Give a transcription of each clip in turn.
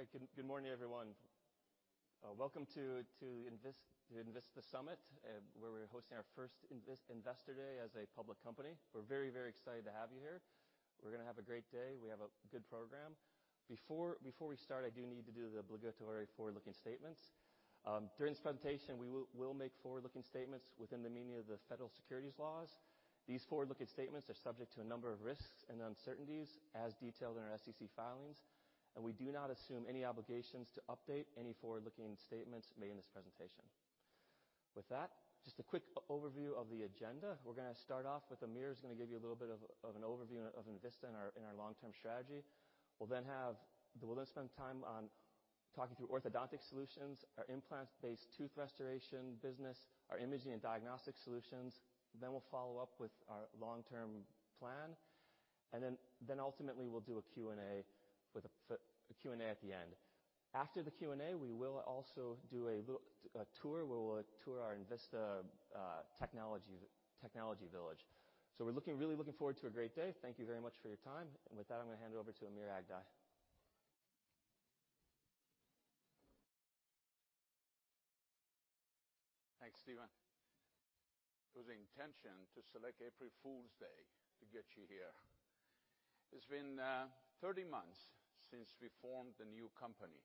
All right. Good morning, everyone. Welcome to Envista Summit, where we're hosting our first Investor Day as a public company. We're very excited to have you here. We're gonna have a great day. We have a good program. Before we start, I do need to do the obligatory forward-looking statements. During this presentation, we'll make forward-looking statements within the meaning of the federal securities laws. These forward-looking statements are subject to a number of risks and uncertainties as detailed in our SEC filings, and we do not assume any obligations to update any forward-looking statements made in this presentation. With that, just a quick overview of the agenda. We're gonna start off with Amir's gonna give you a little bit of an overview of Envista and our long-term strategy. We'll then spend time on talking through orthodontic solutions, our implant-based tooth restoration business, our imaging and diagnostic solutions. Then we'll follow up with our long-term plan, and then ultimately we'll do a Q&A at the end. After the Q&A, we will also do a little tour where we'll tour our Envista technology village. We're really looking forward to a great day. Thank you very much for your time, and with that, I'm gonna hand over to Amir Aghdaei. Thanks, Steven. It was the intention to select April Fool's Day to get you here. It's been 30 months since we formed the new company.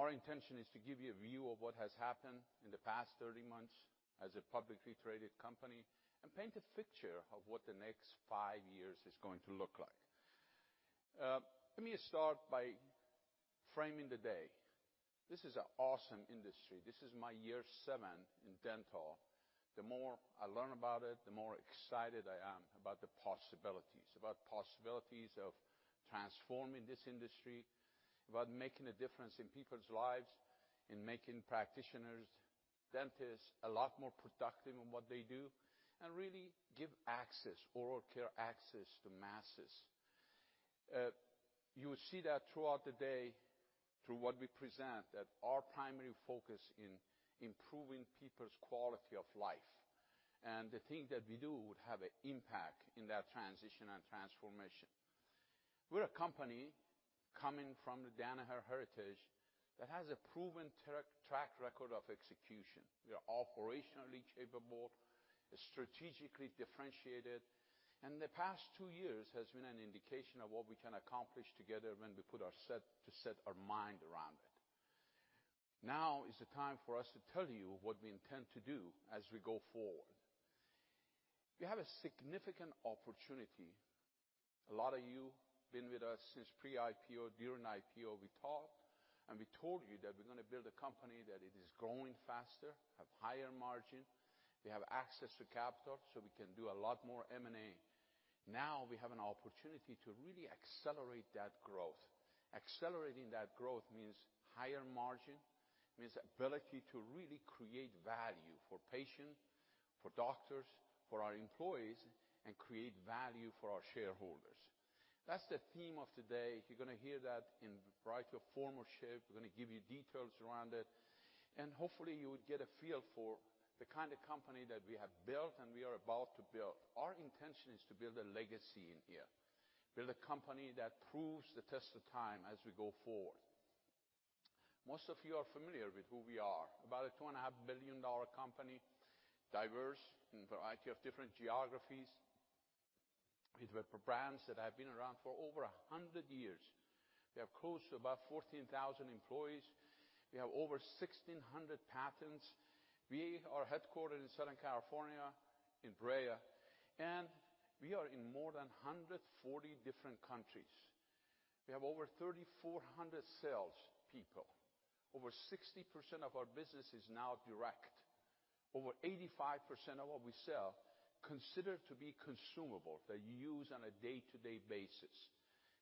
Our intention is to give you a view of what has happened in the past 30 months as a publicly traded company, and paint a picture of what the next five years is going to look like. Let me start by framing the day. This is an awesome industry. This is my year seven in dental. The more I learn about it, the more excited I am about the possibilities of transforming this industry, about making a difference in people's lives, in making practitioners, dentists, a lot more productive in what they do, and really give access, oral care access to masses. You will see that throughout the day through what we present, that our primary focus is improving people's quality of life. The thing that we do would have an impact in that transition and transformation. We're a company coming from the Danaher heritage that has a proven track record of execution. We are operationally capable, strategically differentiated, and the past two years has been an indication of what we can accomplish together when we put to set our mind around it. Now is the time for us to tell you what we intend to do as we go forward. We have a significant opportunity. A lot of you been with us since pre-IPO, during IPO, we talked, and we told you that we're gonna build a company that it is growing faster, have higher margin. We have access to capital, so we can do a lot more M&A. Now we have an opportunity to really accelerate that growth. Accelerating that growth means higher margin, means ability to really create value for patient, for doctors, for our employees, and create value for our shareholders. That's the theme of today. You're gonna hear that in variety of form or shape. We're gonna give you details around it, and hopefully you would get a feel for the kind of company that we have built and we are about to build. Our intention is to build a legacy in here, build a company that proves the test of time as we go forward. Most of you are familiar with who we are. About a $2.5 billion company, diverse in variety of different geographies. We work for brands that have been around for over 100 years. We have close to about 14,000 employees. We have over 1,600 patents. We are headquartered in Southern California in Brea, and we are in more than 140 different countries. We have over 3,400 sales people. Over 60% of our business is now direct. Over 85% of what we sell is considered to be consumable, that you use on a day-to-day basis.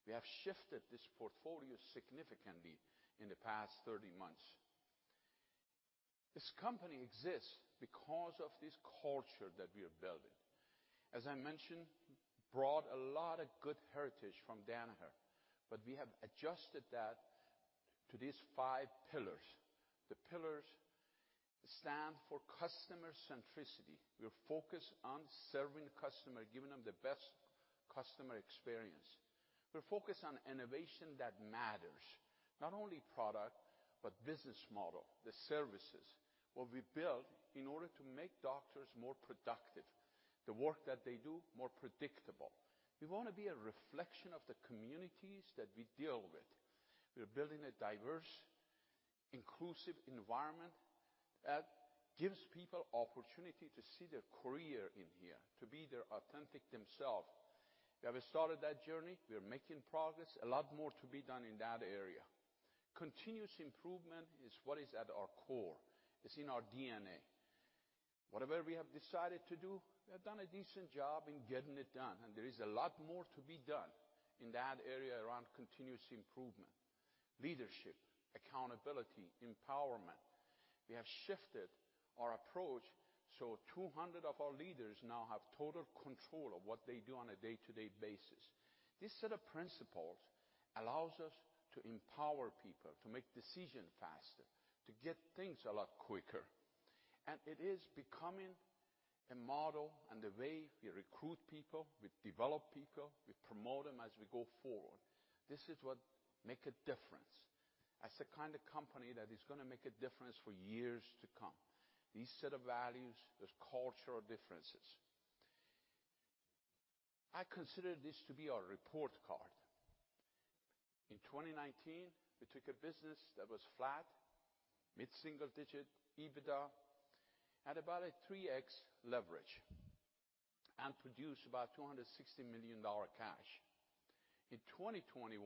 We have shifted this portfolio significantly in the past 30 months. This company exists because of this culture that we are building. As I mentioned, we brought a lot of good heritage from Danaher, but we have adjusted that to these five pillars. The pillars stand for customer centricity. We're focused on serving the customer, giving them the best customer experience. We're focused on innovation that matters. Not only product, but business model, the services, what we build in order to make doctors more productive, the work that they do more predictable. We wanna be a reflection of the communities that we deal with. We're building a diverse, inclusive environment that gives people opportunity to see their career in here, to be their authentic themselves. We have started that journey. We are making progress. A lot more to be done in that area. Continuous improvement is what is at our core. It's in our DNA. Whatever we have decided to do, we have done a decent job in getting it done, and there is a lot more to be done in that area around continuous improvement, leadership, accountability, empowerment. We have shifted our approach, so 200 of our leaders now have total control of what they do on a day-to-day basis. This set of principles allows us to empower people, to make decision faster, to get things a lot quicker. It is becoming a model and the way we recruit people, we develop people, we promote them as we go forward. This is what make a difference. As a kind of company that is gonna make a difference for years to come. These set of values, there's cultural differences. I consider this to be our report card. In 2019, we took a business that was flat, mid-single digit EBITDA, at about a 3x leverage, and produced about $260 million cash. In 2021,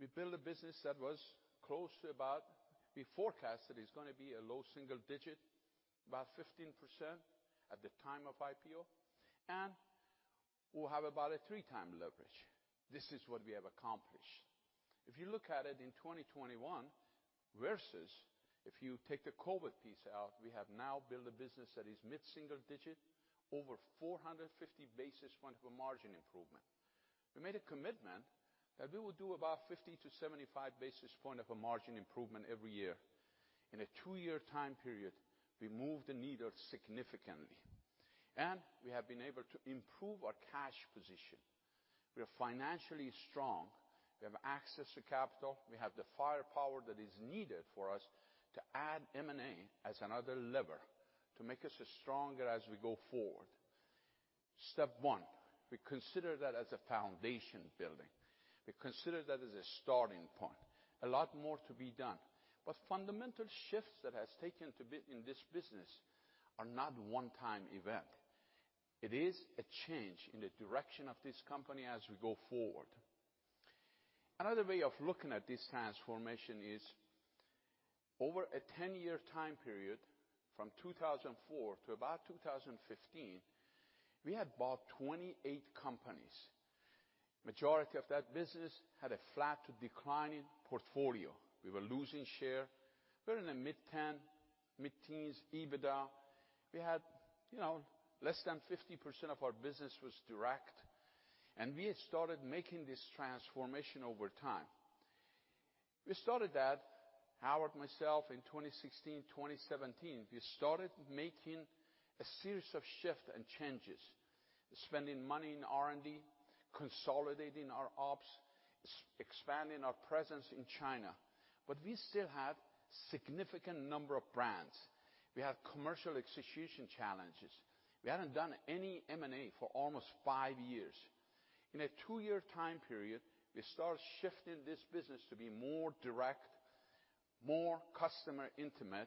we built a business we forecasted it's gonna be a low single-digit, about 15% at the time of IPO, and we'll have about a 3x leverage. This is what we have accomplished. If you look at it in 2021 versus if you take the COVID piece out, we have now built a business that is mid-single digit, over 450 basis points of margin improvement. We made a commitment that we would do about 50-75 basis points of margin improvement every year. In a two-year time period, we moved the needle significantly, and we have been able to improve our cash position. We are financially strong. We have access to capital. We have the firepower that is needed for us to add M&A as another lever to make us stronger as we go forward. Step one, we consider that as foundation building. We consider that as a starting point. A lot more to be done, but fundamental shifts that have taken to build in this business are not one-time events. It is a change in the direction of this company as we go forward. Another way of looking at this transformation is over a 10-year time period from 2004 to about 2015, we had bought 28 companies. Majority of that business had a flat to declining portfolio. We were losing share. We were in a mid-10, mid-teens EBITDA. We had, you know, less than 50% of our business was direct, and we started making this transformation over time. We started that, Howard, myself in 2016, 2017. We started making a series of shifts and changes. Spending money in R&D, consolidating our ops, expanding our presence in China. But we still have significant number of brands. We have commercial execution challenges. We had not done any M&A for almost five years. In a two-year time period, we start shifting this business to be more direct, more customer intimate.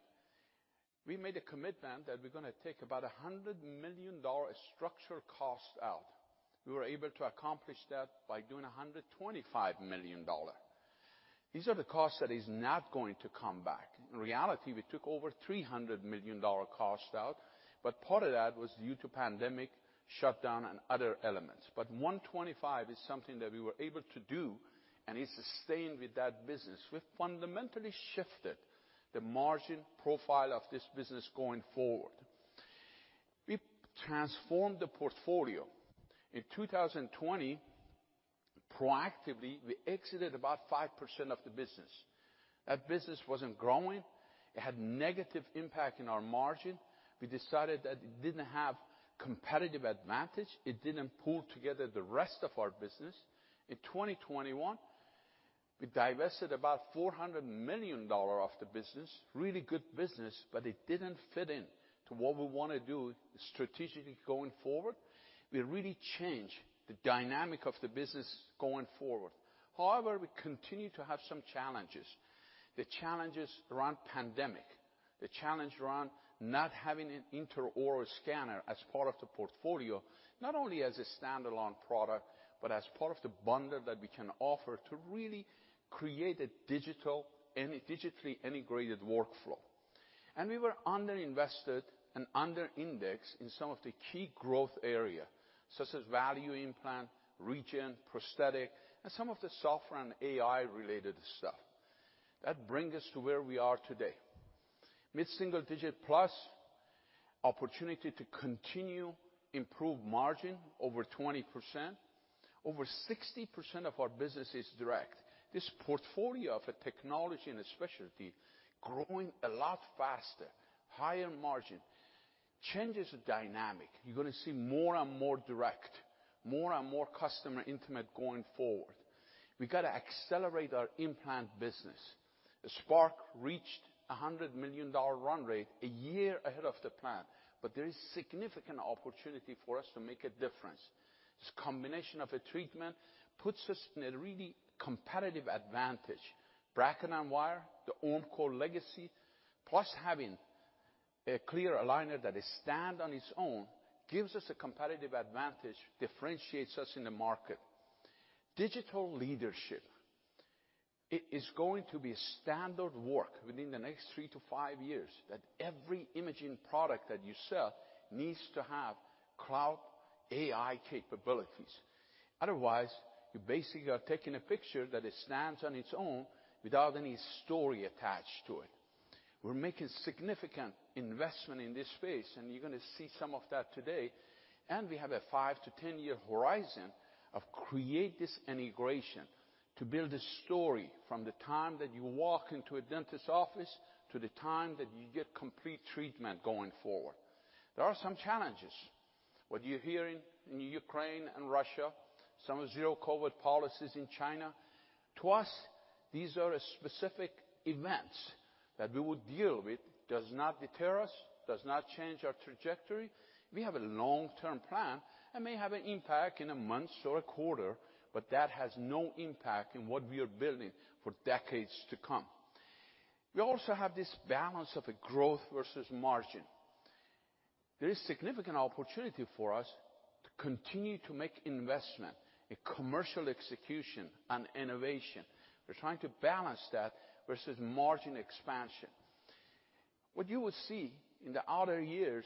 We made a commitment that we're gonna take about $100 million structural cost out. We were able to accomplish that by doing $125 million. These are the costs that is not going to come back. In reality, we took over $300 million cost out, but part of that was due to pandemic shutdown and other elements. 125 is something that we were able to do and is sustained with that business. We've fundamentally shifted the margin profile of this business going forward. We transformed the portfolio. In 2020, proactively, we exited about 5% of the business. That business wasn't growing. It had negative impact in our margin. We decided that it didn't have competitive advantage. It didn't pull together the rest of our business. In 2021, we divested about $400 million of the business. Really good business, but it didn't fit into what we wanna do strategically going forward. We really changed the dynamic of the business going forward. However, we continue to have some challenges. The challenges around pandemic, the challenge around not having an intraoral scanner as part of the portfolio, not only as a standalone product, but as part of the bundle that we can offer to really create a digital and a digitally integrated workflow. We were underinvested and under-indexed in some of the key growth areas, such as value implant, regeneration, prosthetics, and some of the software and AI-related stuff. That brings us to where we are today. Mid-single-digit plus opportunity to continue improve margin over 20%. Over 60% of our business is direct. This portfolio of a technology and a specialty growing a lot faster, higher margin. Changes of dynamic. You're gonna see more and more direct, more and more customer intimate going forward. We gotta accelerate our implant business. Spark reached a $100 million run rate a year ahead of the plan, but there is significant opportunity for us to make a difference. This combination of a treatment puts us in a really competitive advantage. Bracket and wire, the Ormco legacy, plus having a clear aligner that it stand on its own, gives us a competitive advantage, differentiates us in the market. Digital leadership. It is going to be standard work within the next three to five years that every imaging product that you sell needs to have cloud AI capabilities. Otherwise, you basically are taking a picture that it stands on its own without any story attached to it. We're making significant investment in this space, and you're gonna see some of that today. We have a five to 10 year horizon to create this integration. To build a story from the time that you walk into a dentist office to the time that you get complete treatment going forward. There are some challenges. What you're hearing about in Ukraine and Russia, some zero COVID policies in China. To us, these are specific events that we will deal with. Does not deter us, does not change our trajectory. We have a long-term plan and may have an impact in a month or a quarter, but that has no impact in what we are building for decades to come. We also have this balance of growth versus margin. There is significant opportunity for us to continue to make investment in commercial execution and innovation. We're trying to balance that versus margin expansion. What you will see in the outer years,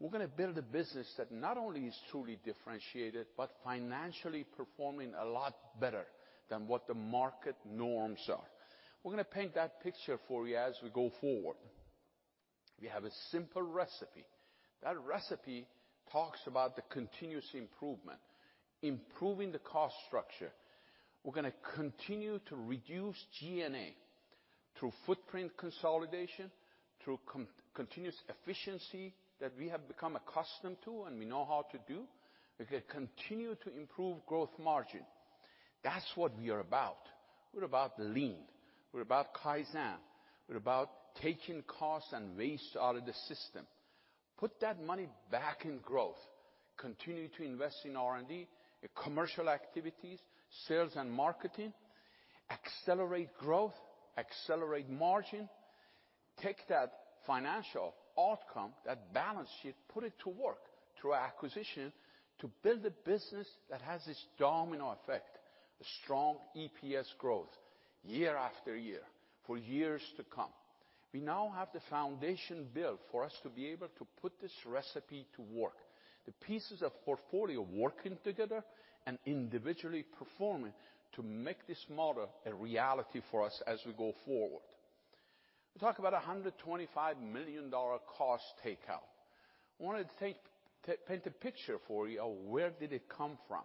we're gonna build a business that not only is truly differentiated, but financially performing a lot better than what the market norms are. We're gonna paint that picture for you as we go forward. We have a simple recipe. That recipe talks about the continuous improvement, improving the cost structure. We're gonna continue to reduce G&A through footprint consolidation, through continuous efficiency that we have become accustomed to and we know how to do. We're gonna continue to improve growth margin. That's what we are about. We're about lean, we're about kaizen, we're about taking costs and waste out of the system, put that money back in growth, continue to invest in R&D, commercial activities, sales and marketing, accelerate growth, accelerate margin, take that financial outcome, that balance sheet, put it to work through acquisition to build a business that has this domino effect. A strong EPS growth year after year for years to come. We now have the foundation built for us to be able to put this recipe to work. The pieces of portfolio working together and individually performing to make this model a reality for us as we go forward. We talk about a $125 million cost takeout. Paint a picture for you of where did it come from.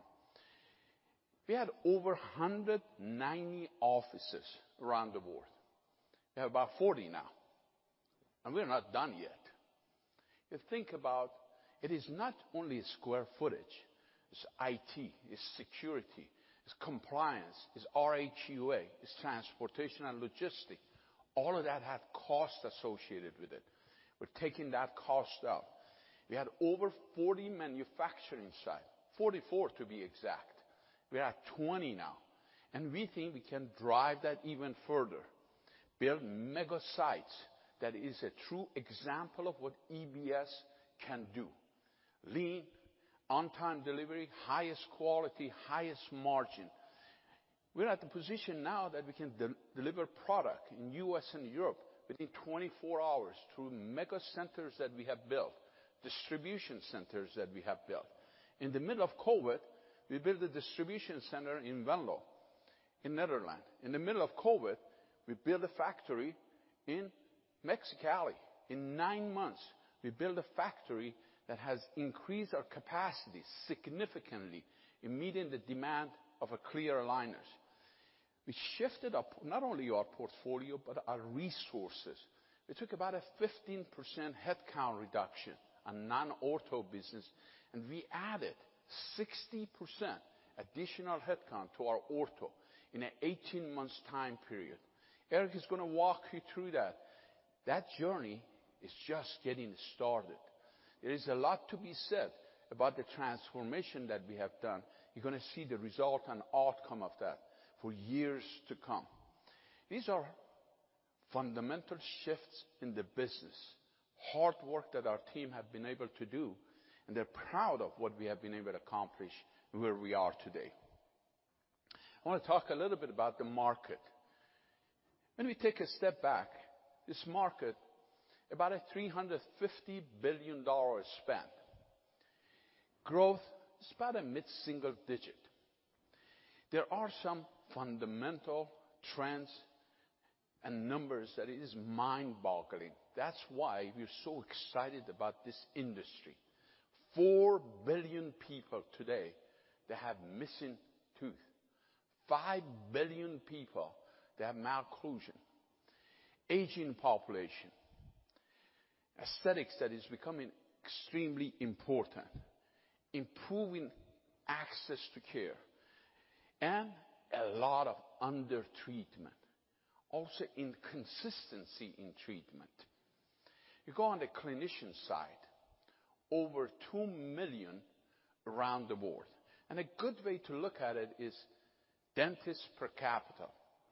We had over 190 offices around the world. We have about 40 now, and we're not done yet. If you think about it is not only square footage, it's IT, it's security, it's compliance, it's [RUA], it's transportation and logistics. All of that has costs associated with it. We're taking that cost out. We had over 40 manufacturing sites, 44 to be exact. We are at 20 now, and we think we can drive that even further. Build mega sites that is a true example of what EBS can do. Lean, on-time delivery, highest quality, highest margin. We're at the position now that we can deliver product in U.S. and Europe within 24 hours through mega centers that we have built, distribution centers that we have built. In the middle of COVID, we built a distribution center in Venlo, in the Netherlands. In the middle of COVID, we built a factory in Mexicali. In nine months, we built a factory that has increased our capacity significantly in meeting the demand for clear aligners. We shifted up not only our portfolio, but our resources. We took about a 15% headcount reduction on non-ortho business, and we added 60% additional headcount to our ortho in an 18-month time period. Eric is gonna walk you through that. That journey is just getting started. There is a lot to be said about the transformation that we have done. You're gonna see the result and outcome of that for years to come. These are fundamental shifts in the business, hard work that our team have been able to do, and they're proud of what we have been able to accomplish and where we are today. I wanna talk a little bit about the market. When we take a step back, this market is about a $350 billion spend. Growth is about a mid-single digit. There are some fundamental trends and numbers that are mind-boggling. That's why we're so excited about this industry. 4 billion people today that have missing tooth. 5 billion people that have malocclusion. Aging population. Aesthetics that is becoming extremely important. Improving access to care, and a lot of under-treatment. Also, inconsistency in treatment. You go on the clinician side, over 2 million around the world, and a good way to look at it is dentists per capita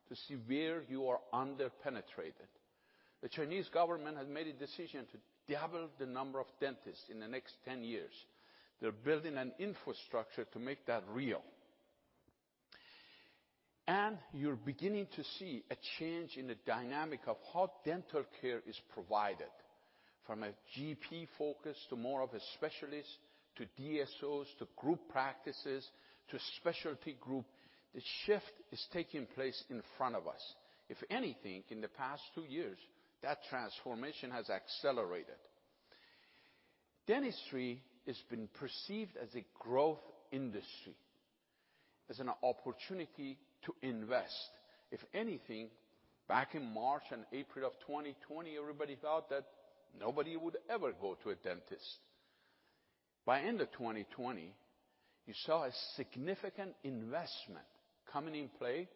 to see where you are under-penetrated. The Chinese government has made a decision to double the number of dentists in the next 10 years. They're building an infrastructure to make that real. You're beginning to see a change in the dynamic of how dental care is provided. From a GP focus to more of a specialist, to DSOs, to group practices, to specialty group, the shift is taking place in front of us. If anything, in the past two years, that transformation has accelerated. Dentistry has been perceived as a growth industry, as an opportunity to invest. If anything, back in March and April of 2020, everybody thought that nobody would ever go to a dentist. By end of 2020, you saw a significant investment coming in play,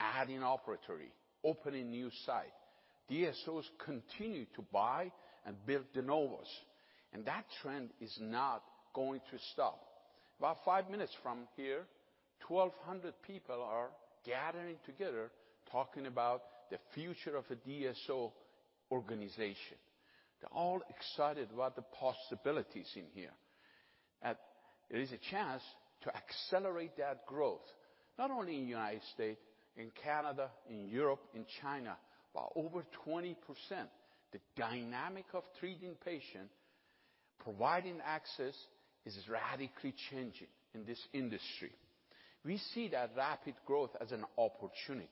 adding operatory, opening new site. DSOs continued to buy and build de novos, and that trend is not going to stop. About five minutes from here, 1,200 people are gathering together, talking about the future of a DSO organization. They're all excited about the possibilities in here. There is a chance to accelerate that growth, not only in United States, in Canada, in Europe, in China, by over 20%. The dynamic of treating patient, providing access is radically changing in this industry. We see that rapid growth as an opportunity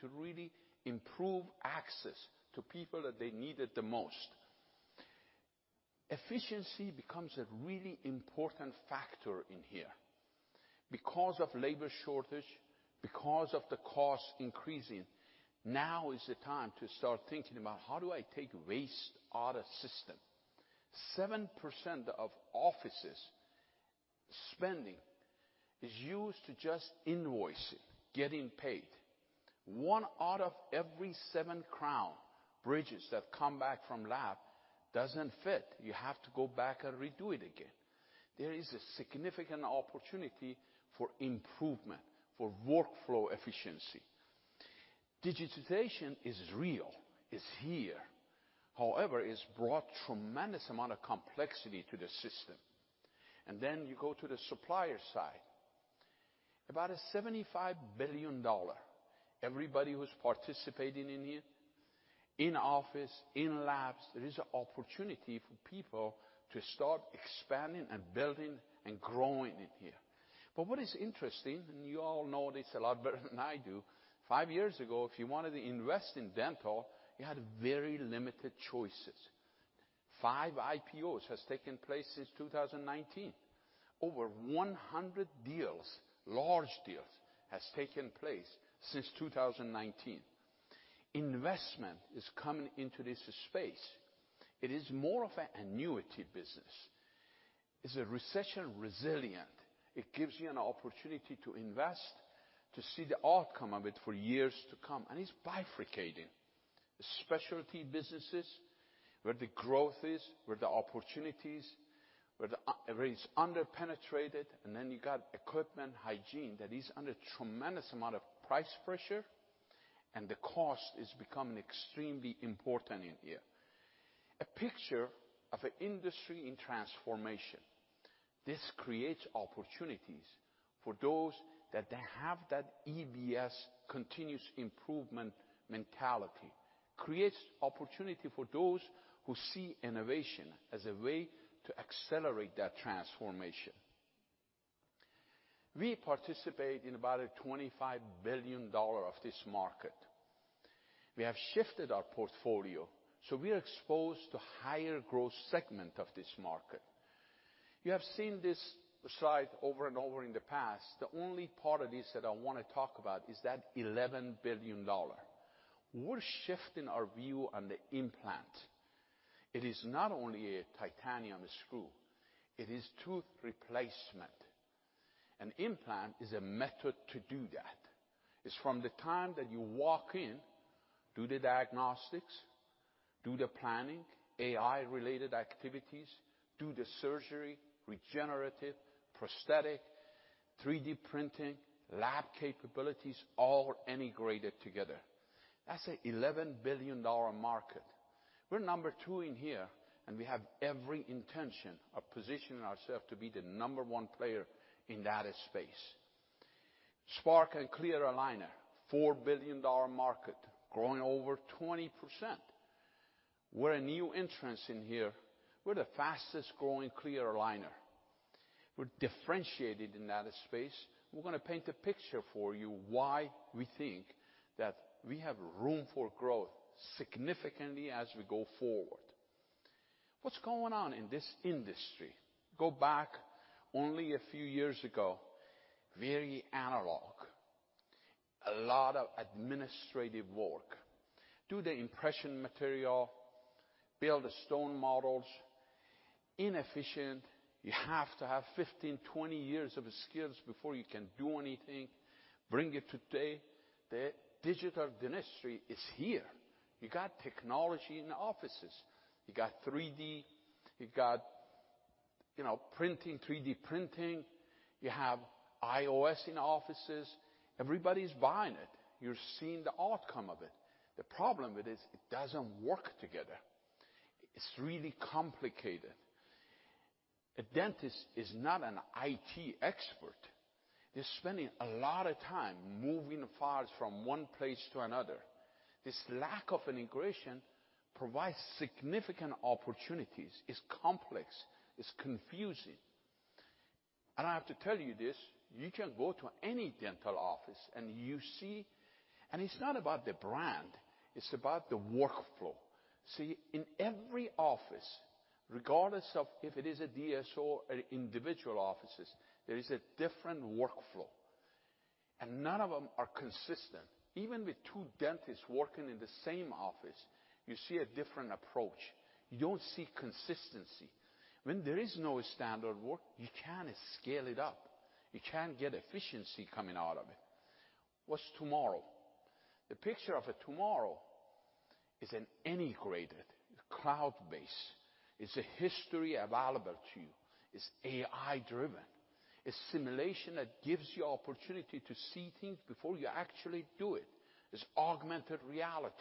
to really improve access to people that they need it the most. Efficiency becomes a really important factor in here. Because of labor shortage, because of the cost increasing, now is the time to start thinking about, "How do I take waste out of system?" 7% of offices' spending is used to just invoice it, getting paid. One out of every seven crown, bridges that come back from lab doesn't fit. You have to go back and redo it again. There is a significant opportunity for improvement, for workflow efficiency. Digitization is real. It's here. However, it's brought tremendous amount of complexity to the system. Then you go to the supplier side. About a $75 billion dollar, everybody who's participating in here, in office, in labs, there is an opportunity for people to start expanding and building and growing in here. What is interesting, and you all know this a lot better than I do, five years ago, if you wanted to invest in dental, you had very limited choices. Five IPOs has taken place since 2019. Over 100 deals, large deals, has taken place since 2019. Investment is coming into this space. It is more of an annuity business. It's a recession resilient. It gives you an opportunity to invest, to see the outcome of it for years to come, and it's bifurcating. The specialty businesses, where the growth is, where the opportunity is, where it's under-penetrated, and then you got equipment hygiene that is under tremendous amount of price pressure, and the cost is becoming extremely important in here. A picture of an industry in transformation. This creates opportunities for those that they have that EBS continuous improvement mentality. Creates opportunity for those who see innovation as a way to accelerate that transformation. We participate in about a $25 billion of this market. We have shifted our portfolio, so we are exposed to higher growth segment of this market. You have seen this slide over and over in the past. The only part of this that I wanna talk about is that $11 billion. We're shifting our view on the implant. It is not only a titanium screw, it is tooth replacement. An implant is a method to do that. It's from the time that you walk in, do the diagnostics, do the planning, AI-related activities, do the surgery, regenerative, prosthetic, 3D printing, lab capabilities, all integrated together. That's a $11 billion market. We're number two in here, and we have every intention of positioning ourselves to be the number one player in that space. Spark and clear aligner $4 billion market, growing over 20%. We're a new entrant in here. We're the fastest-growing clear aligner. We're gonna paint a picture for you why we think that we have room for growth significantly as we go forward. What's going on in this industry? Go back only a few years ago, very analog. A lot of administrative work. Do the impression material, build the stone models. Inefficient. You have to have 15, 20 years of skills before you can do anything. Bring it today, the digital dentistry is here. You got technology in offices. You got 3D. You got, you know, printing, 3D printing. You have IOS in offices. Everybody's buying it. You're seeing the outcome of it. The problem with it is it doesn't work together. It's really complicated. A dentist is not an IT expert. They're spending a lot of time moving files from one place to another. This lack of integration provides significant opportunities. It's complex. It's confusing. I have to tell you this, you can go to any dental office and you see. It's not about the brand, it's about the workflow. See, in every office, regardless of if it is a DSO or individual offices, there is a different workflow, and none of them are consistent. Even with two dentists working in the same office, you see a different approach. You don't see consistency. When there is no standard work, you can't scale it up. You can't get efficiency coming out of it. What's tomorrow? The picture of tomorrow is an integrated cloud-based. It's a history available to you. It's AI-driven. It's simulation that gives you opportunity to see things before you actually do it. It's augmented reality.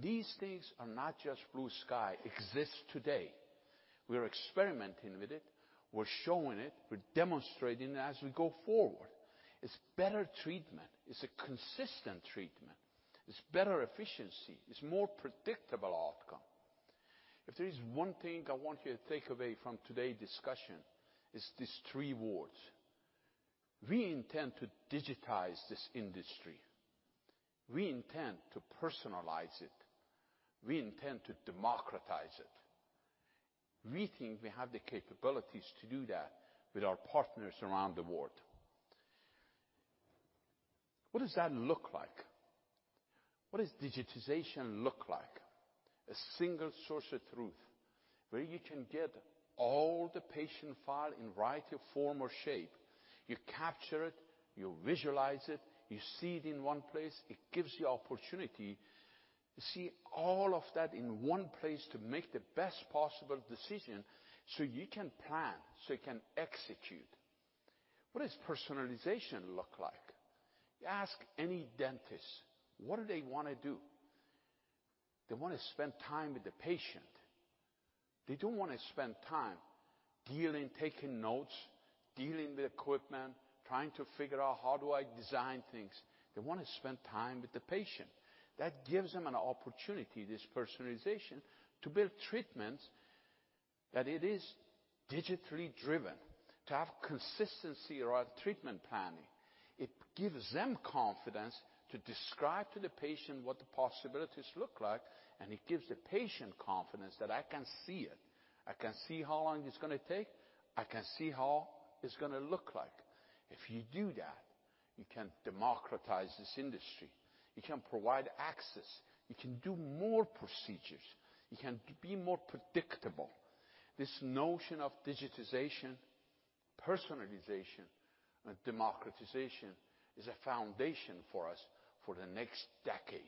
These things are not just blue sky. It exists today. We are experimenting with it. We're showing it. We're demonstrating as we go forward. It's better treatment. It's a consistent treatment. It's better efficiency. It's more predictable outcome. If there is one thing I want you to take away from today's discussion, it's these three words. We intend to digitize this industry. We intend to personalize it. We intend to democratize it. We think we have the capabilities to do that with our partners around the world. What does that look like? What does digitization look like? A single source of truth where you can get all the patient file in variety of form or shape. You capture it, you visualize it, you see it in one place. It gives you opportunity to see all of that in one place to make the best possible decision so you can plan, so you can execute. What does personalization look like? You ask any dentist, what do they wanna do? They wanna spend time with the patient. They don't wanna spend time dealing with taking notes, dealing with the equipment, trying to figure out, "How do I design things?" They wanna spend time with the patient. That gives them an opportunity, this personalization, to build treatments that it is digitally driven, to have consistency around treatment planning. It gives them confidence to describe to the patient what the possibilities look like, and it gives the patient confidence that I can see it. I can see how long it's gonna take. I can see how it's gonna look like. If you do that, you can democratize this industry. You can provide access. You can do more procedures. You can be more predictable. This notion of digitization, personalization, and democratization is a foundation for us for the next decade.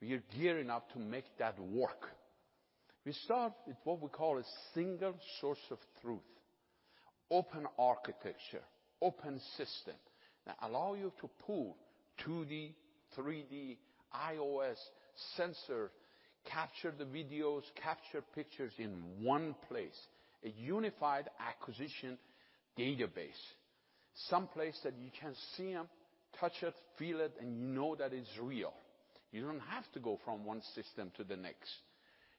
We are gearing up to make that work. We start with what we call a single source of truth, open architecture, open system that allow you to pull 2D, 3D, IOS sensor, capture the videos, capture pictures in one place, a unified acquisition database. Some place that you can see them, touch it, feel it, and know that it's real. You don't have to go from one system to the next.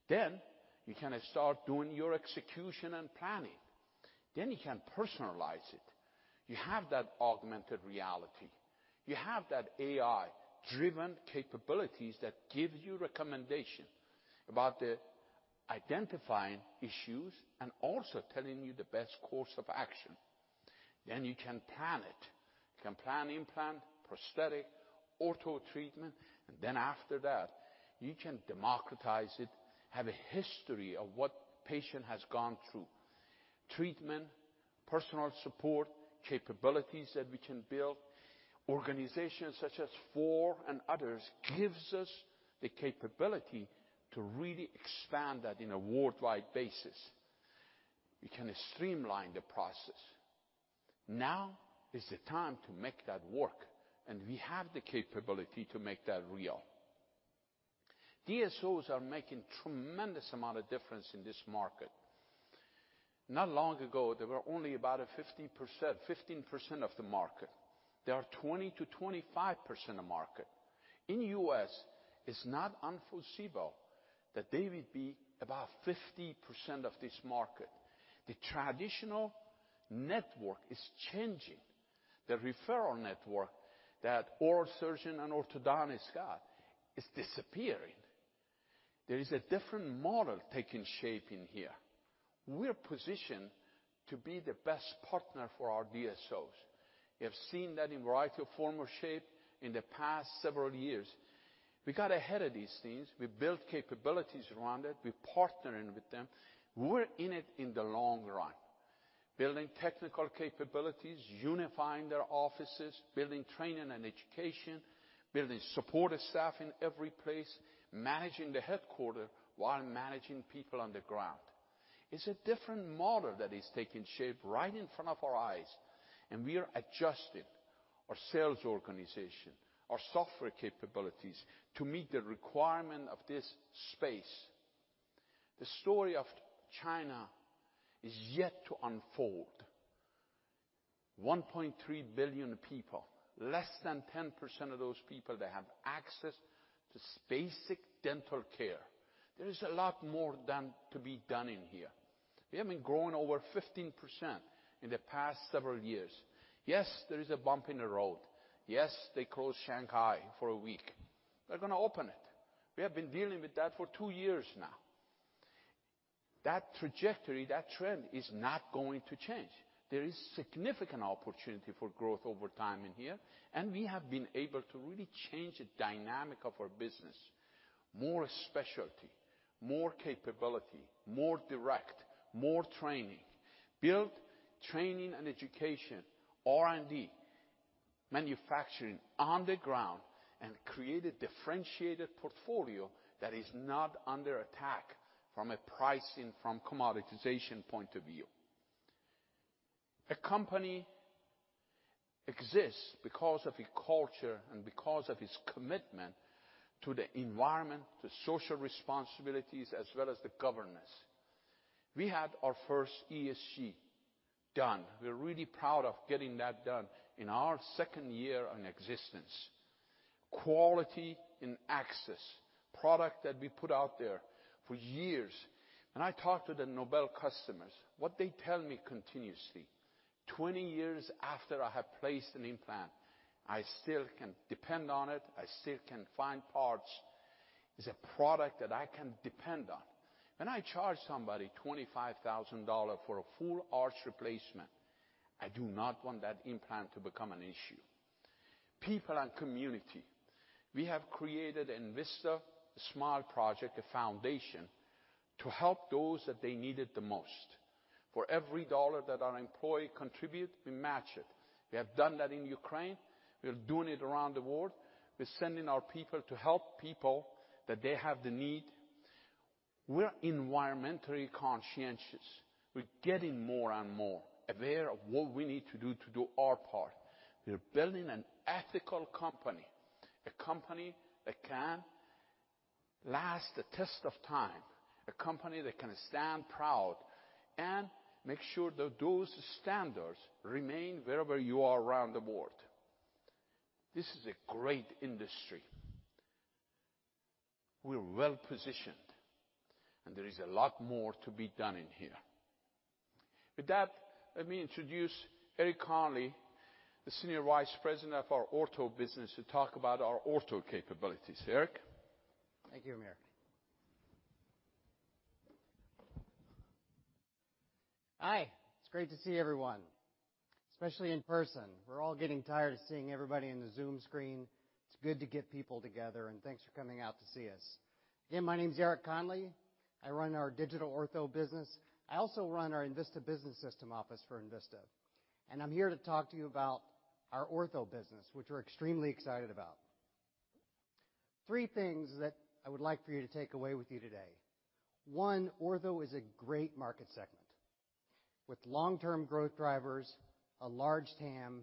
You can start doing your execution and planning. You can personalize it. You have that augmented reality. You have that AI-driven capabilities that give you recommendation about the identifying issues and also telling you the best course of action. You can plan it. You can plan implant, prosthetic, ortho treatment, and after that, you can democratize it, have a history of what the patient has gone through, treatment, personal support, capabilities that we can build. Organizations such as four and others gives us the capability to really expand that in a worldwide basis. We can streamline the process. Now is the time to make that work, and we have the capability to make that real. DSOs are making a tremendous amount of difference in this market. Not long ago, there were only about 15% of the market. They are 20%-25% of the market. In the U.S., it's not unforeseeable that they will be about 50% of this market. The traditional network is changing. The referral network that oral surgeon and orthodontist got is disappearing. There is a different model taking shape in here. We're positioned to be the best partner for our DSOs. You have seen that in a variety of form or shape in the past several years. We got ahead of these things. We built capabilities around it. We're partnering with them. We're in it in the long run, building technical capabilities, unifying their offices, building training and education, building supportive staff in every place, managing the headquarters while managing people on the ground. It's a different model that is taking shape right in front of our eyes, and we are adjusting our sales organization, our software capabilities to meet the requirement of this space. The story of China is yet to unfold. 1.3 billion people, less than 10% of those people, they have access to basic dental care. There is a lot more to be done in here. We have been growing over 15% in the past several years. Yes, there is a bump in the road. Yes, they closed Shanghai for a week. They're gonna open it. We have been dealing with that for two years now. That trajectory, that trend is not going to change. There is significant opportunity for growth over time in here, and we have been able to really change the dynamic of our business. More specialty, more capability, more direct, more training, build training and education, R&D, manufacturing on the ground, and create a differentiated portfolio that is not under attack from a pricing, from commoditization point of view. A company exists because of a culture and because of its commitment to the environment, to social responsibilities, as well as the governance. We had our first ESG done. We're really proud of getting that done in our second year on existence. Quality and access, product that we put out there for years. When I talk to the Nobel customers, what they tell me continuously, "20 years after I have placed an implant, I still can depend on it. I still can find parts. It's a product that I can depend on. When I charge somebody $25,000 for a full arch replacement, I do not want that implant to become an issue." People and community, we have created an Envista Smile Project, a foundation to help those that they needed the most. For every dollar that our employee contribute, we match it. We have done that in Ukraine. We're doing it around the world. We're sending our people to help people that they have the need. We're environmentally conscientious. We're getting more and more aware of what we need to do to do our part. We're building an ethical company, a company that can last the test of time, a company that can stand proud, and make sure that those standards remain wherever you are around the world. This is a great industry. We're well-positioned, and there is a lot more to be done in here. With that, let me introduce Eric Conley, the Senior Vice President of our Ortho business, to talk about our ortho capabilities. Eric? Thank you, Amir. Hi. It's great to see everyone, especially in person. We're all getting tired of seeing everybody in the Zoom screen. It's good to get people together, and thanks for coming out to see us. Again, my name is Eric Conley. I run our digital ortho business. I also run our Envista Business System office for Envista. I'm here to talk to you about our ortho business, which we're extremely excited about. Three things that I would like for you to take away with you today. One, ortho is a great market segment with long-term growth drivers, a large TAM,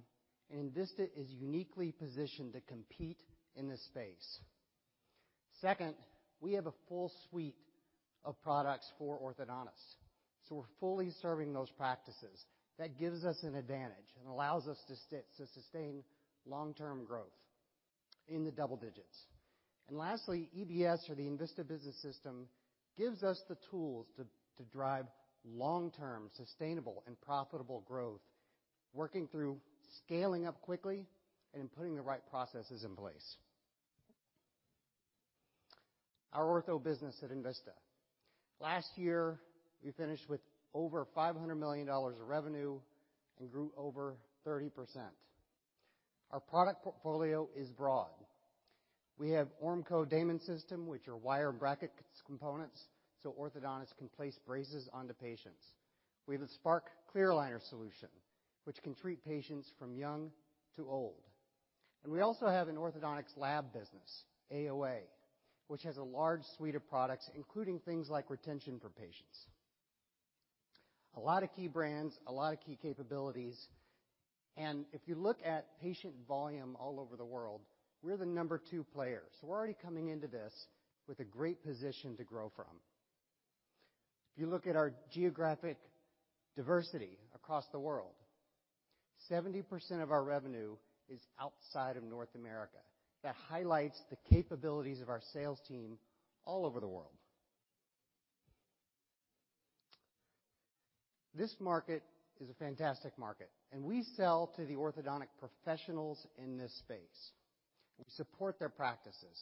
and Envista is uniquely positioned to compete in this space. Second, we have a full suite of products for orthodontists, so we're fully serving those practices. That gives us an advantage and allows us to sustain long-term growth in the double digits. Lastly, EBS or the Envista Business System gives us the tools to drive long-term, sustainable, and profitable growth, working through scaling up quickly and putting the right processes in place. Our ortho business at Envista. Last year, we finished with over $500 million of revenue and grew over 30%. Our product portfolio is broad. We have Ormco Damon system, which are wire bracket components, so orthodontists can place braces onto patients. We have a Spark clear aligner solution, which can treat patients from young to old. We also have an orthodontics lab business, AOA, which has a large suite of products, including things like retention for patients. A lot of key brands, a lot of key capabilities, and if you look at patient volume all over the world, we're the number two player. We're already coming into this with a great position to grow from. If you look at our geographic diversity across the world, 70% of our revenue is outside of North America. That highlights the capabilities of our sales team all over the world. This market is a fantastic market, and we sell to the orthodontic professionals in this space. We support their practices,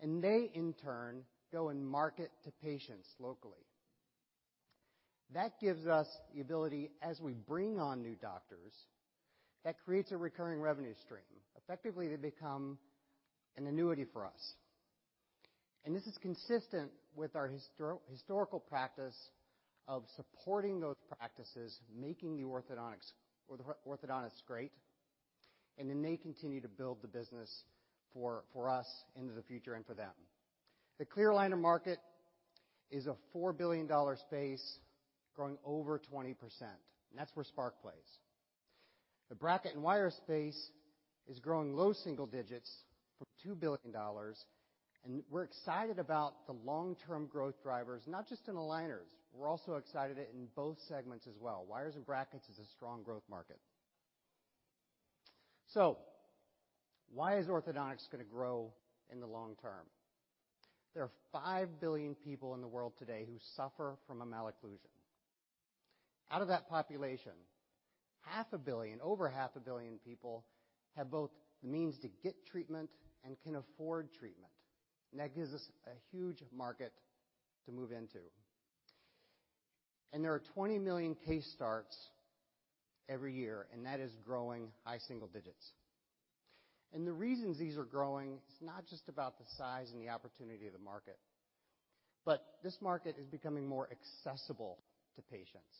and they in turn go and market to patients locally. That gives us the ability as we bring on new doctors, that creates a recurring revenue stream. Effectively, they become an annuity for us. This is consistent with our historical practice of supporting those practices, making the orthodontists great, and then they continue to build the business for us into the future and for them. The clear aligner market is a $4 billion space growing over 20%. That's where Spark plays. The bracket and wire space is growing low single digits from $2 billion, and we're excited about the long-term growth drivers, not just in aligners, we're also excited in both segments as well. Wires and brackets is a strong growth market. Why is orthodontics gonna grow in the long term? There are 5 billion people in the world today who suffer from a malocclusion. Out of that population, half a billion, over half a billion people have both the means to get treatment and can afford treatment. That gives us a huge market to move into. There are 20 million case starts every year, and that is growing high single digits. The reasons these are growing, it's not just about the size and the opportunity of the market, but this market is becoming more accessible to patients.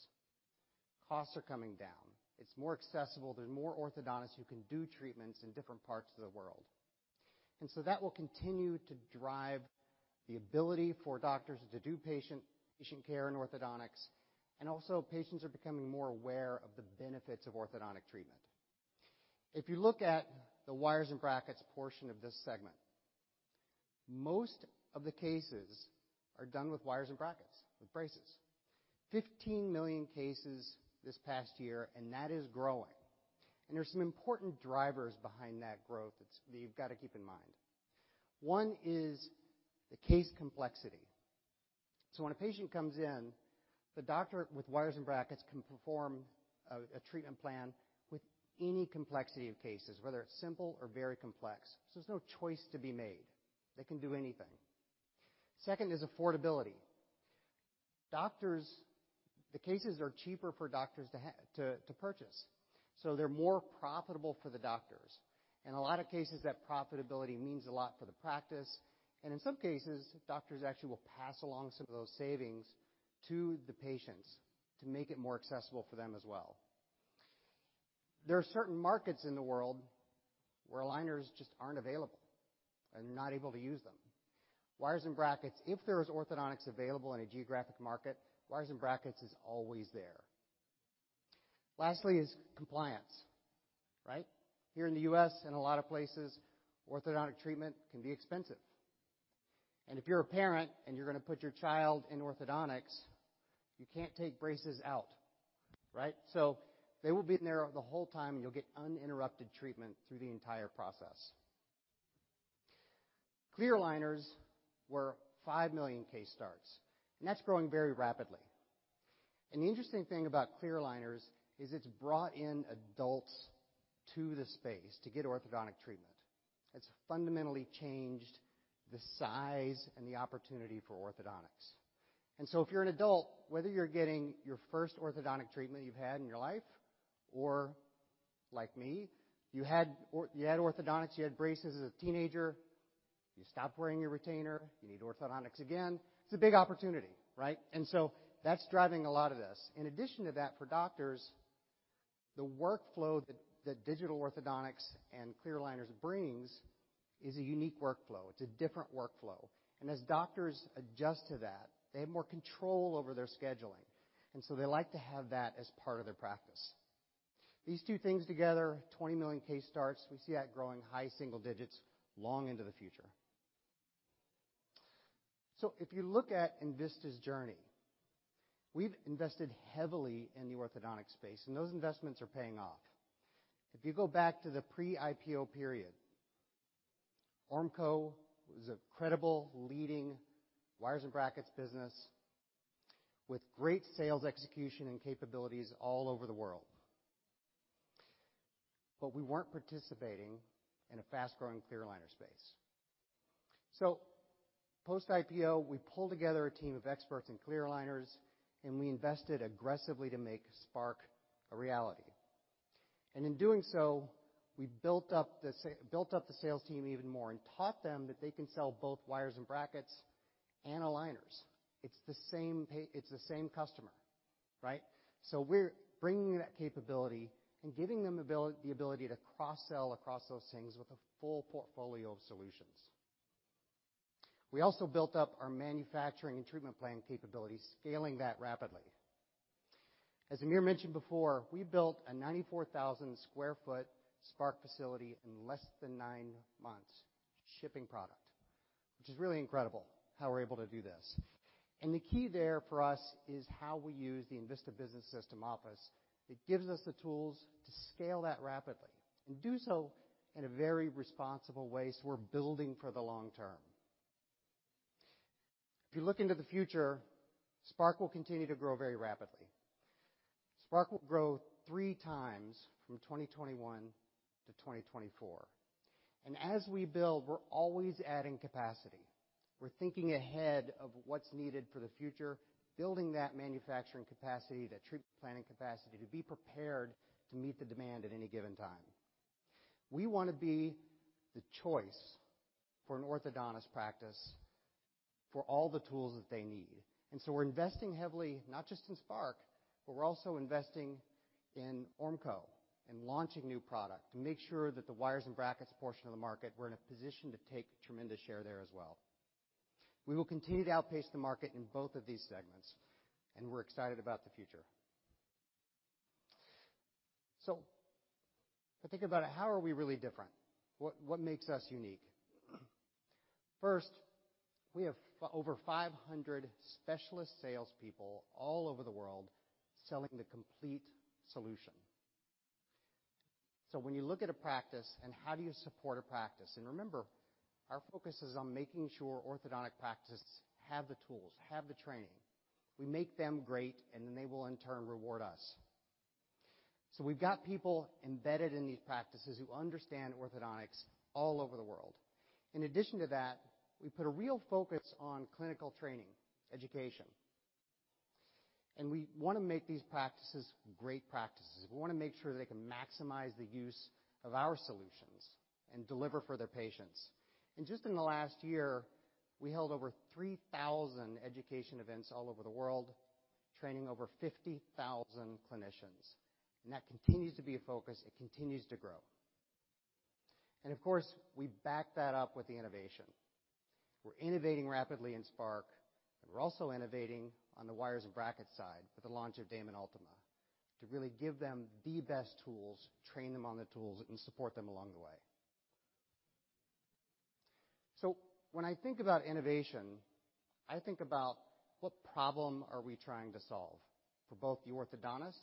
Costs are coming down. It's more accessible. There's more orthodontists who can do treatments in different parts of the world. That will continue to drive the ability for doctors to do patient care in orthodontics. Patients are becoming more aware of the benefits of orthodontic treatment. If you look at the wires and brackets portion of this segment, most of the cases are done with wires and brackets, with braces. 15 million cases this past year, and that is growing. There's some important drivers behind that growth that you've got to keep in mind. One is the case complexity. When a patient comes in, the doctor with wires and brackets can perform a treatment plan with any complexity of cases, whether it's simple or very complex. There's no choice to be made. They can do anything. Second is affordability. The cases are cheaper for doctors to purchase, so they're more profitable for the doctors. In a lot of cases, that profitability means a lot for the practice, and in some cases, doctors actually will pass along some of those savings to the patients to make it more accessible for them as well. There are certain markets in the world where aligners just aren't available and you're not able to use them. Wires and brackets, if there is orthodontics available in a geographic market, wires and brackets is always there. Lastly is compliance, right? Here in the U.S., and a lot of places, orthodontic treatment can be expensive. If you're a parent and you're gonna put your child in orthodontics, you can't take braces out, right? So they will be in there the whole time, and you'll get uninterrupted treatment through the entire process. Clear aligners were 5 million case starts, and that's growing very rapidly. The interesting thing about clear aligners is it's brought in adults to the space to get orthodontic treatment. It's fundamentally changed the size and the opportunity for orthodontics. If you're an adult, whether you're getting your first orthodontic treatment you've had in your life, or like me, you had orthodontics, you had braces as a teenager, you stopped wearing your retainer, you need orthodontics again, it's a big opportunity, right? That's driving a lot of this. In addition to that, for doctors, the workflow that digital orthodontics and clear aligners brings is a unique workflow. It's a different workflow. As doctors adjust to that, they have more control over their scheduling, and so they like to have that as part of their practice. These two things together, 20 million case starts, we see that growing high single digits long into the future. If you look at Envista's journey, we've invested heavily in the orthodontic space, and those investments are paying off. If you go back to the pre-IPO period, Ormco was a credible leading wires and brackets business with great sales execution and capabilities all over the world. We weren't participating in a fast-growing clear aligner space. Post-IPO, we pulled together a team of experts in clear aligners, and we invested aggressively to make Spark a reality. In doing so, we built up the sales team even more and taught them that they can sell both wires and brackets and aligners. It's the same customer, right? We're bringing that capability and giving them the ability to cross-sell across those things with a full portfolio of solutions. We also built up our manufacturing and treatment plan capabilities, scaling that rapidly. As Amir mentioned before, we built a 94,000 sq ft Spark facility in less than nine months, shipping product, which is really incredible how we're able to do this. The key there for us is how we use the Envista Business System Office. It gives us the tools to scale that rapidly and do so in a very responsible way, so we're building for the long term. If you look into the future, Spark will continue to grow very rapidly. Spark will grow three times from 2021 to 2024. As we build, we're always adding capacity. We're thinking ahead of what's needed for the future, building that manufacturing capacity, that treatment planning capacity to be prepared to meet the demand at any given time. We wanna be the choice for an orthodontist practice for all the tools that they need. We're investing heavily, not just in Spark, but we're also investing in Ormco and launching new product to make sure that the wires and brackets portion of the market, we're in a position to take tremendous share there as well. We will continue to outpace the market in both of these segments, and we're excited about the future. If I think about it, how are we really different? What makes us unique? First, we have over 500 specialist salespeople all over the world selling the complete solution. When you look at a practice and how do you support a practice? Remember, our focus is on making sure orthodontic practices have the tools, have the training. We make them great, and then they will in turn reward us. We've got people embedded in these practices who understand orthodontics all over the world. In addition to that, we put a real focus on clinical training, education. We wanna make these practices great practices. We wanna make sure they can maximize the use of our solutions and deliver for their patients. Just in the last year, we held over 3,000 education events all over the world, training over 50,000 clinicians. That continues to be a focus. It continues to grow. Of course, we back that up with the innovation. We're innovating rapidly in Spark, and we're also innovating on the wires and brackets side with the launch of Damon Ultima to really give them the best tools, train them on the tools, and support them along the way. When I think about innovation, I think about what problem are we trying to solve for both the orthodontist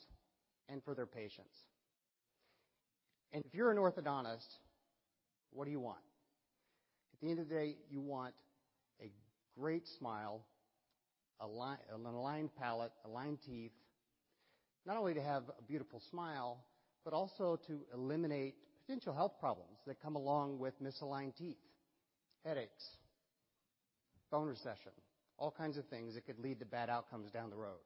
and for their patients. If you're an orthodontist, what do you want? At the end of the day, you want a great smile, an aligned palate, aligned teeth, not only to have a beautiful smile, but also to eliminate potential health problems that come along with misaligned teeth, headaches, bone recession, all kinds of things that could lead to bad outcomes down the road.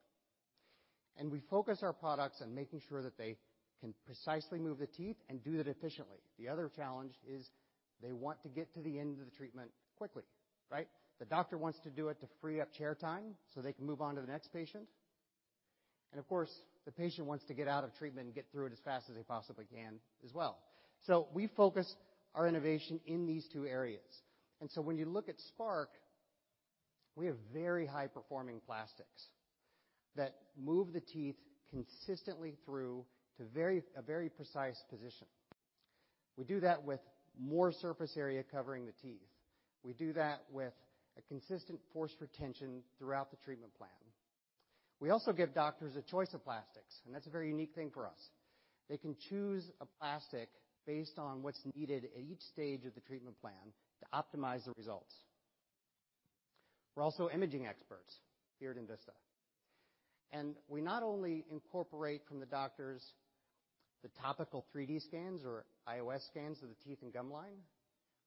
We focus our products on making sure that they can precisely move the teeth and do that efficiently. The other challenge is they want to get to the end of the treatment quickly, right? The doctor wants to do it to free up chair time, so they can move on to the next patient. Of course, the patient wants to get out of treatment and get through it as fast as they possibly can as well. We focus our innovation in these two areas. When you look at Spark, we have very high-performing plastics that move the teeth consistently through to a very precise position. We do that with more surface area covering the teeth. We do that with a consistent force retention throughout the treatment plan. We also give doctors a choice of plastics, and that's a very unique thing for us. They can choose a plastic based on what's needed at each stage of the treatment plan to optimize the results. We're also imaging experts here at Envista, and we not only incorporate from the doctors the topical 3D scans or IOS scans of the teeth and gum line,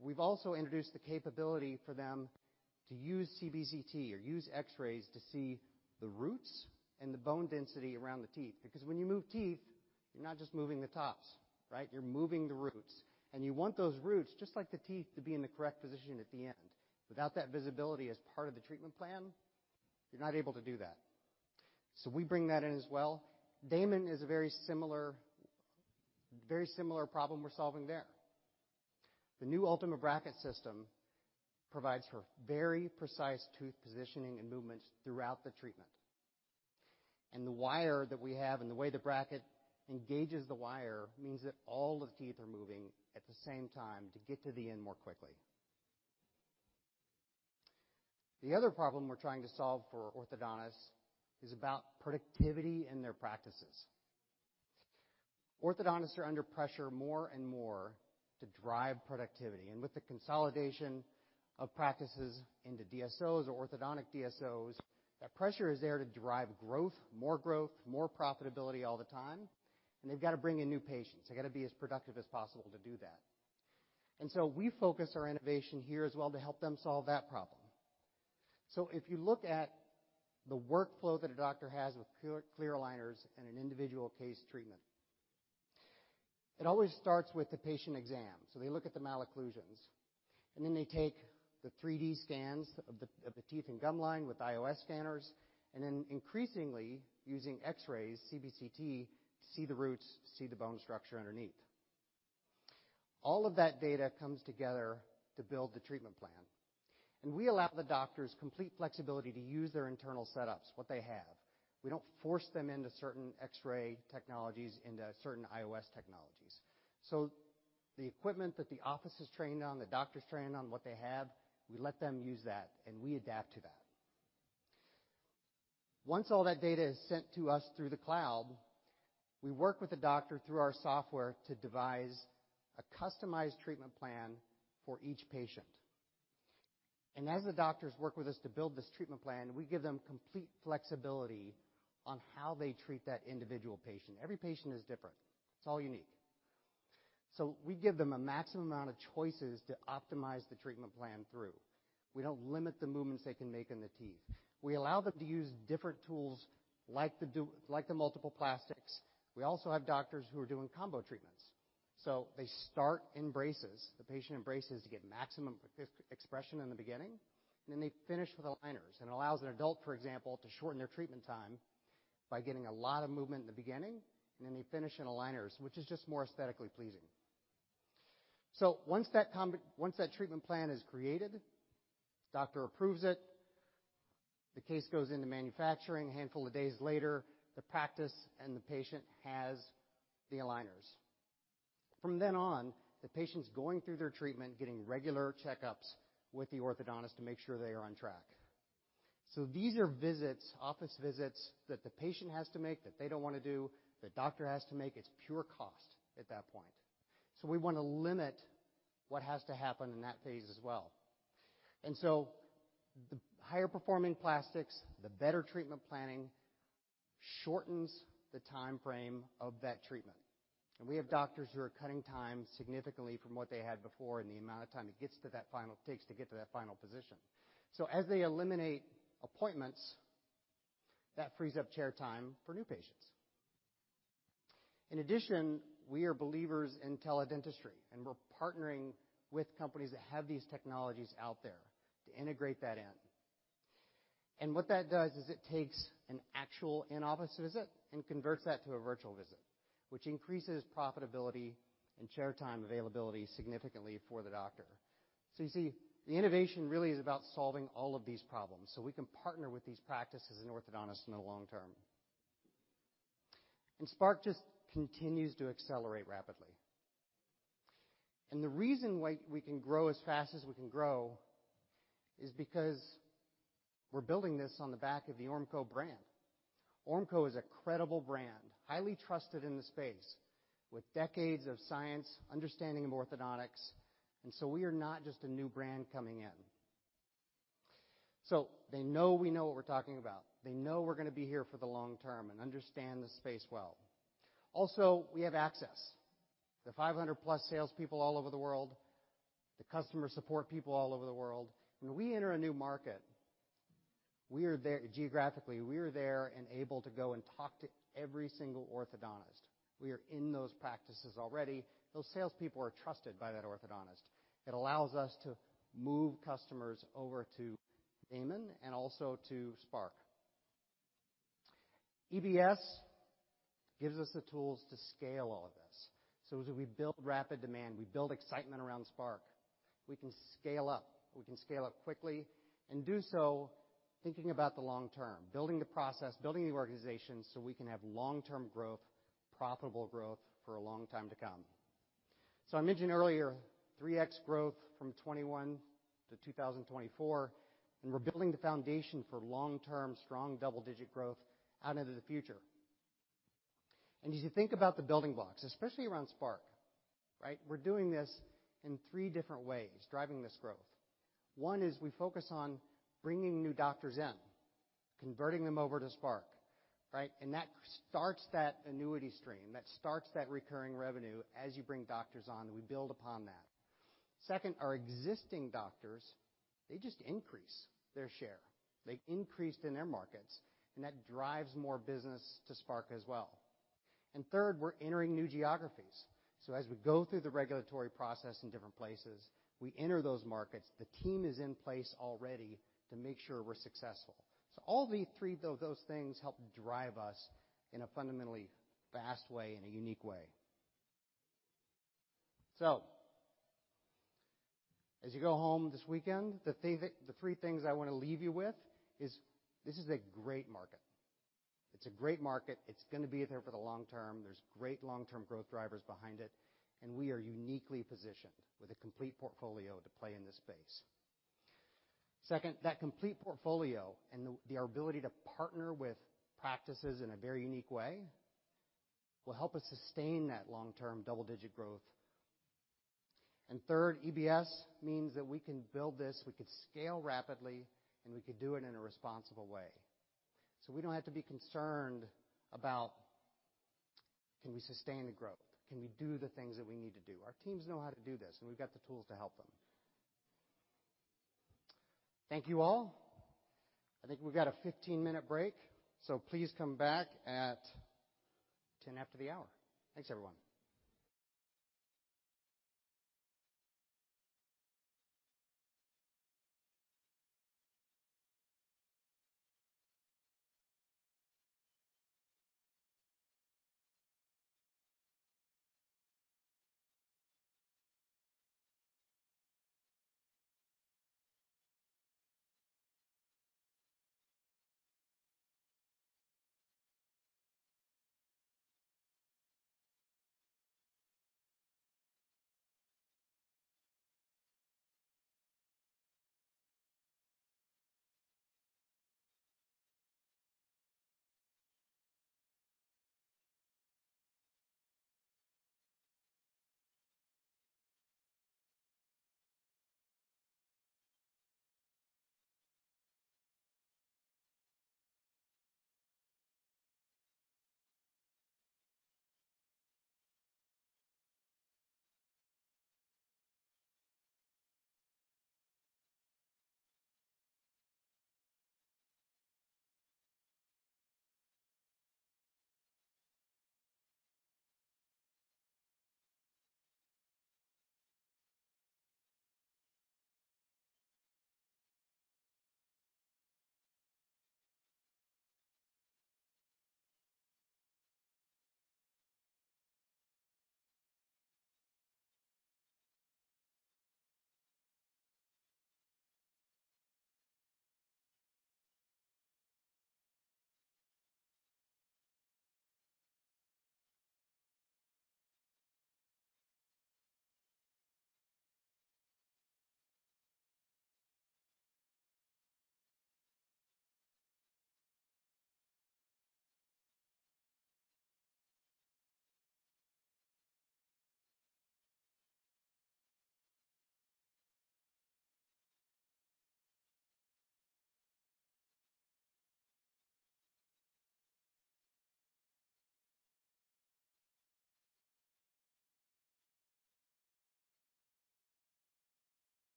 we've also introduced the capability for them to use CBCT or use X-rays to see the roots and the bone density around the teeth. Because when you move teeth, you're not just moving the tops, right? You're moving the roots, and you want those roots, just like the teeth, to be in the correct position at the end. Without that visibility as part of the treatment plan, you're not able to do that. We bring that in as well. Damon is a very similar problem we're solving there. The new Ultima bracket system provides for very precise tooth positioning and movements throughout the treatment. The wire that we have and the way the bracket engages the wire means that all the teeth are moving at the same time to get to the end more quickly. The other problem we're trying to solve for orthodontists is about productivity in their practices. Orthodontists are under pressure more and more to drive productivity. With the consolidation of practices into DSOs or orthodontic DSOs, that pressure is there to drive growth, more growth, more profitability all the time, and they've got to bring in new patients. They've got to be as productive as possible to do that. We focus our innovation here as well to help them solve that problem. If you look at the workflow that a doctor has with clear aligners in an individual case treatment, it always starts with the patient exam. They look at the malocclusions, and then they take the 3D scans of the teeth and gum line with IOS scanners, and then increasingly using X-rays, CBCT, to see the roots, to see the bone structure underneath. All of that data comes together to build the treatment plan, and we allow the doctors complete flexibility to use their internal setups, what they have. We don't force them into certain X-ray technologies, into certain IOS technologies. The equipment that the office is trained on, the doctor's trained on, what they have, we let them use that, and we adapt to that. Once all that data is sent to us through the cloud, we work with the doctor through our software to devise a customized treatment plan for each patient. As the doctors work with us to build this treatment plan, we give them complete flexibility on how they treat that individual patient. Every patient is different. It's all unique. We give them a maximum amount of choices to optimize the treatment plan through. We don't limit the movements they can make in the teeth. We allow them to use different tools like the multiple plastics. We also have doctors who are doing combo treatments, so they start the patient in braces to get maximum expression in the beginning, and then they finish with aligners. It allows an adult, for example, to shorten their treatment time by getting a lot of movement in the beginning, and then they finish in aligners, which is just more aesthetically pleasing. Once that treatment plan is created, doctor approves it, the case goes into manufacturing. A handful of days later, the practice and the patient has the aligners. From then on, the patient's going through their treatment, getting regular checkups with the orthodontist to make sure they are on track. These are visits, office visits, that the patient has to make, that they don't wanna do, the doctor has to make. It's pure cost at that point. We want to limit what has to happen in that phase as well. The higher-performing plastics, the better treatment planning shortens the timeframe of that treatment. We have doctors who are cutting time significantly from what they had before, and the amount of time it takes to get to that final position. As they eliminate appointments, that frees up chair time for new patients. In addition, we are believers in teledentistry, and we're partnering with companies that have these technologies out there to integrate that in. What that does is it takes an actual in-office visit and converts that to a virtual visit, which increases profitability and chair time availability significantly for the doctor. You see, the innovation really is about solving all of these problems, so we can partner with these practices and orthodontists in the long term. Spark just continues to accelerate rapidly. The reason why we can grow as fast as we can grow is because we're building this on the back of the Ormco brand. Ormco is a credible brand, highly trusted in the space, with decades of science, understanding of orthodontics, and so we are not just a new brand coming in. They know we know what we're talking about. They know we're gonna be here for the long term and understand the space well. Also, we have access. The 500+ salespeople all over the world, the customer support people all over the world. When we enter a new market, we are there geographically, we are there and able to go and talk to every single orthodontist. We are in those practices already. Those salespeople are trusted by that orthodontist. It allows us to move customers over to Damon and also to Spark. EBS gives us the tools to scale all of this. As we build rapid demand, we build excitement around Spark. We can scale up, we can scale up quickly and do so thinking about the long term, building the process, building the organization, so we can have long-term growth, profitable growth for a long time to come. I mentioned earlier 3x growth from 2021 to 2024, and we're building the foundation for long-term strong double-digit growth out into the future. As you think about the building blocks, especially around Spark, right? We're doing this in three different ways, driving this growth. One is we focus on bringing new doctors in, converting them over to Spark, right? And that starts that annuity stream. That starts that recurring revenue as you bring doctors on, and we build upon that. Second, our existing doctors, they just increase their share. They increased in their markets, and that drives more business to Spark as well. Third, we're entering new geographies. As we go through the regulatory process in different places, we enter those markets. The team is in place already to make sure we're successful. All the three of those things help drive us in a fundamentally fast way, in a unique way. As you go home this weekend, the three things I want to leave you with is this is a great market. It's a great market. It's gonna be there for the long term. There's great long-term growth drivers behind it, and we are uniquely positioned with a complete portfolio to play in this space. Second, that complete portfolio and the ability to partner with practices in a very unique way will help us sustain that long-term double-digit growth. Third, EBS means that we can build this, we could scale rapidly, and we could do it in a responsible way. We don't have to be concerned about, can we sustain the growth? Can we do the things that we need to do? Our teams know how to do this, and we've got the tools to help them. Thank you, all. I think we've got a 15-minute break, so please come back at 10 after the hour. Thanks, everyone.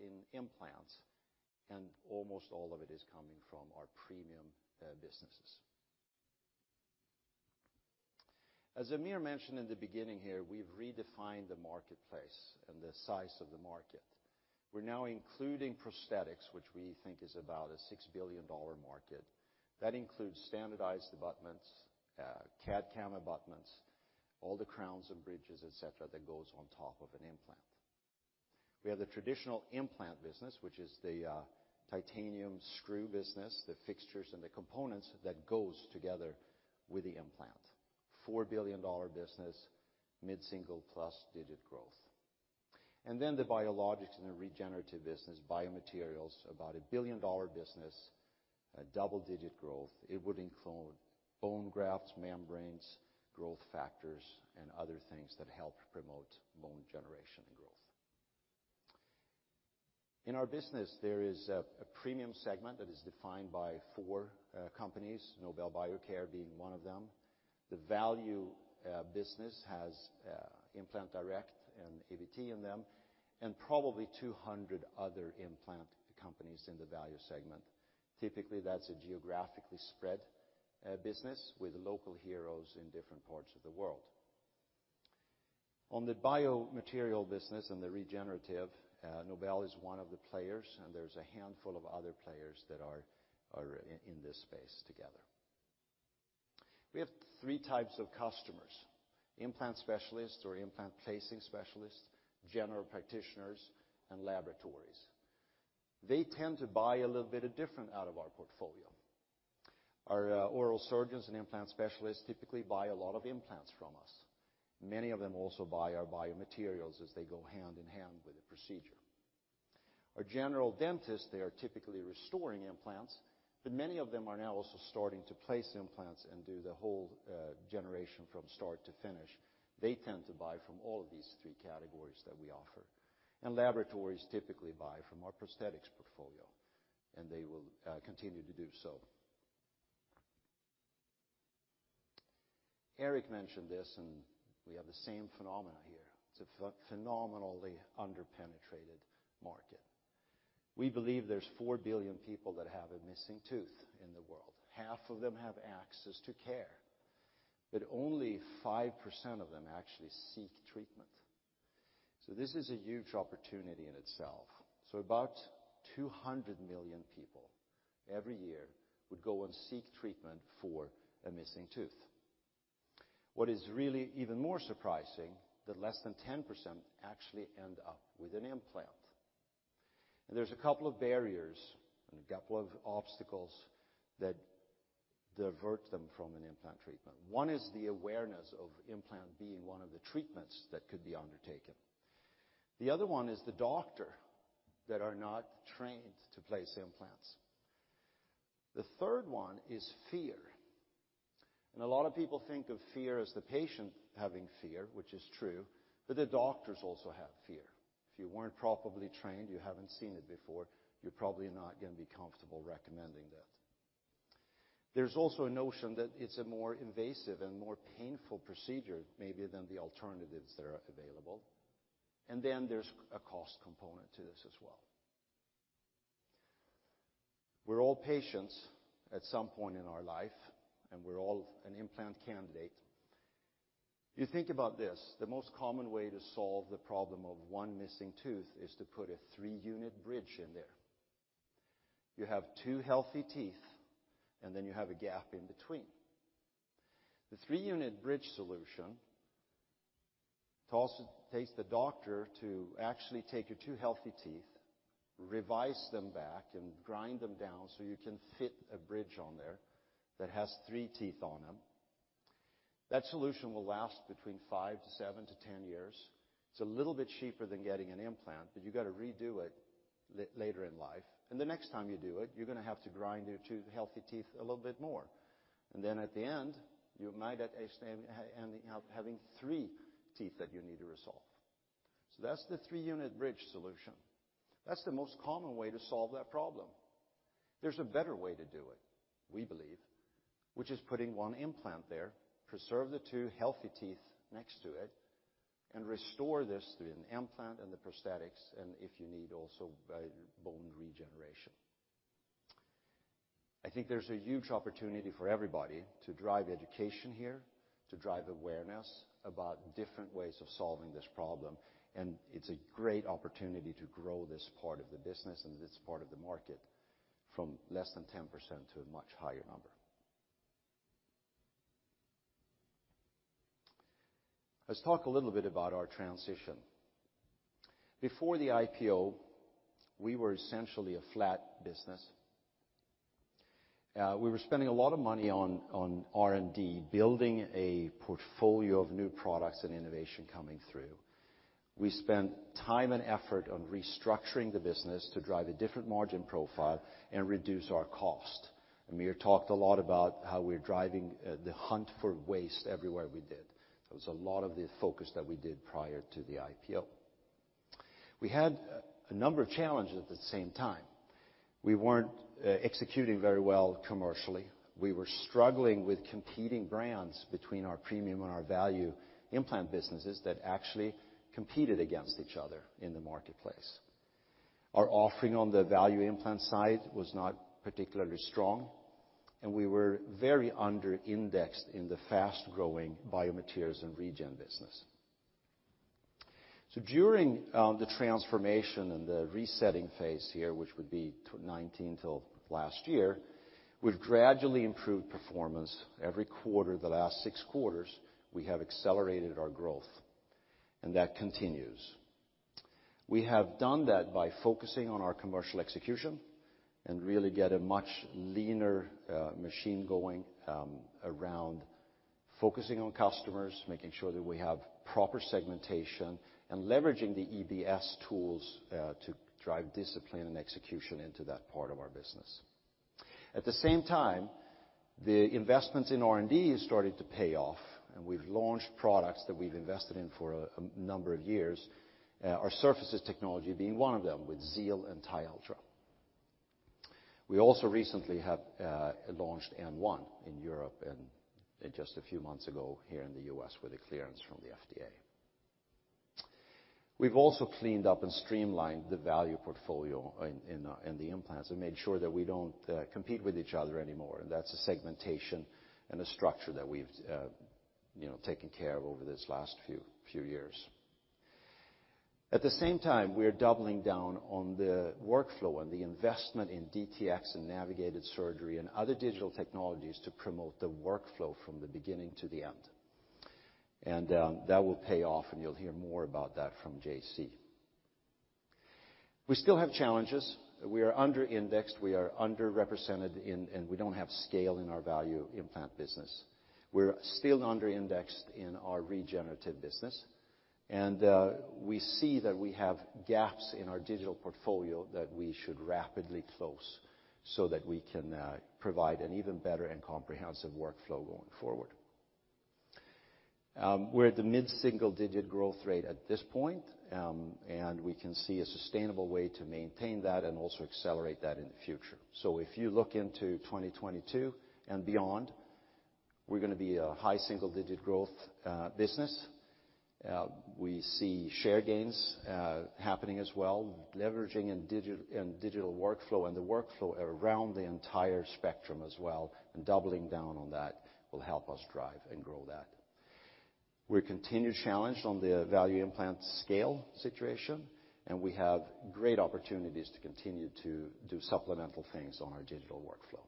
In implants, almost all of it is coming from our premium businesses. As Amir mentioned in the beginning here, we've redefined the marketplace and the size of the market. We're now including prosthetics, which we think is about a $6 billion market. That includes standardized abutments, CAD/CAM abutments, all the crowns and bridges, et cetera, that goes on top of an implant. We have the traditional implant business, which is the titanium screw business, the fixtures and the components that goes together with the implant. $4 billion business, mid-single plus digit growth. The biologics and the regenerative business, biomaterials, about a billion dollar business, double-digit growth. It would include bone grafts, membranes, growth factors, and other things that help promote bone generation and growth. In our business, there is a premium segment that is defined by four companies, Nobel Biocare being one of them. The value business has Implant Direct and ABT in them, and probably 200 other implant companies in the value segment. Typically, that's a geographically spread business with local heroes in different parts of the world. On the biomaterial business and the regenerative Nobel is one of the players, and there's a handful of other players that are in this space together. We have three types of customers, implant specialists or implant placing specialists, general practitioners, and laboratories. They tend to buy a little bit of different out of our portfolio. Our oral surgeons and implant specialists typically buy a lot of implants from us. Many of them also buy our biomaterials as they go hand in hand with the procedure. Our general dentists, they are typically restoring implants, but many of them are now also starting to place implants and do the whole generation from start to finish. They tend to buy from all of these three categories that we offer. Laboratories typically buy from our prosthetics portfolio, and they will continue to do so. Eric mentioned this, and we have the same phenomena here. It's a phenomenally under-penetrated market. We believe there's 4 billion people that have a missing tooth in the world. Half of them have access to care, but only 5% of them actually seek treatment. This is a huge opportunity in itself. About 200 million people every year would go and seek treatment for a missing tooth. What is really even more surprising, that less than 10% actually end up with an implant. There's a couple of barriers and a couple of obstacles that divert them from an implant treatment. One is the awareness of implant being one of the treatments that could be undertaken. The other one is the doctors that are not trained to place implants. The third one is fear. A lot of people think of fear as the patient having fear, which is true, but the doctors also have fear. If you weren't properly trained, you haven't seen it before, you're probably not gonna be comfortable recommending that. There's also a notion that it's a more invasive and more painful procedure maybe than the alternatives that are available. Then there's a cost component to this as well. We're all patients at some point in our life, and we're all an implant candidate. You think about this, the most common way to solve the problem of one missing tooth is to put a three-unit bridge in there. You have two healthy teeth, and then you have a gap in between. The three-unit bridge solution takes the doctor to actually take your two healthy teeth, reduce them back, and grind them down so you can fit a bridge on there that has three teeth on them. That solution will last between five to seven to 10 years. It's a little bit cheaper than getting an implant, but you gotta redo it later in life, and the next time you do it, you're gonna have to grind your two healthy teeth a little bit more. You might end up having three teeth that you need to resolve. That's the three-unit bridge solution. That's the most common way to solve that problem. There's a better way to do it, we believe, which is putting one implant there, preserve the two healthy teeth next to it, and restore this through an implant and the prosthetics, and if you need also, bone regeneration. I think there's a huge opportunity for everybody to drive education here, to drive awareness about different ways of solving this problem, and it's a great opportunity to grow this part of the business and this part of the market from less than 10% to a much higher number. Let's talk a little bit about our transition. Before the IPO, we were essentially a flat business. We were spending a lot of money on R&D, building a portfolio of new products and innovation coming through. We spent time and effort on restructuring the business to drive a different margin profile and reduce our cost. Amir talked a lot about how we're driving the hunt for waste everywhere we did. There was a lot of the focus that we did prior to the IPO. We had a number of challenges at the same time. We weren't executing very well commercially. We were struggling with competing brands between our premium and our value implant businesses that actually competed against each other in the marketplace. Our offering on the value implant side was not particularly strong, and we were very under-indexed in the fast-growing biomaterials and regen business. During the transformation and the resetting phase here, which would be to 2019 till last year, we've gradually improved performance every quarter. The last six quarters, we have accelerated our growth, and that continues. We have done that by focusing on our commercial execution and really get a much leaner machine going around focusing on customers, making sure that we have proper segmentation, and leveraging the EBS tools to drive discipline and execution into that part of our business. At the same time, the investments in R&D has started to pay off, and we've launched products that we've invested in for a number of years, our surfaces technology being one of them with Xeal and TiUltra. We also recently have launched N1 in Europe and just a few months ago here in the U.S. with a clearance from the FDA. We've also cleaned up and streamlined the value portfolio in the implants and made sure that we don't compete with each other anymore. That's a segmentation and a structure that we've, you know, taken care of over this last few years. At the same time, we're doubling down on the workflow and the investment in DTX and navigated surgery and other digital technologies to promote the workflow from the beginning to the end. That will pay off, and you'll hear more about that from JC. We still have challenges. We are under-indexed, we are underrepresented in, and we don't have scale in our value implant business. We're still under-indexed in our regenerative business, and we see that we have gaps in our digital portfolio that we should rapidly close so that we can provide an even better and comprehensive workflow going forward. We're at the mid-single-digit growth rate at this point, and we can see a sustainable way to maintain that and also accelerate that in the future. If you look into 2022 and beyond, we're gonna be a high-single-digit growth business. We see share gains happening as well, leveraging in digital workflow and the workflow around the entire spectrum as well, and doubling down on that will help us drive and grow that. We're continually challenged on the value implant sales situation, and we have great opportunities to continue to do supplemental things on our digital workflow.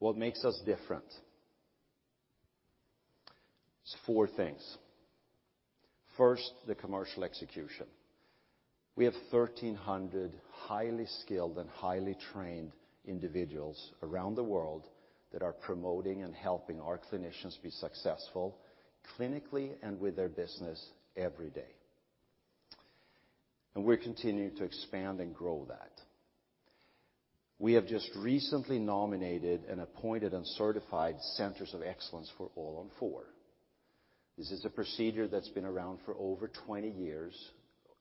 What makes us different? It's four things. First, the commercial execution. We have 1,300 highly skilled and highly trained individuals around the world that are promoting and helping our clinicians be successful clinically and with their business every day. We're continuing to expand and grow that. We have just recently nominated and appointed and certified centers of excellence for All-on-4. This is a procedure that's been around for over 20 years.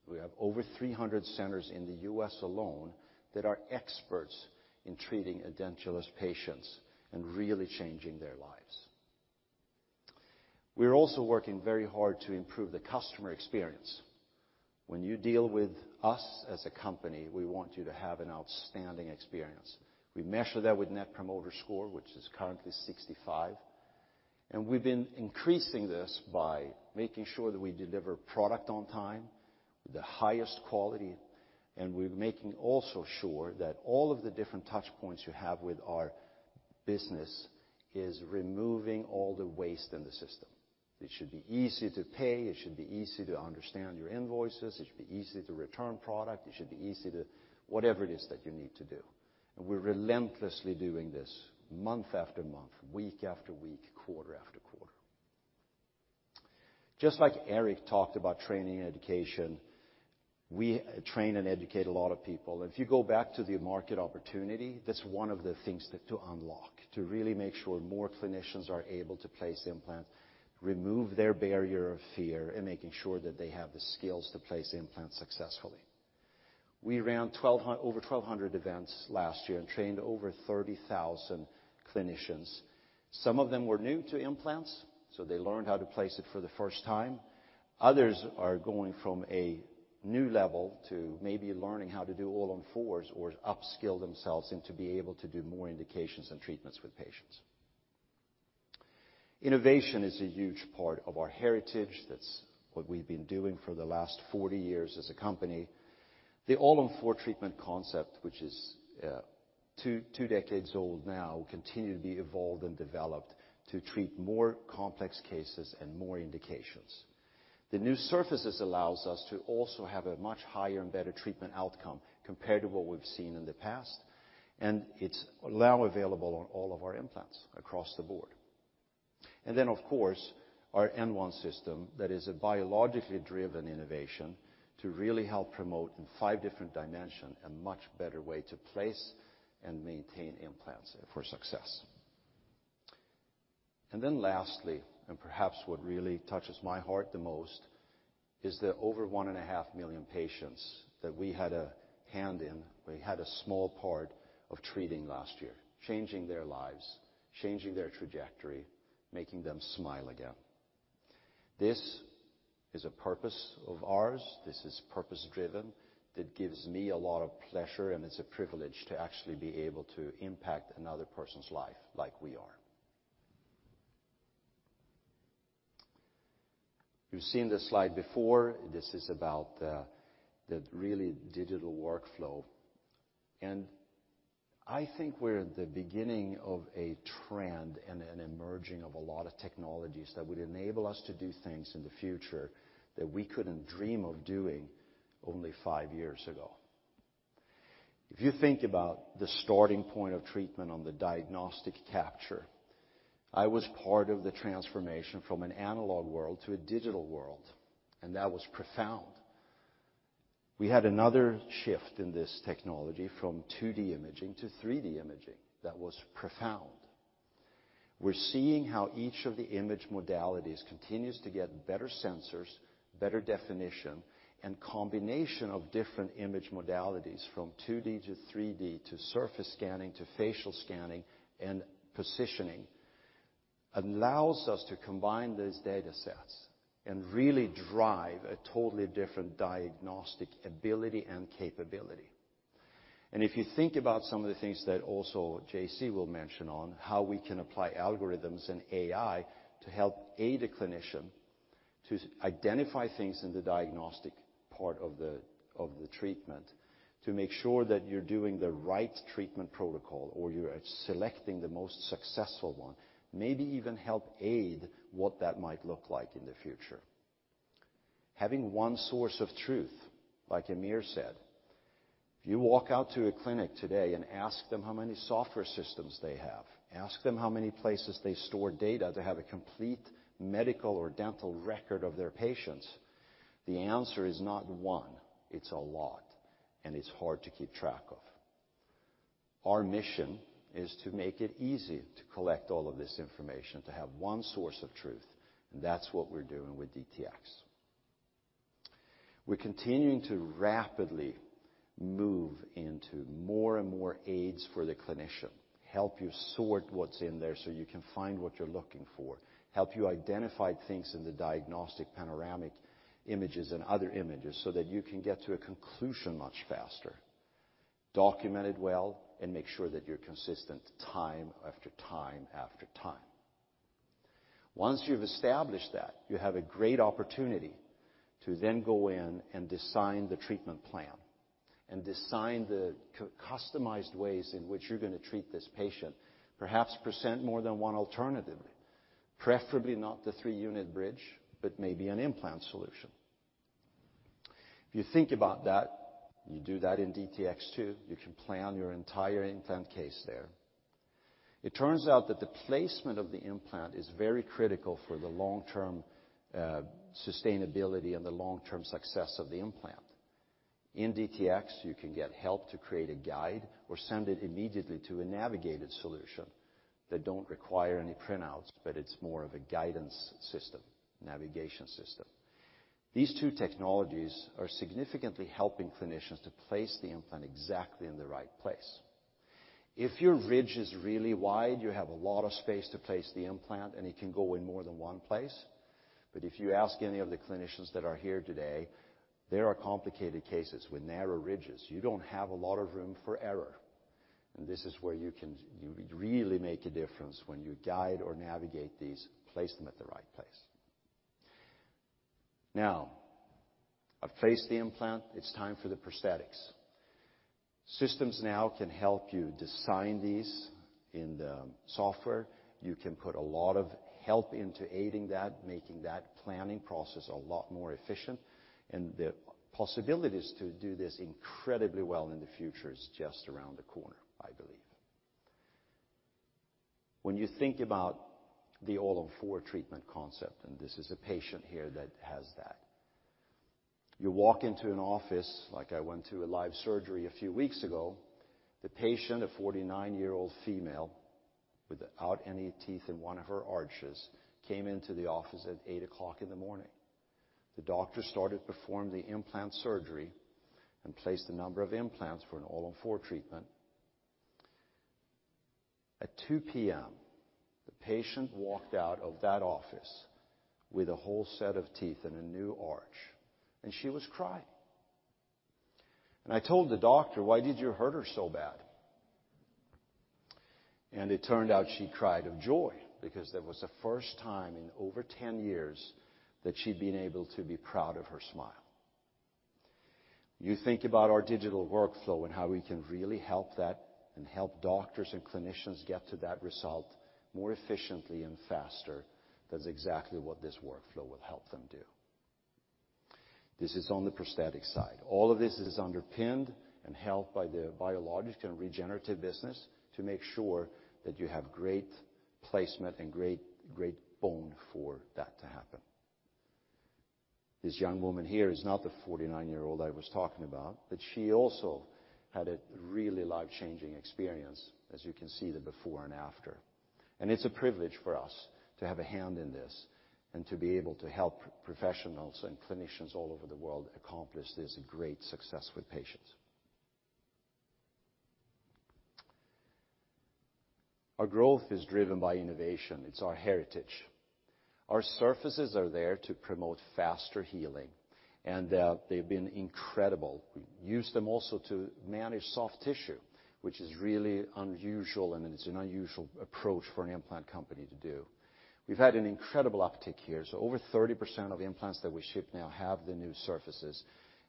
We have over 300 centers in the U.S. alone that are experts in treating edentulous patients and really changing their lives. We're also working very hard to improve the customer experience. When you deal with us as a company, we want you to have an outstanding experience. We measure that with Net Promoter Score, which is currently 65, and we've been increasing this by making sure that we deliver product on time with the highest quality, and we're making also sure that all of the different touchpoints you have with our business is removing all the waste in the system. It should be easy to pay, it should be easy to understand your invoices, it should be easy to return product, it should be easy to whatever it is that you need to do, and we're relentlessly doing this month after month, week after week, quarter after quarter. Just like Eric talked about training and education, we train and educate a lot of people. If you go back to the market opportunity, that's one of the things that to unlock, to really make sure more clinicians are able to place implants, remove their barrier of fear, and making sure that they have the skills to place implants successfully. We ran over 1,200 events last year and trained over 30,000 clinicians. Some of them were new to implants, so they learned how to place it for the first time. Others are going from a new level to maybe learning how to do All-on-4s or upskill themselves into be able to do more indications and treatments with patients. Innovation is a huge part of our heritage. That's what we've been doing for the last 40 years as a company. The All-on-4 treatment concept, which is two decades old now, continues to be evolved and developed to treat more complex cases and more indications. The new surfaces allows us to also have a much higher and better treatment outcome compared to what we've seen in the past, and it's now available on all of our implants across the board. Of course, our N1 system that is a biologically driven innovation to really help promote in five different dimension a much better way to place and maintain implants for success. Then lastly, and perhaps what really touches my heart the most, is that over 1.5 million patients that we had a hand in, we had a small part of treating last year, changing their lives, changing their trajectory, making them smile again. This is a purpose of ours, this is purpose-driven, that gives me a lot of pleasure, and it's a privilege to actually be able to impact another person's life like we are. You've seen this slide before. This is about the really digital workflow, and I think we're at the beginning of a trend and an emerging of a lot of technologies that would enable us to do things in the future that we couldn't dream of doing only five years ago. If you think about the starting point of treatment on the diagnostic capture, I was part of the transformation from an analog world to a digital world, and that was profound. We had another shift in this technology from 2D imaging to 3D imaging that was profound. We're seeing how each of the image modalities continues to get better sensors, better definition, and combination of different image modalities from 2D to 3D to surface scanning to facial scanning and positioning allows us to combine those datasets and really drive a totally different diagnostic ability and capability. If you think about some of the things that also JC will mention on how we can apply algorithms and AI to help aid a clinician to identify things in the diagnostic part of the treatment to make sure that you're doing the right treatment protocol or you're selecting the most successful one, maybe even help aid what that might look like in the future. Having one source of truth, like Amir said. If you walk out to a clinic today and ask them how many software systems they have, ask them how many places they store data to have a complete medical or dental record of their patients, the answer is not one, it's a lot, and it's hard to keep track of. Our mission is to make it easy to collect all of this information, to have one source of truth, and that's what we're doing with DTX. We're continuing to rapidly move into more and more aids for the clinician, help you sort what's in there so you can find what you're looking for, help you identify things in the diagnostic panoramic images and other images so that you can get to a conclusion much faster, document it well, and make sure that you're consistent time after time after time. Once you've established that, you have a great opportunity to then go in and design the treatment plan and design the customized ways in which you're gonna treat this patient. Perhaps present more than one alternative, preferably not the three-unit bridge, but maybe an implant solution. If you think about that, you do that in DTX too. You can plan your entire implant case there. It turns out that the placement of the implant is very critical for the long-term sustainability and the long-term success of the implant. In DTX, you can get help to create a guide or send it immediately to a navigated solution that don't require any printouts, but it's more of a guidance system, navigation system. These two technologies are significantly helping clinicians to place the implant exactly in the right place. If your ridge is really wide, you have a lot of space to place the implant, and it can go in more than one place. If you ask any of the clinicians that are here today, there are complicated cases with narrow ridges.m You don't have a lot of room for error, and this is where you really make a difference when you guide or navigate these, place them at the right place. Now, I've placed the implant. It's time for the prosthetics. Systems now can help you design these in the software. You can put a lot of help into aiding that, making that planning process a lot more efficient, and the possibilities to do this incredibly well in the future is just around the corner, I believe. When you think about the All-on-4 treatment concept, and this is a patient here that has that. You walk into an office, like I went to a live surgery a few weeks ago. The patient, a 49-year-old female without any teeth in one of her arches, came into the office at 8:00 A.M. The doctor started to perform the implant surgery and placed a number of implants for an All-on-4 treatment. At 2:00 P.M., the patient walked out of that office with a whole set of teeth and a new arch, and she was crying. I told the doctor, "Why did you hurt her so bad?" It turned out she cried of joy because that was the first time in over 10 years that she'd been able to be proud of her smile. You think about our digital workflow and how we can really help that and help doctors and clinicians get to that result more efficiently and faster. That's exactly what this workflow will help them do. This is on the prosthetic side. All of this is underpinned and helped by the biological and regenerative business to make sure that you have great placement and great bone for that to happen. This young woman here is not the 49-year-old I was talking about, but she also had a really life-changing experience, as you can see the before and after. It's a privilege for us to have a hand in this and to be able to help professionals and clinicians all over the world accomplish this great success with patients. Our growth is driven by innovation. It's our heritage. Our surfaces are there to promote faster healing, and they've been incredible. We use them also to manage soft tissue, which is really unusual, and it's an unusual approach for an implant company to do. We've had an incredible uptick here, so over 30% of implants that we ship now have the new surfaces.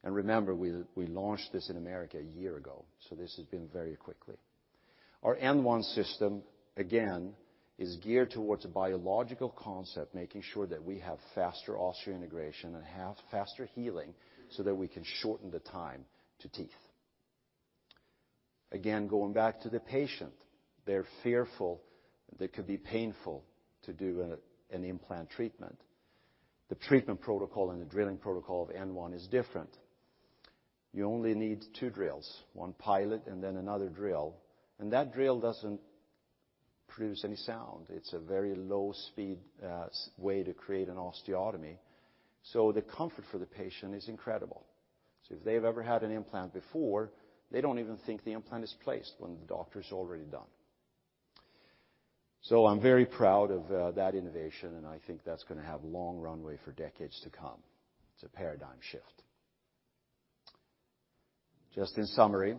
Remember, we launched this in America a year ago, so this has been very quickly. Our N1 system, again, is geared towards a biological concept, making sure that we have faster osseointegration and have faster healing so that we can shorten the time to teeth. Again, going back to the patient, they're fearful that it could be painful to do an implant treatment. The treatment protocol and the drilling protocol of N1 is different. You only need two drills, one pilot and then another drill, and that drill doesn't produce any sound. It's a very low-speed, slow way to create an osteotomy, so the comfort for the patient is incredible. If they've ever had an implant before, they don't even think the implant is placed when the doctor's already done. I'm very proud of that innovation, and I think that's gonna have long runway for decades to come. It's a paradigm shift. Just in summary,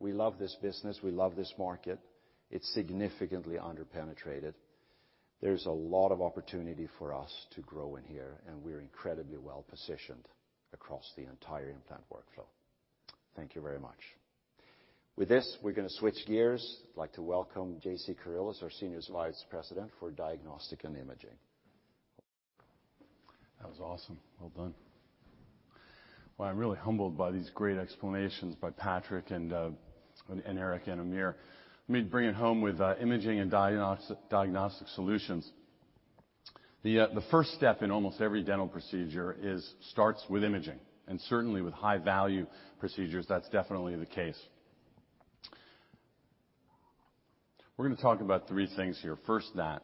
we love this business. We love this market. It's significantly under-penetrated. There's a lot of opportunity for us to grow in here, and we're incredibly well-positioned across the entire implant workflow. Thank you very much. With this, we're gonna switch gears. I'd like to welcome JC Kyrillos, our Senior Vice President for Diagnostics and Digital Solutions. That was awesome. Well done. Well, I'm really humbled by these great explanations by Patrik and Eric and Amir. Let me bring it home with imaging and diagnostic solutions. The first step in almost every dental procedure starts with imaging, and certainly with high-value procedures, that's definitely the case. We're gonna talk about three things here. First, that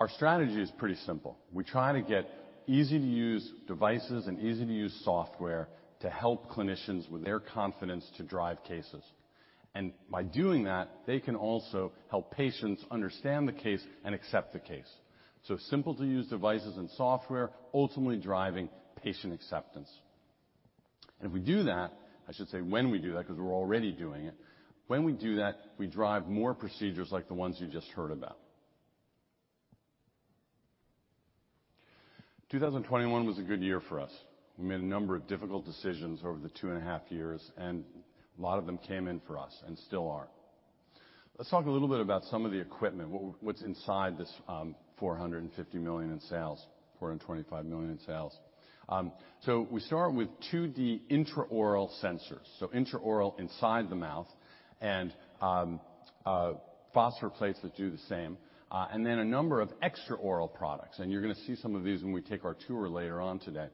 our strategy is pretty simple. We try to get easy-to-use devices and easy-to-use software to help clinicians with their confidence to drive cases. By doing that, they can also help patients understand the case and accept the case. Simple to use devices and software ultimately driving patient acceptance. If we do that, I should say when we do that, because we're already doing it. When we do that, we drive more procedures like the ones you just heard about. 2021 was a good year for us. We made a number of difficult decisions over the 2.5 years, and a lot of them came in for us and still are. Let's talk a little bit about some of the equipment. What's inside this $450 million in sales, $425 million in sales. We start with 2D intraoral sensors. Intraoral, inside the mouth, and phosphor plates that do the same, and then a number of extraoral products, and you're gonna see some of these when we take our tour later on today.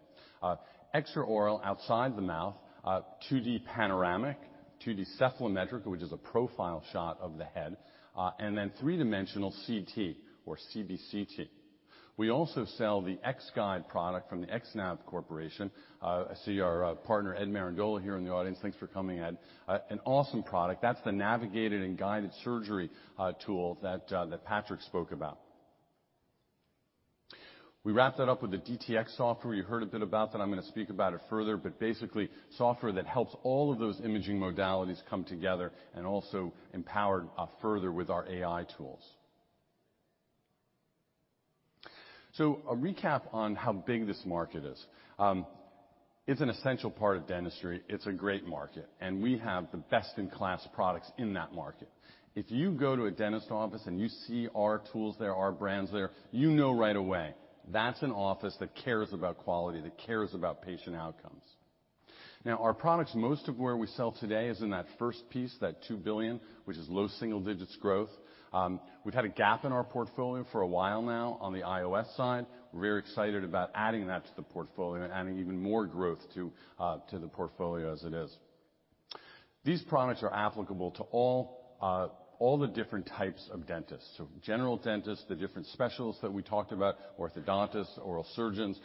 Extraoral, outside the mouth, 2D panoramic, 2D cephalometric, which is a profile shot of the head, and then 3D CT or CBCT. We also sell the X-Guide product from X-Nav Technologies. I see our partner, Ed Marangola here in the audience. Thanks for coming, Ed. An awesome product. That's the navigated and guided surgery tool that Patrik spoke about. We wrap that up with the DTX software. You heard a bit about that. I'm gonna speak about it further, but basically software that helps all of those imaging modalities come together and also empowered further with our AI tools. A recap on how big this market is. It's an essential part of dentistry. It's a great market, and we have the best-in-class products in that market. If you go to a dentist office, and you see our tools there, our brands there, you know right away that's an office that cares about quality, that cares about patient outcomes. Now, our products, most of where we sell today is in that first piece, that $2 billion, which is low single digits growth. We've had a gap in our portfolio for a while now on the IOS side. We're excited about adding that to the portfolio, adding even more growth to the portfolio as it is. These products are applicable to all the different types of dentists, so general dentists, the different specialists that we talked about, orthodontists, oral surgeons.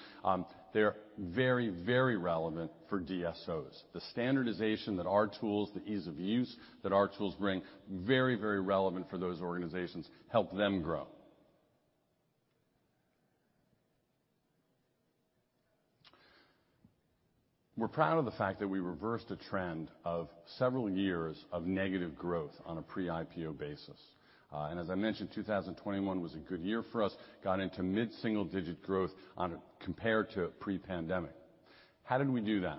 They're very, very relevant for DSOs. The standardization that our tools, the ease of use that our tools bring very, very relevant for those organizations, help them grow. We're proud of the fact that we reversed a trend of several years of negative growth on a pre-IPO basis. As I mentioned, 2021 was a good year for us. got into mid-single-digit growth compared to pre-pandemic. How did we do that?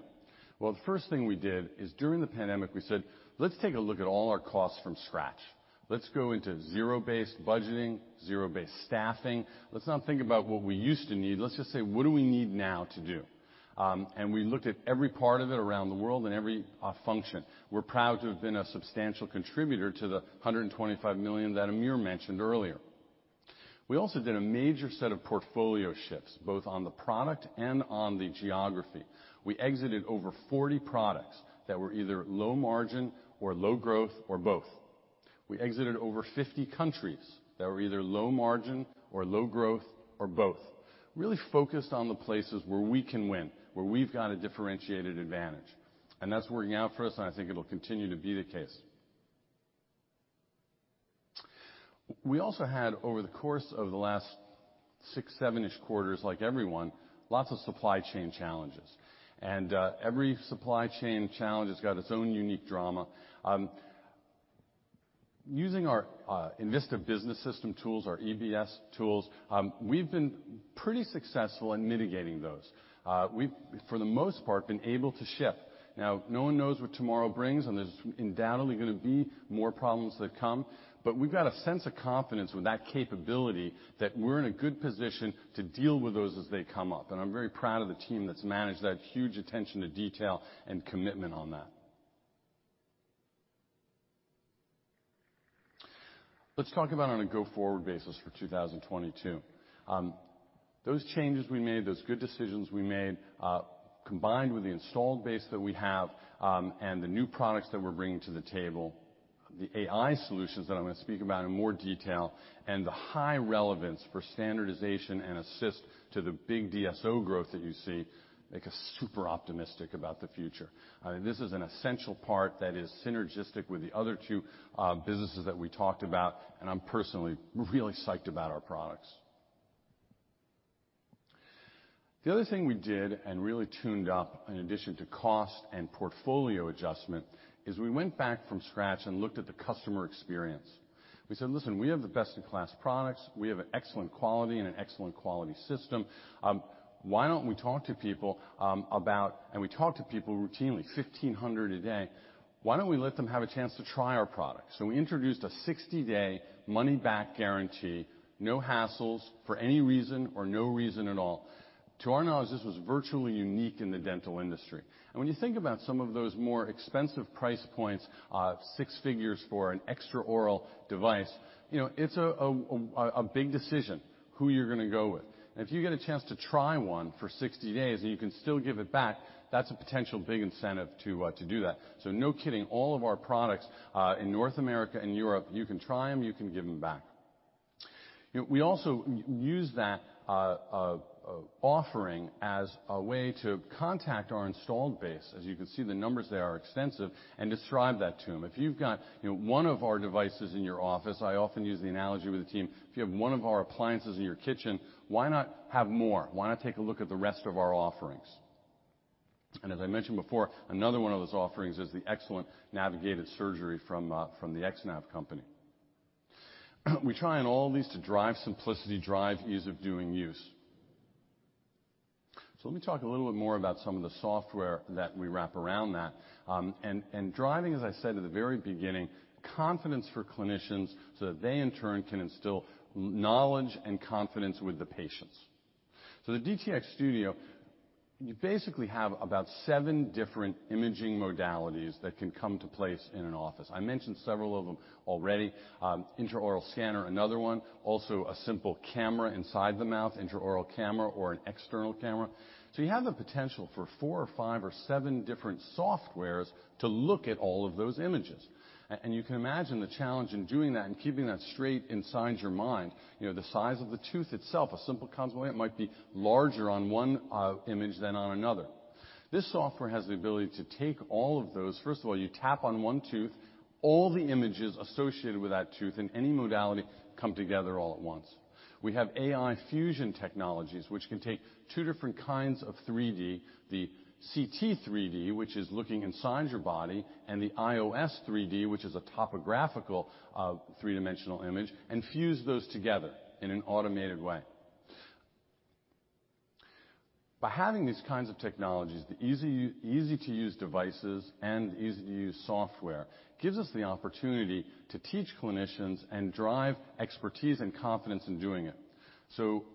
Well, the first thing we did is during the pandemic, we said, "Let's take a look at all our costs from scratch. Let's go into zero-based budgeting, zero-based staffing. Let's not think about what we used to need. Let's just say, 'What do we need now to do?'" And we looked at every part of it around the world and every function. We're proud to have been a substantial contributor to the $125 million that Amir mentioned earlier. We also did a major set of portfolio shifts, both on the product and on the geography. We exited over 40 products that were either low margin or low growth or both. We exited over 50 countries that were either low margin or low growth or both. Really focused on the places where we can win, where we've got a differentiated advantage, and that's working out for us, and I think it'll continue to be the case. We also had, over the course of the last six, seven-ish quarters, like everyone, lots of supply chain challenges. Every supply chain challenge has got its own unique drama. Using our Envista Business System tools, our EBS tools, we've been pretty successful in mitigating those. We've, for the most part, been able to ship. Now, no one knows what tomorrow brings, and there's undoubtedly gonna be more problems that come. We've got a sense of confidence with that capability that we're in a good position to deal with those as they come up, and I'm very proud of the team that's managed that huge attention to detail and commitment on that. Let's talk about on a go-forward basis for 2022. Those changes we made, those good decisions we made, combined with the installed base that we have, and the new products that we're bringing to the table, the AI solutions that I'm gonna speak about in more detail, and the high relevance for standardization and assistance to the big DSO growth that you see make us super optimistic about the future. This is an essential part that is synergistic with the other two businesses that we talked about, and I'm personally really psyched about our products. The other thing we did and really tuned up in addition to cost and portfolio adjustment is we went back from scratch and looked at the customer experience. We said, "Listen, we have the best-in-class products. We have an excellent quality and an excellent quality system. Why don't we talk to people about... We talk to people routinely, 1,500 a day. "Why don't we let them have a chance to try our products?" We introduced a 60-day money back guarantee, no hassles, for any reason or no reason at all. To our knowledge, this was virtually unique in the dental industry. When you think about some of those more expensive price points, six figures for an extraoral device, you know, it's a big decision who you're gonna go with. If you get a chance to try one for 60 days, and you can still give it back, that's a potential big incentive to do that. No kidding, all of our products in North America and Europe, you can try them, you can give them back. You know, we also use that offering as a way to contact our installed base, as you can see the numbers there are extensive, and describe that to them. If you've got, you know, one of our devices in your office, I often use the analogy with the team, if you have one of our appliances in your kitchen, why not have more? Why not take a look at the rest of our offerings? As I mentioned before, another one of those offerings is the excellent navigated surgery from the X-Nav company. We try in all of these to drive simplicity, drive ease of use. Let me talk a little bit more about some of the software that we wrap around that. Driving, as I said at the very beginning, confidence for clinicians so that they in turn can instill knowledge and confidence with the patients. The DTX Studio, you basically have about seven different imaging modalities that can come to place in an office. I mentioned several of them already. Intraoral scanner, another one. A simple camera inside the mouth, intraoral camera or an external camera. You have the potential for four or five or seven different softwares to look at all of those images. You can imagine the challenge in doing that and keeping that straight inside your mind. You know, the size of the tooth itself, a simple composite, it might be larger on one image than on another. This software has the ability to take all of those. First of all, you tap on one tooth, all the images associated with that tooth in any modality come together all at once. We have AI fusion technologies, which can take two different kinds of 3D, the CT 3D, which is looking inside your body, and the IOS 3D, which is a topographical, three-dimensional image, and fuse those together in an automated way. By having these kinds of technologies, the easy-to-use devices and easy-to-use software, gives us the opportunity to teach clinicians and drive expertise and confidence in doing it.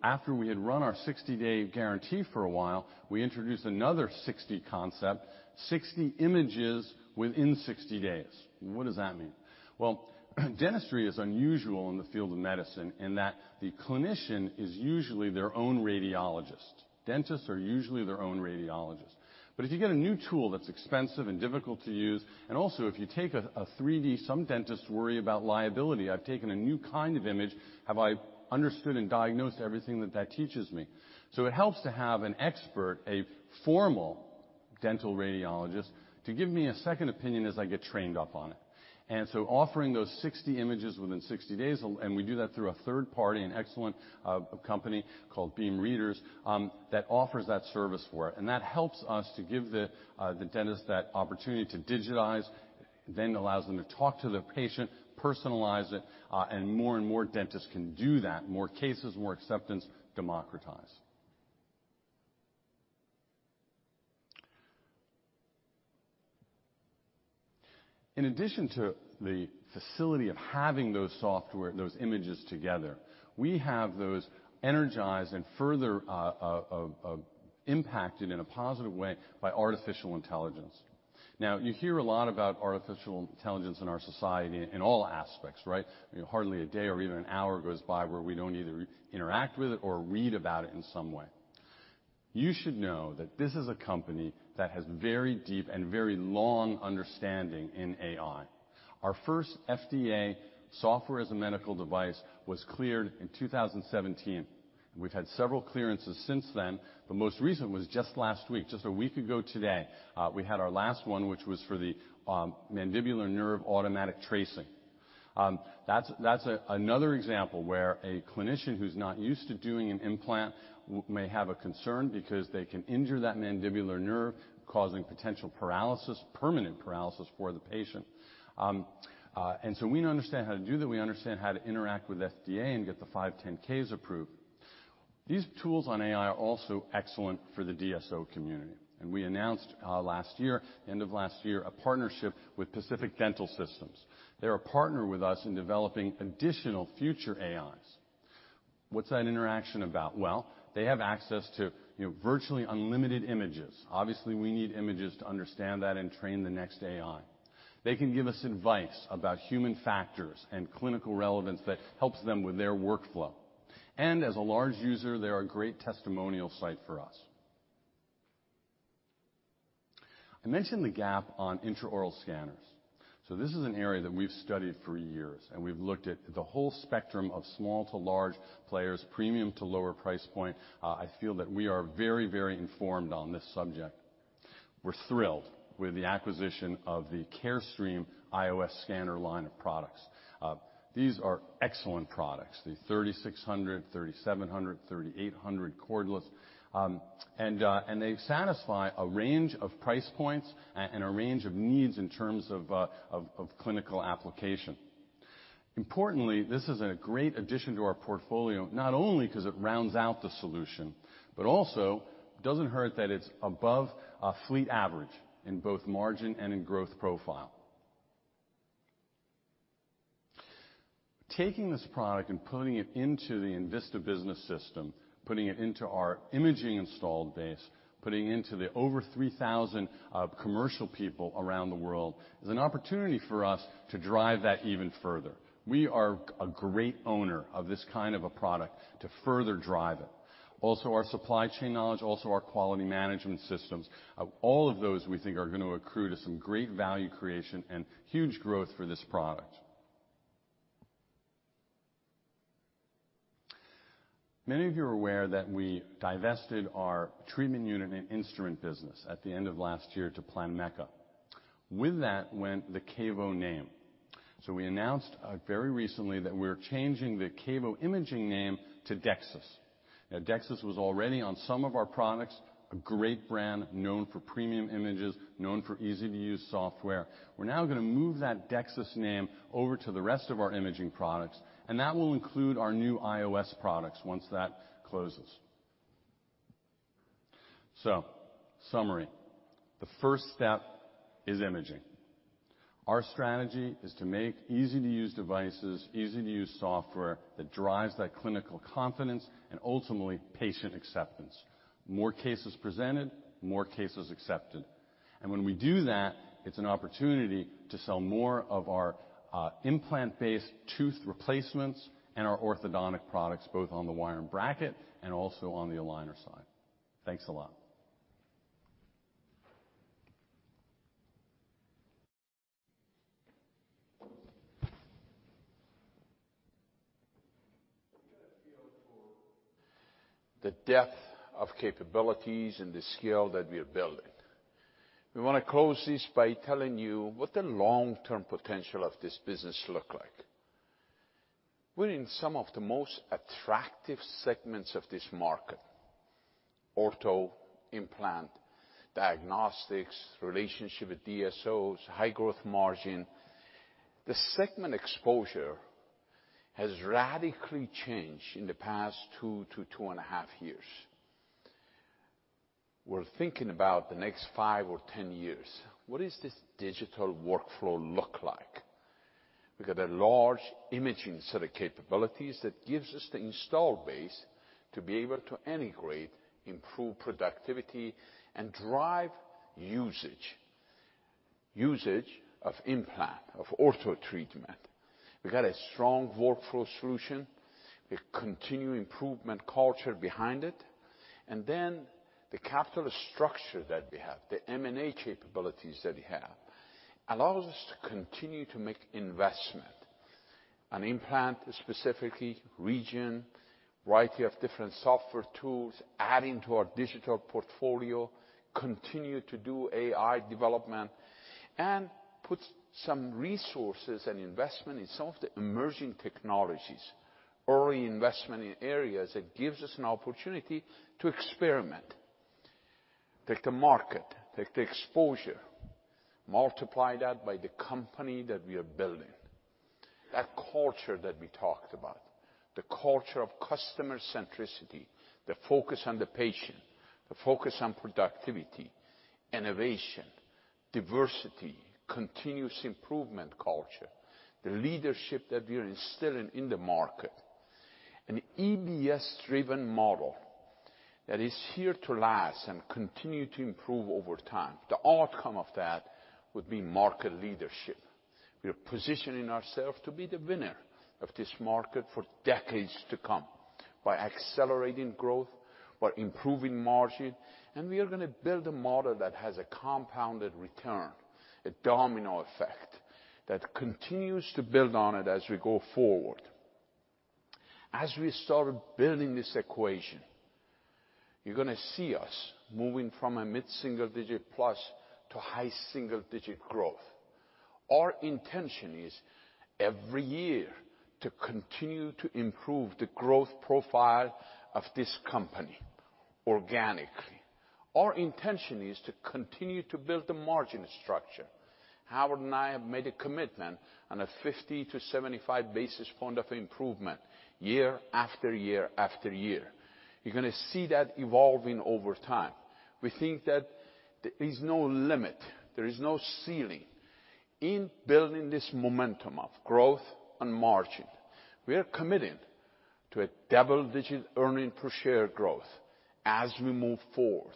After we had run our 60-day guarantee for a while, we introduced another 60 concept, 60 images within 60 days. What does that mean? Well, dentistry is unusual in the field of medicine in that the clinician is usually their own radiologist. Dentists are usually their own radiologist. If you get a new tool that's expensive and difficult to use, and also if you take a 3D, some dentists worry about liability. "I've taken a new kind of image. Have I understood and diagnosed everything that that teaches me?" It helps to have an expert, a formal dental radiologist, to give me a second opinion as I get trained up on it. Offering those 60 images within 60 days, and we do that through a third party, an excellent company called BeamReaders, that offers that service for it. That helps us to give the dentist that opportunity to digitize, then allows them to talk to the patient, personalize it, and more and more dentists can do that, more cases, more acceptance, democratize. In addition to the facility of having those software, those images together, we have those energized and further impacted in a positive way by artificial intelligence. Now you hear a lot about artificial intelligence in our society in all aspects, right? You know, hardly a day or even an hour goes by where we don't either interact with it or read about it in some way. You should know that this is a company that has very deep and very long understanding in AI. Our first FDA software as a medical device was cleared in 2017. We've had several clearances since then, but most recent was just last week. Just a week ago today, we had our last one, which was for the mandibular nerve automatic tracing. That's another example where a clinician who's not used to doing an implant may have a concern because they can injure that mandibular nerve, causing potential paralysis, permanent paralysis for the patient. We understand how to do that. We understand how to interact with FDA and get the 510(k)s approved. These tools on AI are also excellent for the DSO community, and we announced last year a partnership with Pacific Dental Services. They're a partner with us in developing additional future AIs. What's that interaction about? Well, they have access to, you know, virtually unlimited images. Obviously, we need images to understand that and train the next AI. They can give us advice about human factors and clinical relevance that helps them with their workflow. As a large user, they're a great testimonial site for us. I mentioned the gap on intraoral scanners. This is an area that we've studied for years, and we've looked at the whole spectrum of small to large players, premium to lower price point. I feel that we are very, very informed on this subject. We're thrilled with the acquisition of the Carestream IOS scanner line of products. These are excellent products, the 3600, 3700, 3800 cordless. And they satisfy a range of price points and a range of needs in terms of clinical application. Importantly, this is a great addition to our portfolio, not only 'cause it rounds out the solution, but also doesn't hurt that it's above our fleet average in both margin and in growth profile. Taking this product and putting it into the Envista Business System, putting it into our imaging installed base, putting into the over 3,000 commercial people around the world, is an opportunity for us to drive that even further. We are a great owner of this kind of a product to further drive it. Also our supply chain knowledge, also our quality management systems, all of those we think are gonna accrue to some great value creation and huge growth for this product. Many of you are aware that we divested our treatment unit and instrument business at the end of last year to Planmeca. With that went the KaVo name. We announced very recently that we're changing the KaVo imaging name to DEXIS. Now DEXIS was already on some of our products, a great brand known for premium images, known for easy-to-use software. We're now gonna move that DEXIS name over to the rest of our imaging products, and that will include our new IOS products once that closes. Summary, the first step is imaging. Our strategy is to make easy-to-use devices, easy-to-use software that drives that clinical confidence and ultimately patient acceptance. More cases presented, more cases accepted. When we do that, it's an opportunity to sell more of our implant-based tooth replacements and our orthodontic products, both on the wire and bracket and also on the aligner side. Thanks a lot. The depth of capabilities and the scale that we are building. We wanna close this by telling you what the long-term potential of this business look like. We're in some of the most attractive segments of this market, ortho, implant, diagnostics, relationship with DSOs, high growth margin. The segment exposure has radically changed in the past two to 2.5 years. We're thinking about the next five or 10 years. What does this digital workflow look like? We've got a large imaging set of capabilities that gives us the install base to be able to integrate, improve productivity and drive usage. Usage of implant, of ortho treatment. We got a strong workflow solution with continued improvement culture behind it, and then the capital structure that we have, the M&A capabilities that we have, allows us to continue to make investment in implants, specific regions, variety of different software tools, adding to our digital portfolio, continue to do AI development, and put some resources and investment in some of the emerging technologies. Early investment in areas that gives us an opportunity to experiment. Take the market, take the exposure, multiply that by the company that we are building. That culture that we talked about, the culture of customer centricity, the focus on the patient, the focus on productivity, innovation, diversity, continuous improvement culture. The leadership that we are instilling in the market. An EBS-driven model that is here to last and continue to improve over time. The outcome of that would be market leadership. We are positioning ourselves to be the winner of this market for decades to come by accelerating growth, by improving margin, and we are gonna build a model that has a compounded return, a domino effect that continues to build on it as we go forward. As we start building this equation, you're gonna see us moving from a mid-single-digit plus to high single digit growth. Our intention is every year to continue to improve the growth profile of this company organically. Our intention is to continue to build the margin structure. Howard and I have made a commitment on a 50-75 basis point of improvement year after year after year. You're gonna see that evolving over time. We think that there is no limit, there is no ceiling in building this momentum of growth and margin. We are committing to double-digit earnings per share growth as we move forward,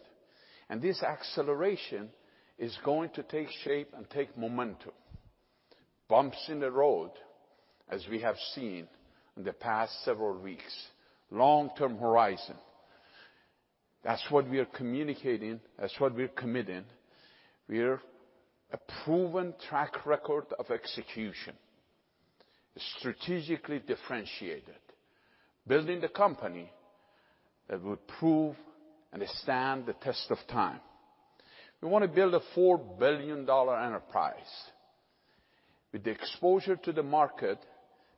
and this acceleration is going to take shape and take momentum. Bumps in the road, as we have seen in the past several weeks, long-term horizon. That's what we are communicating. That's what we're committing. We have a proven track record of execution, strategically differentiated, building the company that will prove and stand the test of time. We wanna build a $4 billion enterprise with the exposure to the market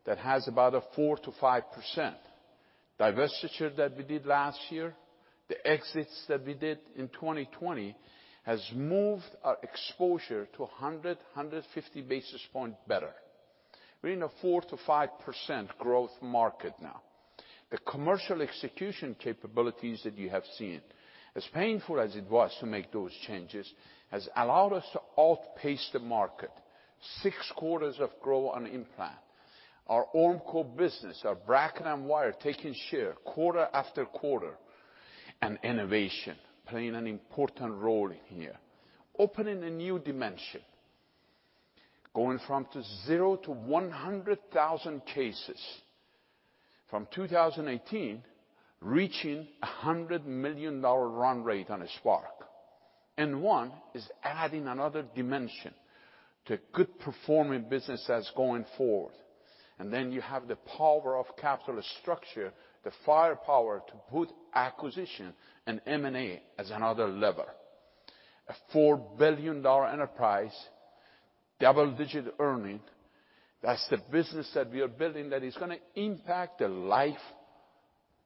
that has about a 4%-5%. Divestiture that we did last year, the exits that we did in 2020 has moved our exposure to 150 basis points better. We're in a 4%-5% growth market now. The commercial execution capabilities that you have seen, as painful as it was to make those changes, has allowed us to outpace the market. six quarters of growth on implant. Our Ormco business, our bracket and wire, taking share quarter after quarter. Innovation playing an important role here. Opening a new dimension, going from zero to 100,000 cases from 2018, reaching a $100 million run rate on Spark. N1 is adding another dimension to good performing business that's going forward. Then you have the power of capital structure, the firepower to put acquisition and M&A as another lever. A $4 billion enterprise, double-digit earnings. That's the business that we are building that is gonna impact the life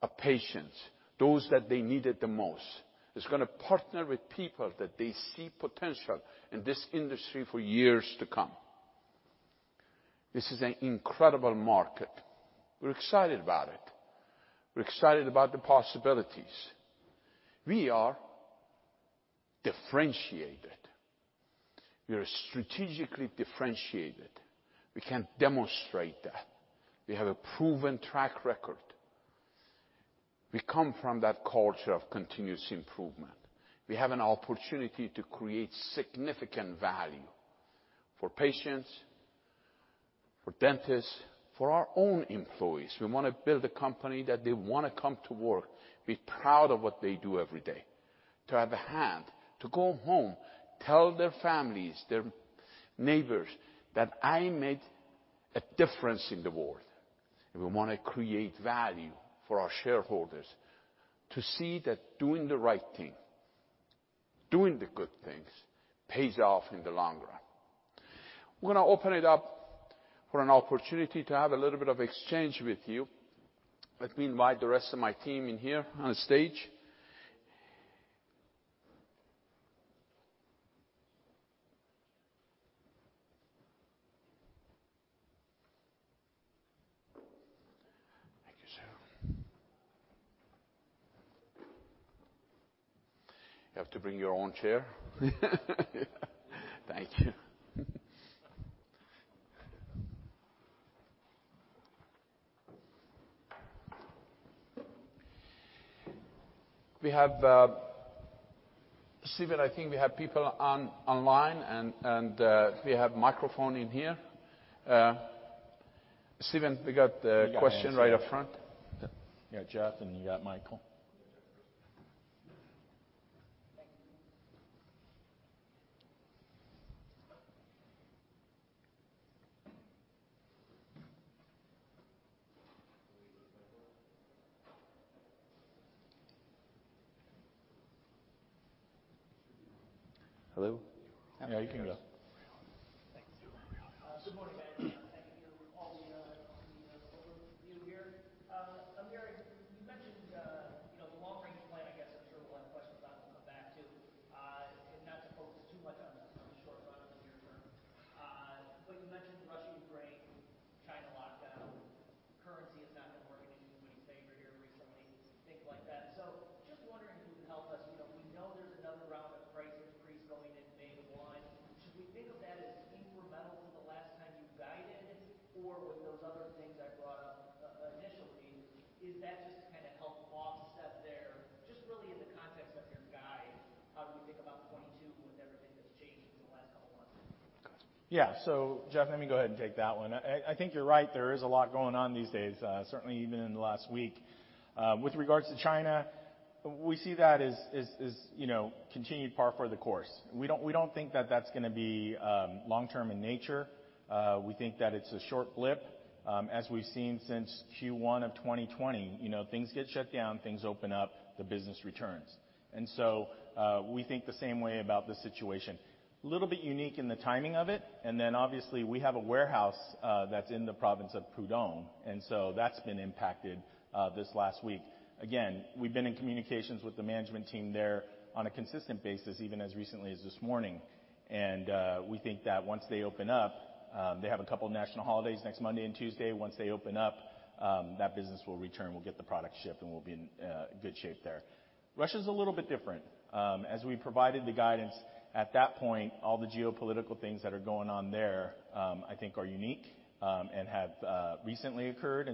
of patients, those that they need it the most. It's gonna partner with people that they see potential in this industry for years to come. This is an incredible market. We're excited about it. We're excited about the possibilities. We are differentiated. We are strategically differentiated. We can demonstrate that. We have a proven track record. We come from that culture of continuous improvement. We have an opportunity to create significant value for patients, for dentists, for our own employees. We wanna build a company that they wanna come to work, be proud of what they do every day, to have a hand, to go home, tell their families, their neighbors that I made a difference in the world. We wanna create value for our shareholders to see that doing the right thing, doing the good things pays off in the long run. We're gonna open it up for an opportunity to have a little bit of exchange with you. Let me invite the rest of my team in here on stage. Thank you, sir. You have to bring your own chair. Thank you. We have Steven. I think we have people online, and we have microphone in here. Steven, we got a question right up front. You got Jeff, and you got Michael. Hello? Yeah, you can go. A little bit unique in the timing of it, and then, obviously, we have a warehouse that's in the province of Pudong, and so that's been impacted this last week. Again, we've been in communications with the management team there on a consistent basis, even as recently as this morning. We think that once they open up, they have a couple national holidays next Monday and Tuesday. Once they open up, that business will return. We'll get the product shipped, and we'll be in good shape there. Russia's a little bit different. As we provided the guidance, at that point, all the geopolitical things that are going on there, I think are unique, and have recently occurred.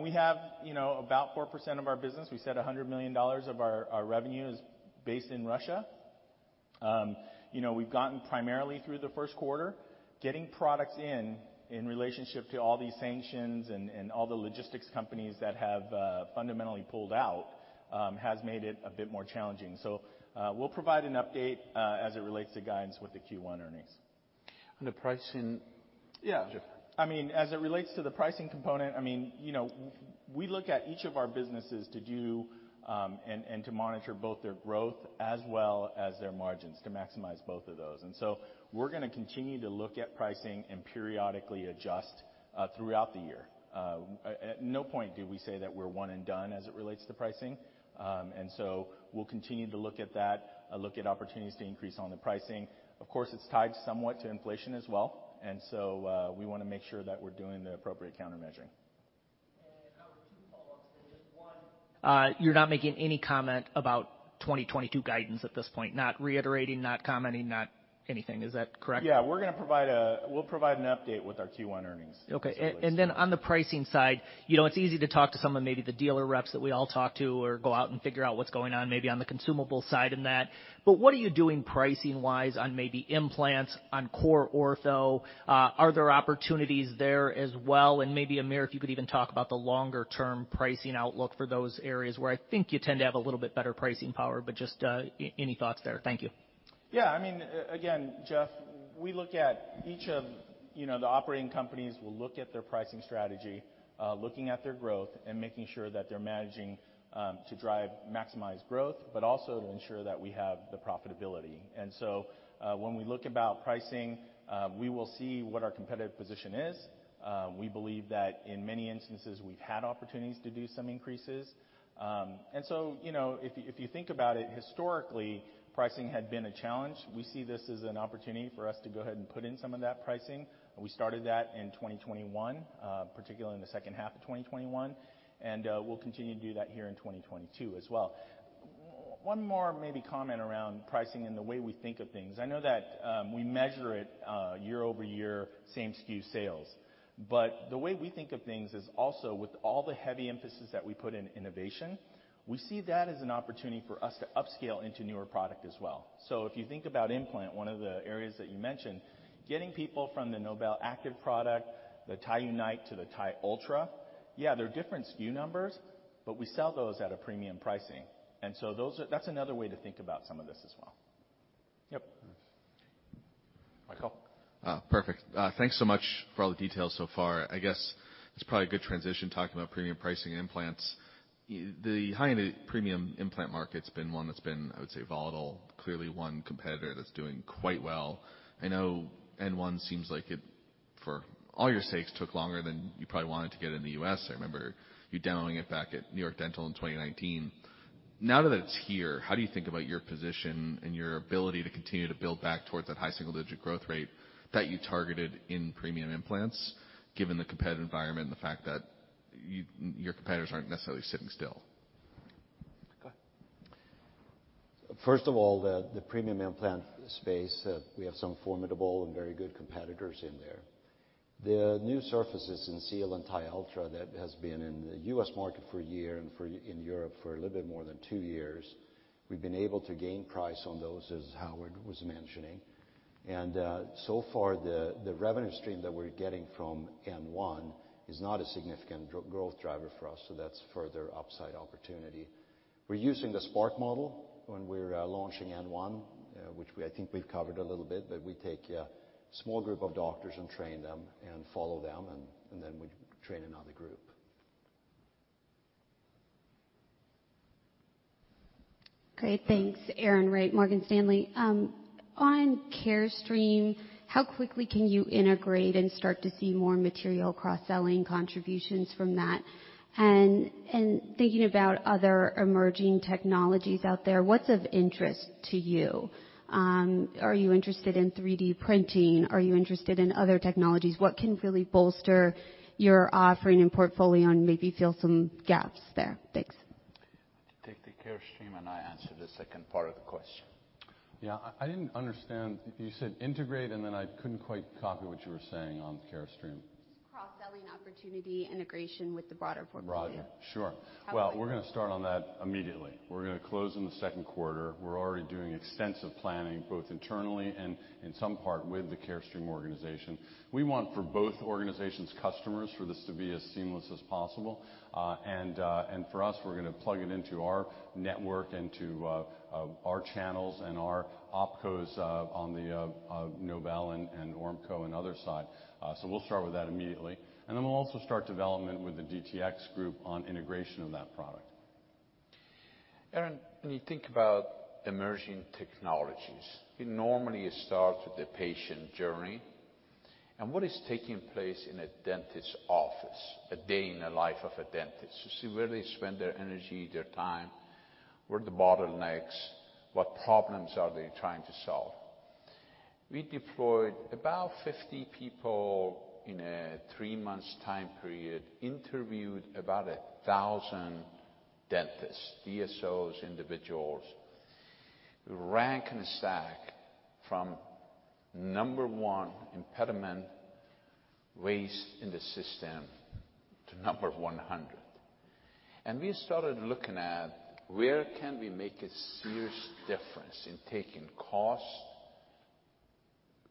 We have, you know, about 4% of our business. We said $100 million of our revenue is based in Russia. You know, we've gotten primarily through the first quarter. Getting products in relationship to all these sanctions and all the logistics companies that have fundamentally pulled out has made it a bit more challenging. We'll provide an update as it relates to guidance with the Q1 earnings. On the pricing. Yeah. Go. I mean, as it relates to the pricing component, I mean, you know, we look at each of our businesses to monitor both their growth as well as their margins to maximize both of those. We're gonna continue to look at pricing and periodically adjust throughout the year. At no point do we say that we're one and done as it relates to pricing. We'll continue to look at that, look at opportunities to increase on the pricing. Of course, it's tied somewhat to inflation as well. We wanna make sure that we're doing the appropriate countermeasuring. Two follow-ups. Just one, you're not making any comment about 2022 guidance at this point. Not reiterating, not commenting, not anything. Is that correct? Yeah. We're gonna provide an update with our Q1 earnings as it relates to that. Okay. On the pricing side, you know, it's easy to talk to some of maybe the dealer reps that we all talk to or go out and figure out what's going on maybe on the consumable side and that. What are you doing pricing-wise on maybe implants, on core ortho? Are there opportunities there as well? Maybe, Amir, if you could even talk about the longer term pricing outlook for those areas where I think you tend to have a little bit better pricing power, but just any thoughts there. Thank you. Yeah. I mean, again, Jeff, we look at each of, you know, the operating companies. We'll look at their pricing strategy, looking at their growth and making sure that they're managing to drive maximized growth, but also to ensure that we have the profitability. When we look about pricing, we will see what our competitive position is. We believe that in many instances, we've had opportunities to do some increases. You know, if you think about it historically, pricing had been a challenge. We see this as an opportunity for us to go ahead and put in some of that pricing. We started that in 2021, particularly in the second half of 2021, and we'll continue to do that here in 2022 as well. One more maybe comment around pricing and the way we think of things. I know that, we measure it, year-over-year same SKU sales, but the way we think of things is also with all the heavy emphasis that we put in innovation, we see that as an opportunity for us to upscale into newer product as well. If you think about implant, one of the areas that you mentioned, getting people from the NobelActive product, the TiUnite to the TiUltra, yeah, they're different SKU numbers, but we sell those at a premium pricing. Those are. That's another way to think about some of this as well. Yep. Michael. Perfect. Thanks so much for all the details so far. I guess it's probably a good transition talking about premium-priced implants. The high-end premium implant market's been one that's, I would say, volatile, clearly one competitor that's doing quite well. I know N1 seems like it, for all your sakes, took longer than you probably wanted to get in the U.S. I remember you demoing it back at New York Dental in 2019. Now that it's here, how do you think about your position and your ability to continue to build back towards that high single digit growth rate that you targeted in premium implants, given the competitive environment and the fact that your competitors aren't necessarily sitting still? Go ahead. First of all, the premium implant space, we have some formidable and very good competitors in there. The new surfaces in Xeal and TiUltra that has been in the U.S. market for a year and in Europe for a little bit more than two years, we've been able to gain price on those, as Howard was mentioning. So far, the revenue stream that we're getting from N1 is not a significant growth driver for us, so that's further upside opportunity. We're using the Spark model when we're launching N1, which we I think we've covered a little bit, but we take a small group of doctors and train them and follow them, and then we train another group. Great. Thanks. Erin Wright, Morgan Stanley. On Carestream, how quickly can you integrate and start to see more material cross-selling contributions from that? And thinking about other emerging technologies out there, what's of interest to you? Are you interested in 3D printing? Are you interested in other technologies? What can really bolster your offering and portfolio and maybe fill some gaps there? Thanks. Take the Carestream, and I answer the second part of the question. Yeah. I didn't understand. You said integrate, and then I couldn't quite copy what you were saying on Carestream. Just cross-selling opportunity, integration with the broader portfolio. Broader. Sure. How quickly Well, we're gonna start on that immediately. We're gonna close in the second quarter. We're already doing extensive planning, both internally and in some part with the Carestream organization. We want for both organizations' customers for this to be as seamless as possible. For us, we're gonna plug it into our network, into our channels and our opcos, on the Nobel and Ormco and other side. We'll start with that immediately. We'll also start development with the DTX group on integration of that product. Erin, when you think about emerging technologies, it normally starts with the patient journey. What is taking place in a dentist office, a day in the life of a dentist? You see where they spend their energy, their time, where are the bottlenecks, what problems are they trying to solve. We deployed about 50 people in a three months time period, interviewed about 1,000 dentists, DSOs, individuals. We rank and stack from number one impediment waste in the system to number 100. We started looking at where can we make a serious difference in taking cost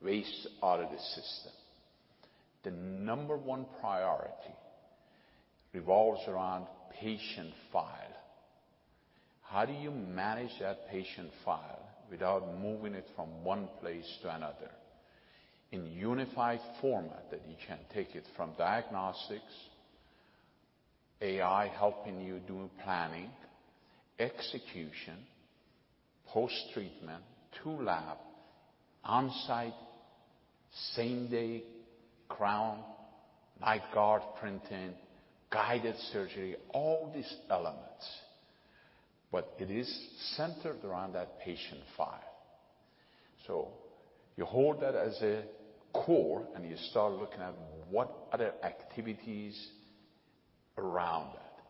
waste out of the system. The number one priority revolves around patient file. How do you manage that patient file without moving it from one place to another in unified format that you can take it from diagnostics, AI helping you do planning, execution, post-treatment, to lab, on-site same-day crown, night guard printing, guided surgery, all these elements? It is centered around that patient file. You hold that as a core, and you start looking at what other activities around that.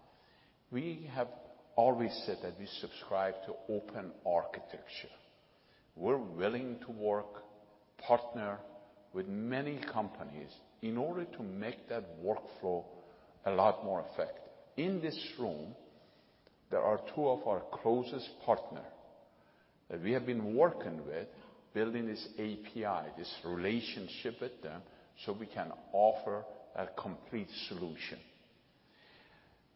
We have always said that we subscribe to open architecture. We're willing to work, partner with many companies in order to make that workflow a lot more effective. In this room, there are two of our closest partner that we have been working with building this API, this relationship with them, so we can offer a complete solution.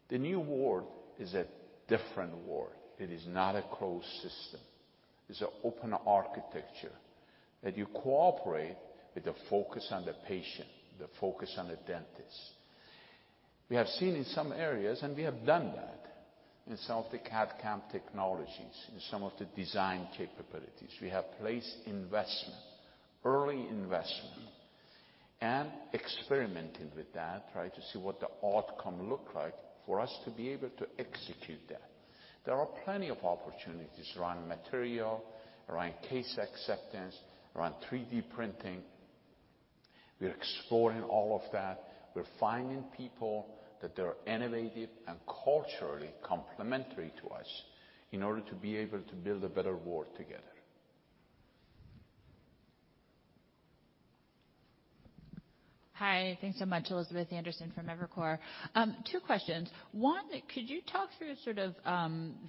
The new world is a different world. It is not a closed system. It's an open architecture that you cooperate with the focus on the patient, the focus on the dentist. We have seen in some areas, and we have done that in some of the CAD/CAM technologies, in some of the design capabilities. We have placed investment, early investment, and experimented with that, right? To see what the outcome look like for us to be able to execute that. There are plenty of opportunities around material, around case acceptance, around 3D printing. We're exploring all of that. We're finding people that they are innovative and culturally complementary to us in order to be able to build a better world together. Hi. Thanks so much. Elizabeth Anderson from Evercore. Two questions. One, could you talk through sort of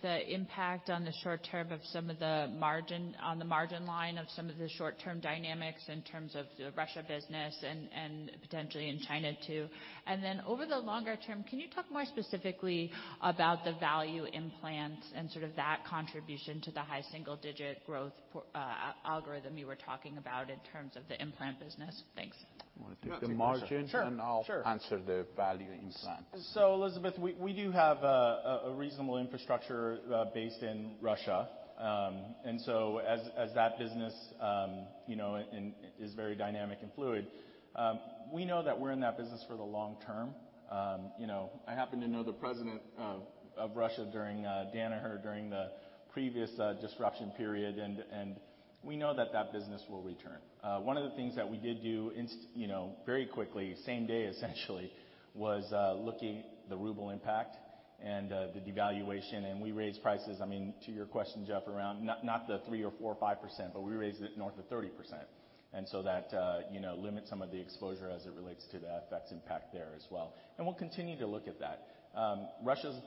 the impact in the short term on the margin line of some of the short-term dynamics in terms of the Russia business and potentially in China too. Over the longer term, can you talk more specifically about the value implants and sort of that contribution to the high single digit growth algorithm you were talking about in terms of the implant business? Thanks. You wanna take the margin. Sure, sure. I'll answer the value implant. Elizabeth, we do have a reasonable infrastructure based in Russia. As that business, you know, and is very dynamic and fluid, we know that we're in that business for the long term. You know, I happen to know the president of Russia during Danaher, during the previous disruption period, and we know that that business will return. One of the things that we did do, you know, very quickly, same day essentially, was looking the ruble impact and the devaluation, and we raised prices. I mean, to your question, Jeff, around not the 3% or 4% or 5%, but we raised it north of 30%. That, you know, limits some of the exposure as it relates to the FX impact there as well, and we'll continue to look at that. Russia's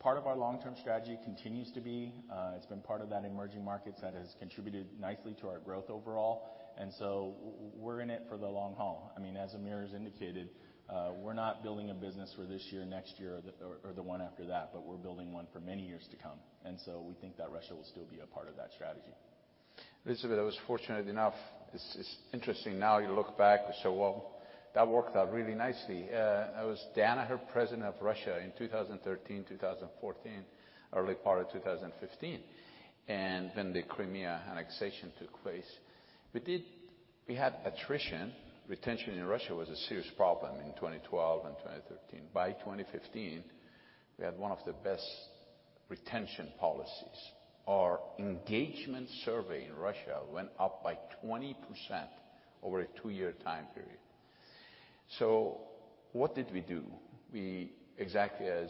part of our long-term strategy continues to be. It's been part of that emerging markets that has contributed nicely to our growth overall, and we're in it for the long haul. I mean, as Amir's indicated, we're not building a business for this year, next year, or the one after that, but we're building one for many years to come. We think that Russia will still be a part of that strategy. Elizabeth, I was fortunate enough. It's interesting now you look back and say, "Well, that worked out really nicely." I was Danaher president of Russia in 2013, 2014, early part of 2015. When the Crimea annexation took place, we had attrition. Retention in Russia was a serious problem in 2012 and 2013. By 2015, we had one of the best retention policies. Our engagement survey in Russia went up by 20% over a two-year time period. What did we do? We exactly as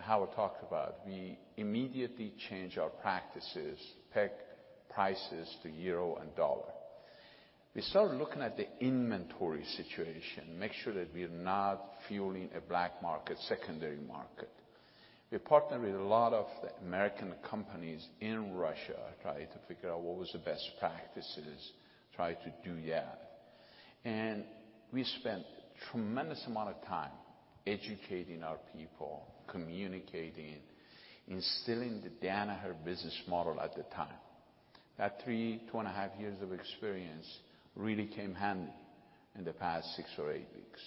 Howard talked about, we immediately changed our practices, pegged prices to euro and dollar. We started looking at the inventory situation, make sure that we're not fueling a black market, secondary market. We partnered with a lot of American companies in Russia, tried to figure out what was the best practices, tried to do that. We spent tremendous amount of time educating our people, communicating, instilling the Danaher business model at the time. That three, 2.5 years of experience really came handy in the past six or eight weeks.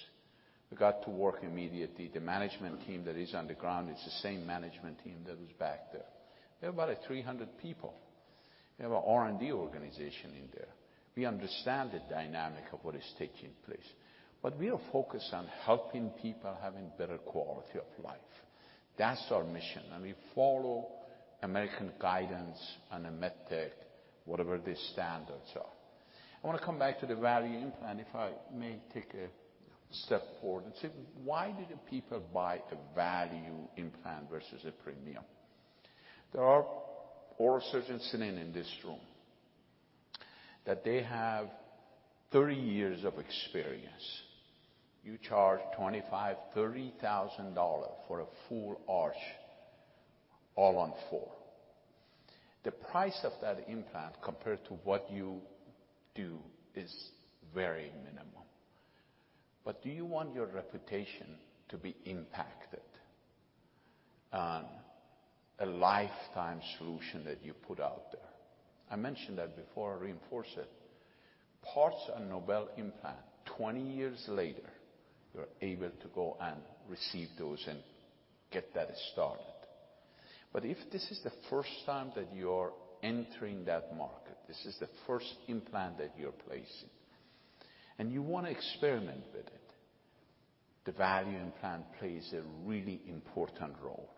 We got to work immediately. The management team that is on the ground, it's the same management team that was back there. We have about 300 people. We have a R&D organization in there. We understand the dynamic of what is taking place, but we are focused on helping people having better quality of life. That's our mission, and we follow American guidance on a med tech, whatever the standards are. I wanna come back to the value implant, if I may take a step forward and say, why do the people buy a value implant versus a premium? There are oral surgeons sitting in this room that they have 30 years of experience. You charge $25,000-$30,000 for a full arch All-on-4. The price of that implant compared to what you do is very minimal. But do you want your reputation to be impacted on a lifetime solution that you put out there? I mentioned that before. I reinforce it. Parts for Nobel implant. 20 years later, you're able to go and receive those and get that started. If this is the first time that you are entering that market, this is the first implant that you're placing, and you wanna experiment with it, the value implant plays a really important role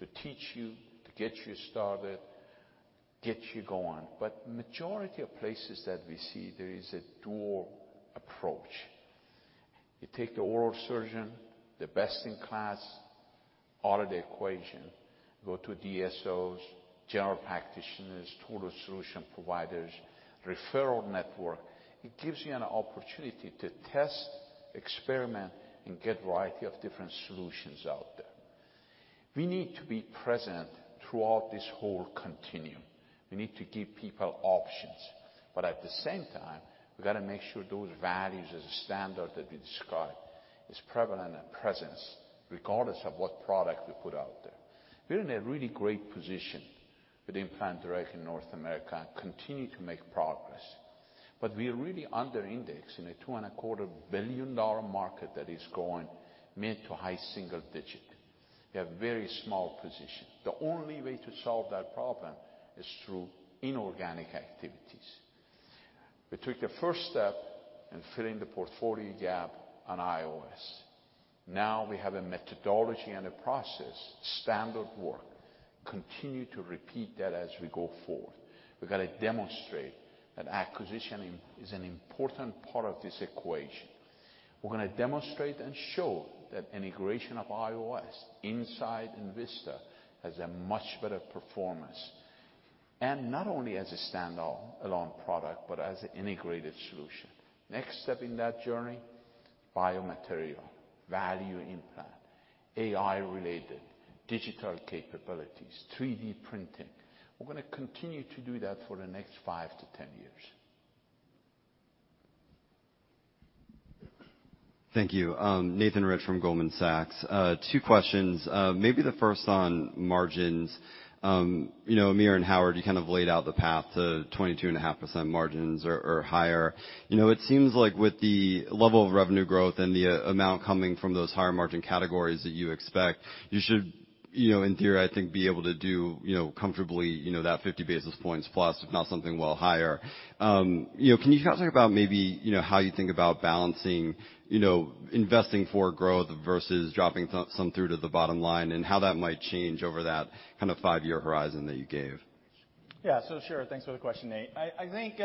to teach you, to get you started, get you going. Majority of places that we see there is a dual approach. You take the oral surgeon, the best in class out of the equation, go to DSOs, general practitioners, total solution providers, referral network. It gives you an opportunity to test, experiment, and get variety of different solutions out there. We need to be present throughout this whole continuum. We need to give people options, but at the same time, we gotta make sure those values as a standard that we described is prevalent and present regardless of what product we put out there. We're in a really great position with Implant Direct in North America and continue to make progress. We are really under-index in a $2.25 billion market that is growing mid to high single digit. We have a very small position. The only way to solve that problem is through inorganic activities. We took the first step in filling the portfolio gap on IOS. Now we have a methodology and a process, standard work, continue to repeat that as we go forward. We've gotta demonstrate that acquiring is an important part of this equation. We're gonna demonstrate and show that integration of IOS inside Envista has a much better performance. Not only as a standalone product, but as an integrated solution. Next step in that journey, biomaterial, value implant, AI-related digital capabilities, 3D printing. We're gonna continue to do that for the next 5-10 years. Thank you. Nathan Roth from Goldman Sachs. Two questions. Maybe the first on margins. You know, Amir and Howard, you kind of laid out the path to 22.5% margins or higher. You know, it seems like with the level of revenue growth and the amount coming from those higher margin categories that you expect, you should, you know, in theory, I think, be able to do, you know, comfortably, you know, that 50 basis points plus, if not something well higher. You know, can you talk to me about maybe, you know, how you think about balancing, you know, investing for growth versus dropping some through to the bottom line, and how that might change over that kind of five year horizon that you gave? Sure. Thanks for the question, Nate. I think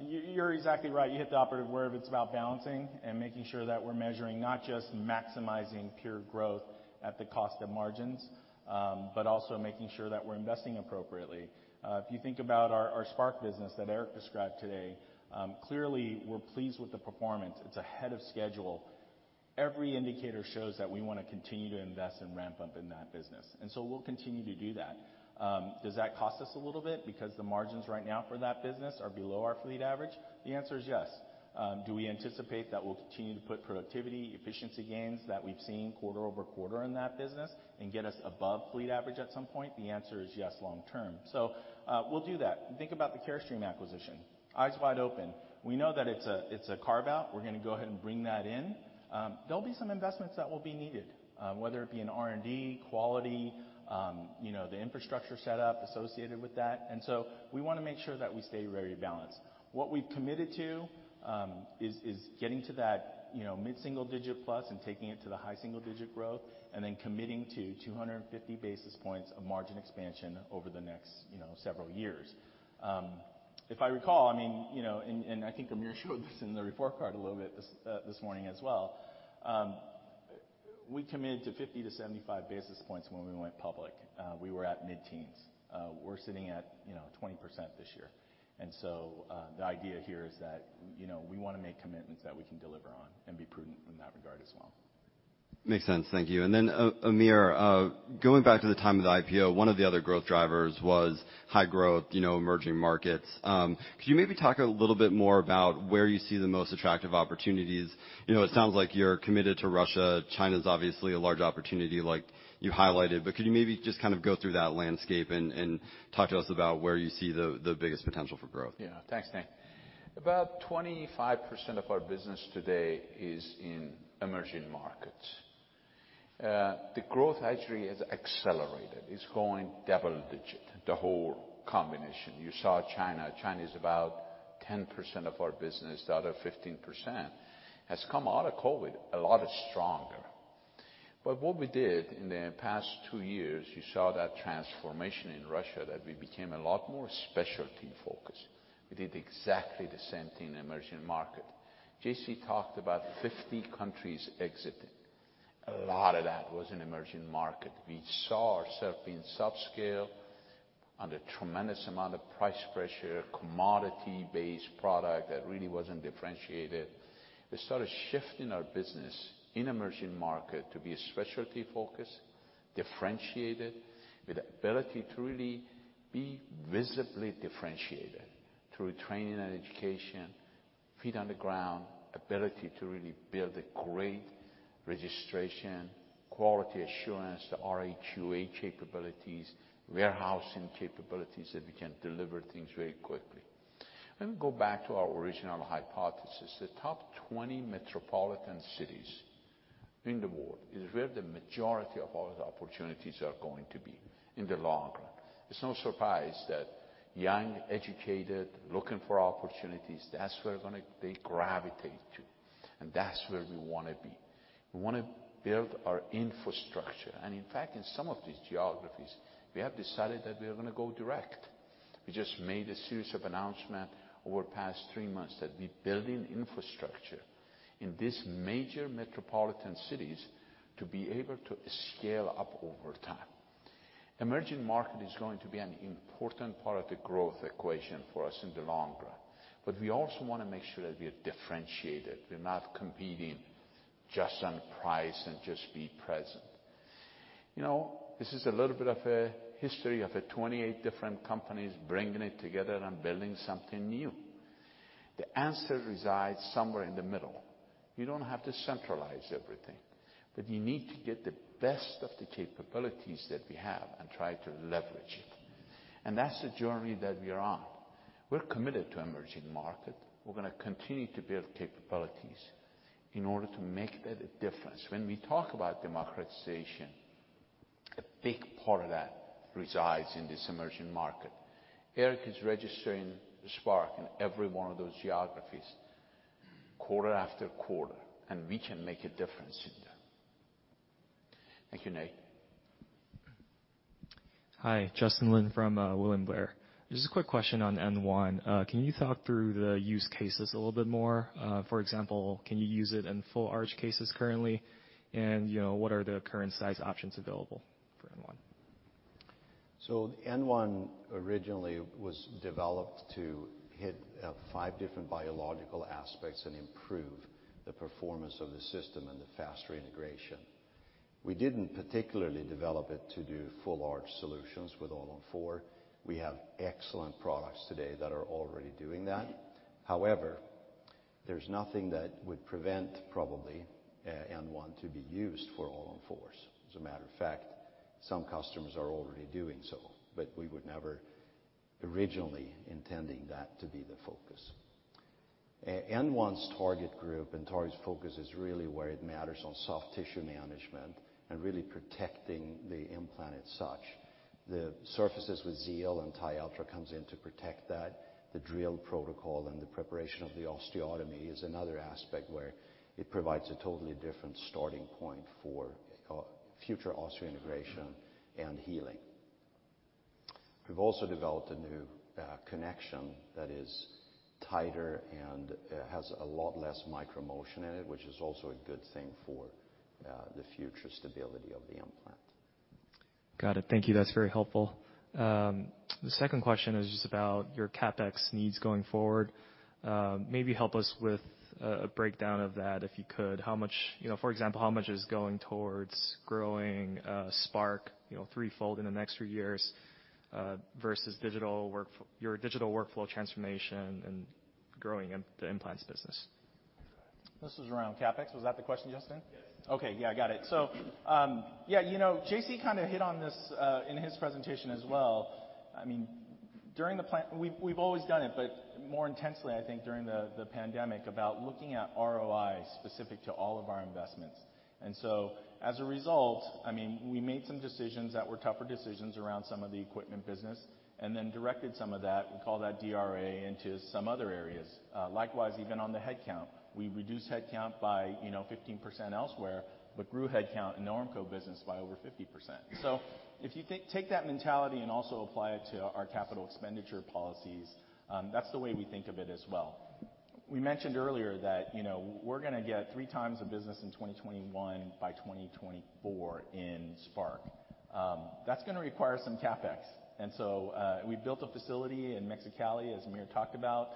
you’re exactly right. You hit the operative word. It’s about balancing and making sure that we’re measuring, not just maximizing pure growth at the cost of margins, but also making sure that we’re investing appropriately. If you think about our Spark business that Eric described today, clearly, we’re pleased with the performance. It’s ahead of schedule. Every indicator shows that we wanna continue to invest and ramp up in that business. We’ll continue to do that. Does that cost us a little bit because the margins right now for that business are below our fleet average? The answer is yes. Do we anticipate that we'll continue to put productivity, efficiency gains that we've seen quarter-over-quarter in that business and get us above fleet average at some point? The answer is yes, long term. We'll do that. Think about the Carestream acquisition. Eyes wide open. We know that it's a carve-out. We're gonna go ahead and bring that in. There'll be some investments that will be needed, whether it be in R&D, quality, you know, the infrastructure setup associated with that. We wanna make sure that we stay very balanced. What we've committed to is getting to that, you know, mid single digit plus and taking it to the high single digit growth, and then committing to 250 basis points of margin expansion over the next, you know, several years. If I recall, I mean, you know, and I think Amir showed this in the report card a little bit this morning as well, we committed to 50-75 basis points when we went public. We were at mid-teens. We're sitting at, you know, 20% this year. The idea here is that, you know, we wanna make commitments that we can deliver on and be prudent in that regard as well. Makes sense. Thank you. Amir, going back to the time of the IPO, one of the other growth drivers was high growth, you know, emerging markets. Could you maybe talk a little bit more about where you see the most attractive opportunities? You know, it sounds like you're committed to Russia. China's obviously a large opportunity like you highlighted. But could you maybe just kind of go through that landscape and talk to us about where you see the biggest potential for growth? Yeah. Thanks, Nate. About 25% of our business today is in emerging markets. The growth actually has accelerated. It's going double-digit, the whole combination. You saw China. China is about 10% of our business. The other 15% has come out of COVID a lot stronger. What we did in the past two years, you saw that transformation in Russia that we became a lot more specialty-focused. We did exactly the same thing in emerging market. JC talked about 50 countries exiting. A lot of that was in emerging market. We saw ourselves being subscale under tremendous amount of price pressure, commodity-based product that really wasn't differentiated. We started shifting our business in emerging markets to be specialty-focused, differentiated, with the ability to really be visibly differentiated through training and education, feet on the ground, ability to really build a great registration, quality assurance, the RA/QA capabilities, warehousing capabilities that we can deliver things very quickly. Let me go back to our original hypothesis. The top 20 metropolitan cities in the world is where the majority of all the opportunities are going to be in the long run. It's no surprise that young, educated, looking for opportunities, that's where they gravitate to, and that's where we wanna be. We wanna build our infrastructure. In fact, in some of these geographies, we have decided that we are gonna go direct. We just made a series of announcements over past three months that we're building infrastructure in these major metropolitan cities to be able to scale up over time. Emerging market is going to be an important part of the growth equation for us in the long run, but we also wanna make sure that we are differentiated. We're not competing just on price and just be present. You know, this is a little bit of a history of, 28 different companies bringing it together and building something new. The answer resides somewhere in the middle. You don't have to centralize everything, but you need to get the best of the capabilities that we have and try to leverage it. That's the journey that we are on. We're committed to emerging market. We're gonna continue to build capabilities in order to make that a difference. When we talk about democratization, a big part of that resides in this emerging market. Eric is registering Spark in every one of those geographies quarter after quarter, and we can make a difference in that. Thank you, Nate. Hi, Justin Lin from William Blair. Just a quick question on N1. Can you talk through the use cases a little bit more? For example, can you use it in full arch cases currently? You know, what are the current size options available for N1? N1 originally was developed to hit five different biological aspects and improve the performance of the system and the faster integration. We didn't particularly develop it to do full arch solutions with All-on-4. We have excellent products today that are already doing that. However, there's nothing that would prevent probably N1 to be used for All-on-4s. As a matter of fact, some customers are already doing so, but we would never originally intending that to be the focus. N1's target group and target focus is really where it matters on soft tissue management and really protecting the implant as such. The surfaces with Xeal and TiUltra comes in to protect that. The drill protocol and the preparation of the osteotomy is another aspect where it provides a totally different starting point for future osseointegration and healing. We've also developed a new connection that is tighter and has a lot less micro motion in it, which is also a good thing for the future stability of the implant. Got it. Thank you. That's very helpful. The second question is just about your CapEx needs going forward. Maybe help us with a breakdown of that, if you could. How much, you know, for example, is going towards growing Spark, you know, threefold in the next three years, versus your digital workflow transformation and growing the implants business? This is around CapEx. Was that the question, Justin? Yes. Okay. Yeah, got it. Yeah, you know, JC kind of hit on this in his presentation as well. I mean, during the pandemic we've always done it, but more intensely, I think, during the pandemic about looking at ROI specific to all of our investments. As a result, I mean, we made some decisions that were tougher decisions around some of the equipment business and then directed some of that. We call that DRA into some other areas. Likewise, even on the headcount, we reduced headcount by, you know, 15% elsewhere, but grew headcount in the Ormco business by over 50%. Take that mentality and also apply it to our capital expenditure policies. That's the way we think of it as well. We mentioned earlier that we're gonna get three times the business in 2021 by 2024 in Spark. That's gonna require some CapEx. We built a facility in Mexicali, as Amir talked about.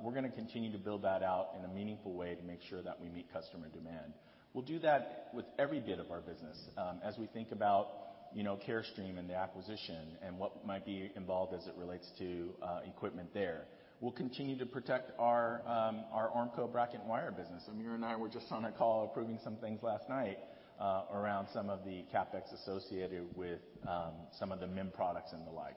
We're gonna continue to build that out in a meaningful way to make sure that we meet customer demand. We'll do that with every bit of our business. As we think about Carestream and the acquisition and what might be involved as it relates to equipment there. We'll continue to protect our Ormco bracket and wire business. Amir and I were just on a call approving some things last night around some of the CapEx associated with some of the MIM products and the like.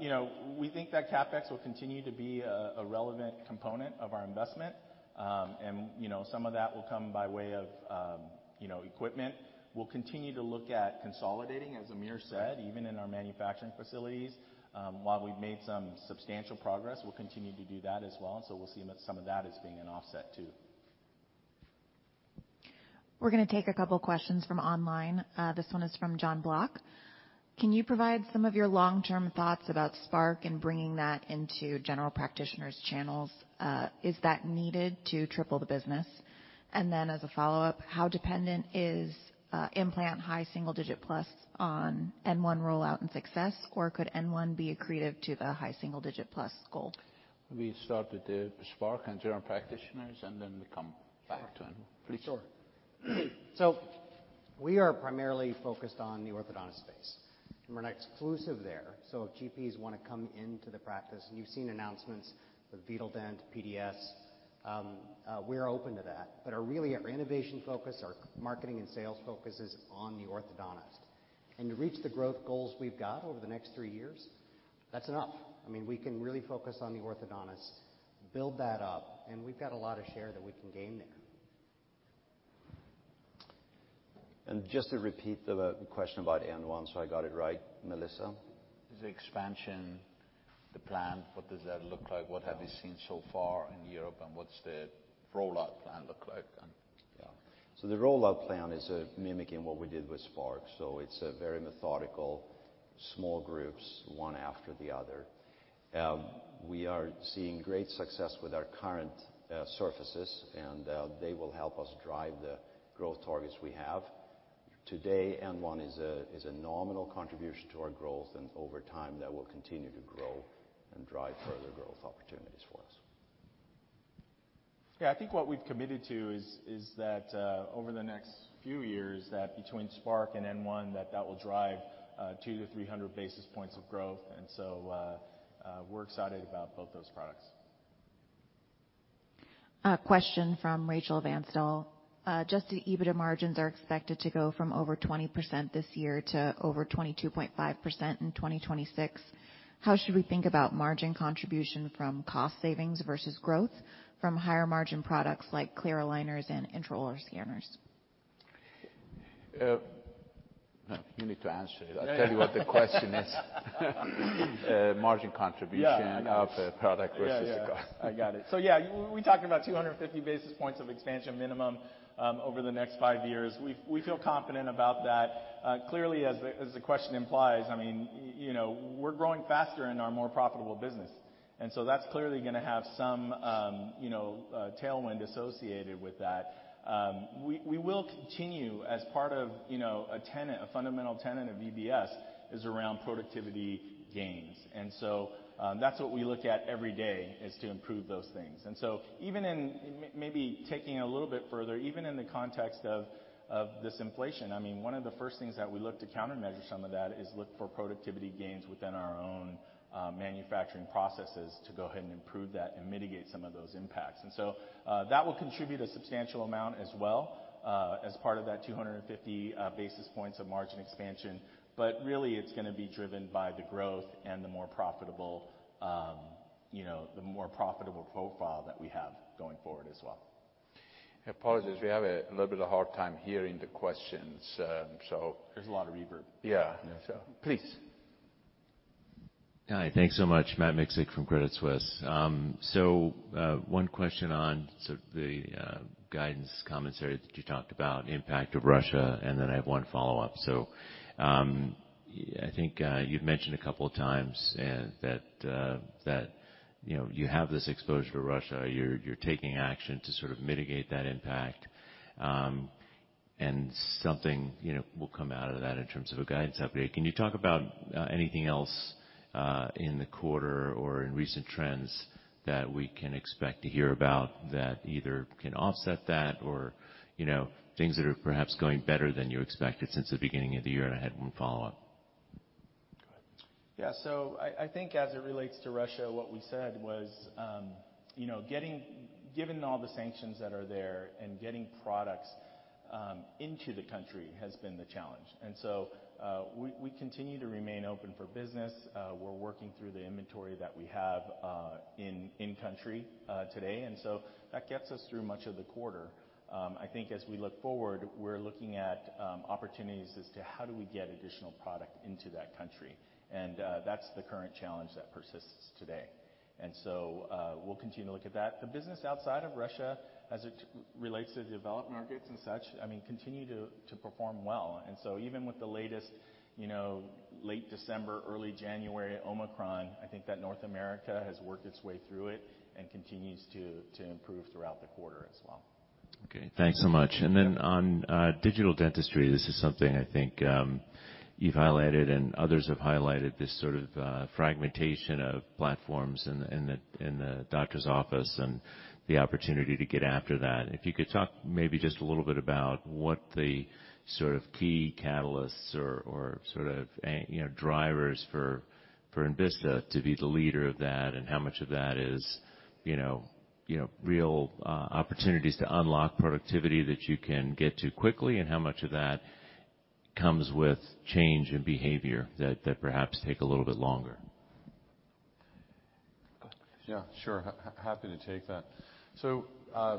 You know, we think that CapEx will continue to be a relevant component of our investment. And you know, some of that will come by way of equipment. We'll continue to look at consolidating, as Amir said, even in our manufacturing facilities. While we've made some substantial progress, we'll continue to do that as well. We'll see some of that as being an offset, too. We're gonna take a couple questions from online. This one is from Jonathan Block. Can you provide some of your long-term thoughts about Spark and bringing that into general practitioners channels? Is that needed to triple the business? As a follow-up, how dependent is implant high single digit plus on N1 rollout and success, or could N1 be accretive to the high single digit plus goal? We start with the Spark and general practitioners, and then we come back to N1. Please. Sure. We are primarily focused on the orthodontist space, and we're not exclusive there. If GPs wanna come into the practice, and you've seen announcements with Vitaldent, PDS, we're open to that. Our innovation focus, our marketing and sales focus is on the orthodontist. To reach the growth goals we've got over the next three years, that's enough. I mean, we can really focus on the orthodontist, build that up, and we've got a lot of share that we can gain there. Just to repeat the question about N1 so I got it right, Melissa. Is the expansion, the plan, what does that look like? What have you seen so far in Europe, and what's the rollout plan look like then? Yeah. The rollout plan is mimicking what we did with Spark. It's very methodical, small groups, one after the other. We are seeing great success with our current surfaces, and they will help us drive the growth targets we have. Today, N1 is a nominal contribution to our growth, and over time, that will continue to grow and drive further growth opportunities for us. Yeah. I think what we've committed to is that over the next few years, between Spark and N1, that will drive 200-300 basis points of growth. We're excited about both those products. A question from Rachel Vatnsdal. Just the EBITDA margins are expected to go from over 20% this year to over 22.5% in 2026. How should we think about margin contribution from cost savings versus growth from higher margin products like clear aligners and intraoral scanners? You need to answer it. I'll tell you what the question is. Margin contribution. Yeah. of a product versus the cost. Yeah. Yeah. I got it. Yeah, we talked about 250 basis points of expansion minimum over the next five years. We feel confident about that. Clearly, as the question implies, I mean, you know, we're growing faster in our more profitable business, and so that's clearly gonna have some tailwind associated with that. We will continue as part of, you know, a tenet, a fundamental tenet of EBS is around productivity gains. That's what we look at every day, is to improve those things. Even in the context of this inflation, I mean, one of the first things that we look to countermeasure some of that is look for productivity gains within our own manufacturing processes to go ahead and improve that and mitigate some of those impacts. That will contribute a substantial amount as well as part of that 250 basis points of margin expansion. Really, it's gonna be driven by the growth and the more profitable, you know, the more profitable profile that we have going forward as well. Apologies. We have a little bit of a hard time hearing the questions. There's a lot of reverb. Yeah. Yeah. Please. Hi. Thanks so much. Matt Miksic from Credit Suisse. One question on sort of the guidance commentary that you talked about, impact of Russia, and then I have one follow-up. I think you'd mentioned a couple of times that you know you have this exposure to Russia, you're taking action to sort of mitigate that impact. Something you know will come out of that in terms of a guidance update. Can you talk about anything else in the quarter or in recent trends that we can expect to hear about that either can offset that or you know things that are perhaps going better than you expected since the beginning of the year? I had one follow-up. Go ahead. Yeah. I think as it relates to Russia, what we said was, given all the sanctions that are there and getting products into the country has been the challenge. We continue to remain open for business. We're working through the inventory that we have in country today. That gets us through much of the quarter. I think as we look forward, we're looking at opportunities as to how do we get additional product into that country. That's the current challenge that persists today. We'll continue to look at that. The business outside of Russia as it relates to developed markets and such, I mean, continue to perform well. Even with the latest, you know, late December, early January Omicron, I think that North America has worked its way through it and continues to improve throughout the quarter as well. Okay. Thanks so much. On digital dentistry, this is something I think you've highlighted and others have highlighted, this sort of fragmentation of platforms in the doctor's office and the opportunity to get after that. If you could talk maybe just a little bit about what the sort of key catalysts or sort of you know drivers for Envista to be the leader of that and how much of that is you know real opportunities to unlock productivity that you can get to quickly, and how much of that comes with change in behavior that perhaps take a little bit longer. Go ahead. Yeah, sure. Happy to take that. I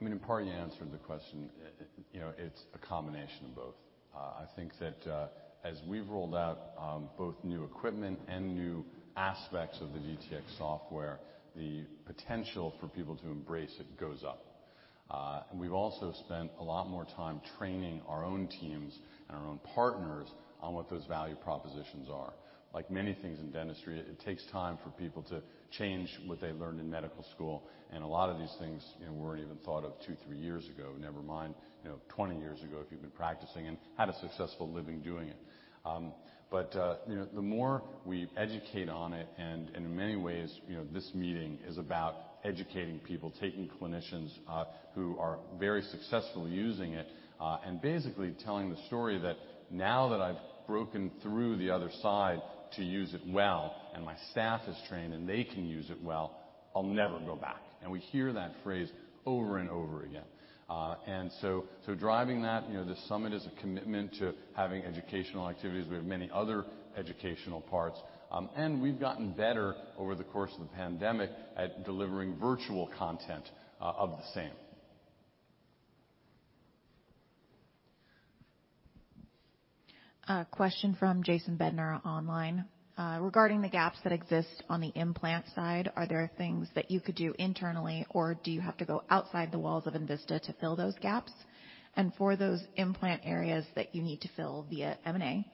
mean, in part, you answered the question. You know, it's a combination of both. I think that as we've rolled out both new equipment and new aspects of the DTX software, the potential for people to embrace it goes up. We've also spent a lot more time training our own teams and our own partners on what those value propositions are. Like many things in dentistry, it takes time for people to change what they learned in medical school. A lot of these things, you know, weren't even thought of two, three years ago, never mind, you know, 20 years ago, if you've been practicing and had a successful living doing it. You know, the more we educate on it, and in many ways, you know, this meeting is about educating people, taking clinicians who are very successfully using it, and basically telling the story that now that I've broken through the other side to use it well, and my staff is trained and they can use it well, I'll never go back. We hear that phrase over and over again. Driving that, you know, this summit is a commitment to having educational activities. We have many other educational parts. We've gotten better over the course of the pandemic at delivering virtual content of the same. Question from Jason Bednar online. Regarding the gaps that exist on the implant side, are there things that you could do internally, or do you have to go outside the walls of Envista to fill those gaps? For those implant areas that you need to fill via M&A,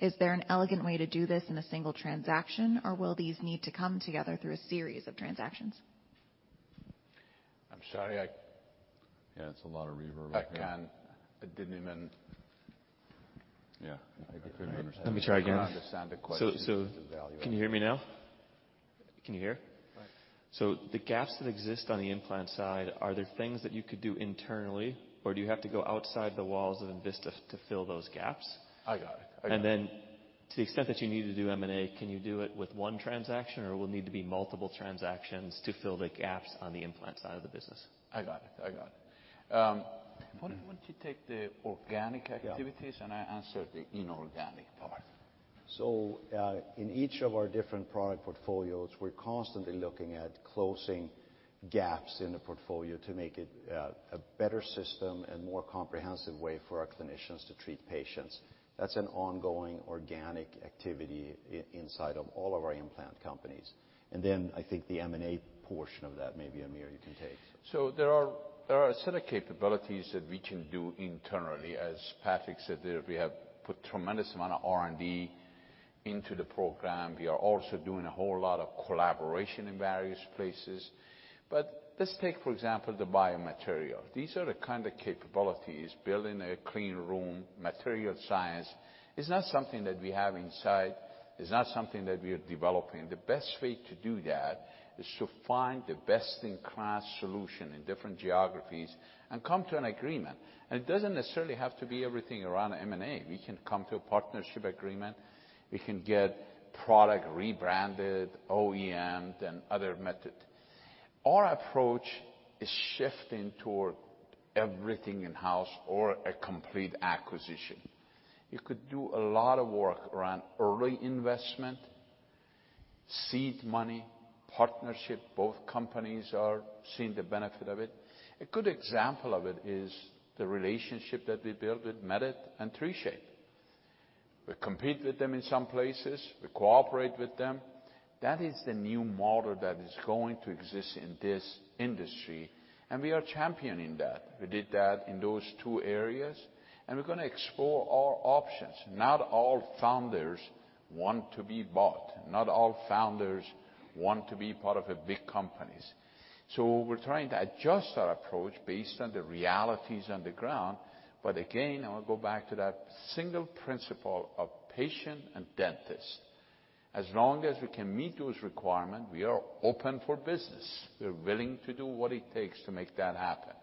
is there an elegant way to do this in a single transaction, or will these need to come together through a series of transactions? I'm sorry. Yeah, it's a lot of reverb in here. I can... I didn't even... Yeah. I couldn't understand. Let me try again. I couldn't understand the question. Can you hear me now? Can you hear? All right. The gaps that exist on the implant side, are there things that you could do internally, or do you have to go outside the walls of Envista to fill those gaps? I got it. To the extent that you need to do M&A, can you do it with one transaction or will need to be multiple transactions to fill the gaps on the implant side of the business? I got it. Mm-hmm. Why don't you take the organic activities? Yeah. I answer the inorganic part. So, in each of our different product portfolios, we're constantly looking at closing gaps in the portfolio to make it a better system and more comprehensive way for our clinicians to treat patients. That's an ongoing organic activity inside of all of our implant companies. I think the M&A portion of that, maybe Amir, you can take. So there are a set of capabilities that we can do internally. As Patrik said there, we have put tremendous amount of R&D into the program. We are also doing a whole lot of collaboration in various places. Let's take, for example, the biomaterial. These are the kind of capabilities, building a clean room, material science. It's not something that we have inside. It's not something that we are developing. The best way to do that is to find the best-in-class solution in different geographies and come to an agreement. It doesn't necessarily have to be everything around M&A. We can come to a partnership agreement. We can get product rebranded, OEM and other method. Our approach is shifting toward everything in-house or a complete acquisition. You could do a lot of work around early investment, seed money, partnership. Both companies are seeing the benefit of it. A good example of it is the relationship that we built with Medit and 3Shape. We compete with them in some places, we cooperate with them. That is the new model that is going to exist in this industry, and we are championing that. We did that in those two areas, and we're gonna explore all options. Not all founders want to be bought. Not all founders want to be part of a big companies. We're trying to adjust our approach based on the realities on the ground. Again, I'll go back to that single principle of patient and dentist. As long as we can meet those requirement, we are open for business. We're willing to do what it takes to make that happen.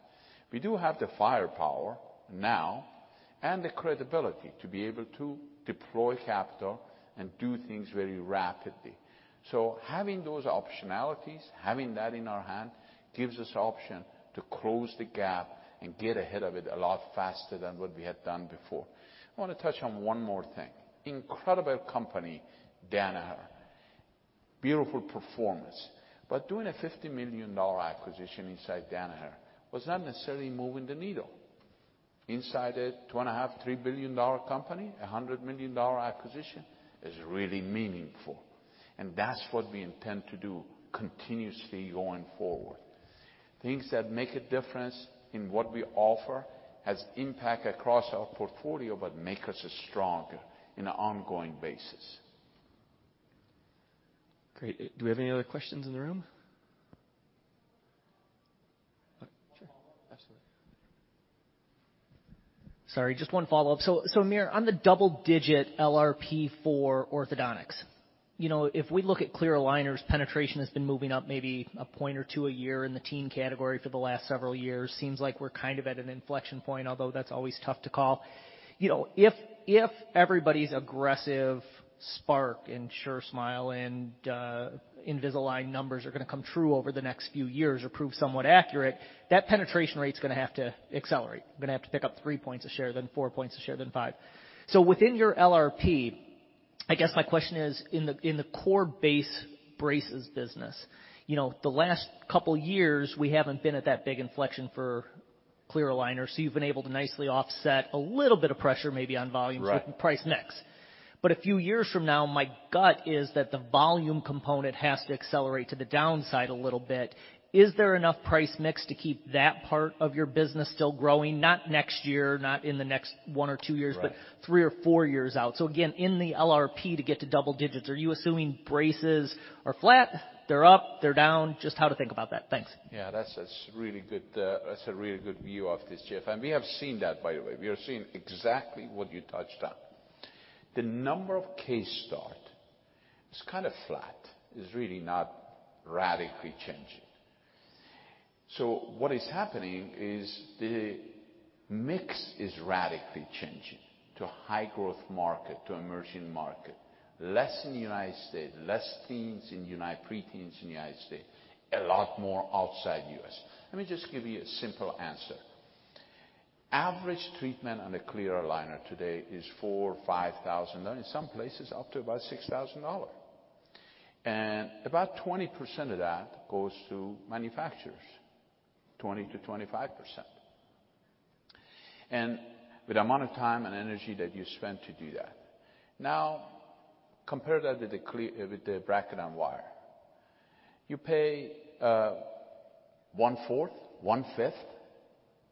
We do have the firepower now and the credibility to be able to deploy capital and do things very rapidly. Having those optionalities, having that in our hand, gives us option to close the gap and get ahead of it a lot faster than what we had done before. I wanna touch on one more thing. Incredible company, Danaher. Beautiful performance. Doing a $50 million acquisition inside Danaher was not necessarily moving the needle. Inside a $2.5 billion-$3 billion company, a $100 million acquisition is really meaningful. That's what we intend to do continuously going forward. Things that make a difference in what we offer has impact across our portfolio, but make us stronger on an ongoing basis. Great. Do we have any other questions in the room? Sure. Absolutely. Sorry, just one follow-up. Amir, on the double digit LRP for orthodontics, you know, if we look at clear aligners, penetration has been moving up maybe a point or two a year in the teen category for the last several years. Seems like we're kind of at an inflection point, although that's always tough to call. You know, if everybody's aggressive Spark and SureSmile and Invisalign numbers are gonna come true over the next few years or prove somewhat accurate, that penetration rate's gonna have to accelerate. We're gonna have to pick up three points a share, then four points a share, then five. Within your LRP, I guess my question is, in the core base braces business, you know, the last couple years, we haven't been at that big inflection for clear aligners, so you've been able to nicely offset a little bit of pressure maybe on volume. Right. With the price mix. A few years from now, my gut is that the volume component has to accelerate to the downside a little bit. Is there enough price mix to keep that part of your business still growing? Not next year, not in the next one or two years- Right. Three or four years out. Again, in the LRP, to get to double digits, are you assuming braces are flat, they're up, they're down? Just how to think about that. Thanks. That's a really good view of this, Jeff. We have seen that, by the way. We are seeing exactly what you touched on. The number of case starts is kind of flat. It's really not radically changing. What is happening is the mix is radically changing to high growth market, to emerging market. Less in the United States, less preteens in the United States, a lot more outside U.S. Let me just give you a simple answer. Average treatment on a clear aligner today is $4,000-$5,000, in some places, up to about $6,000. About 20% of that goes to manufacturers, 20%-25%. With the amount of time and energy that you spend to do that. Now, compare that with the bracket and wire. You pay 1/4, 1/5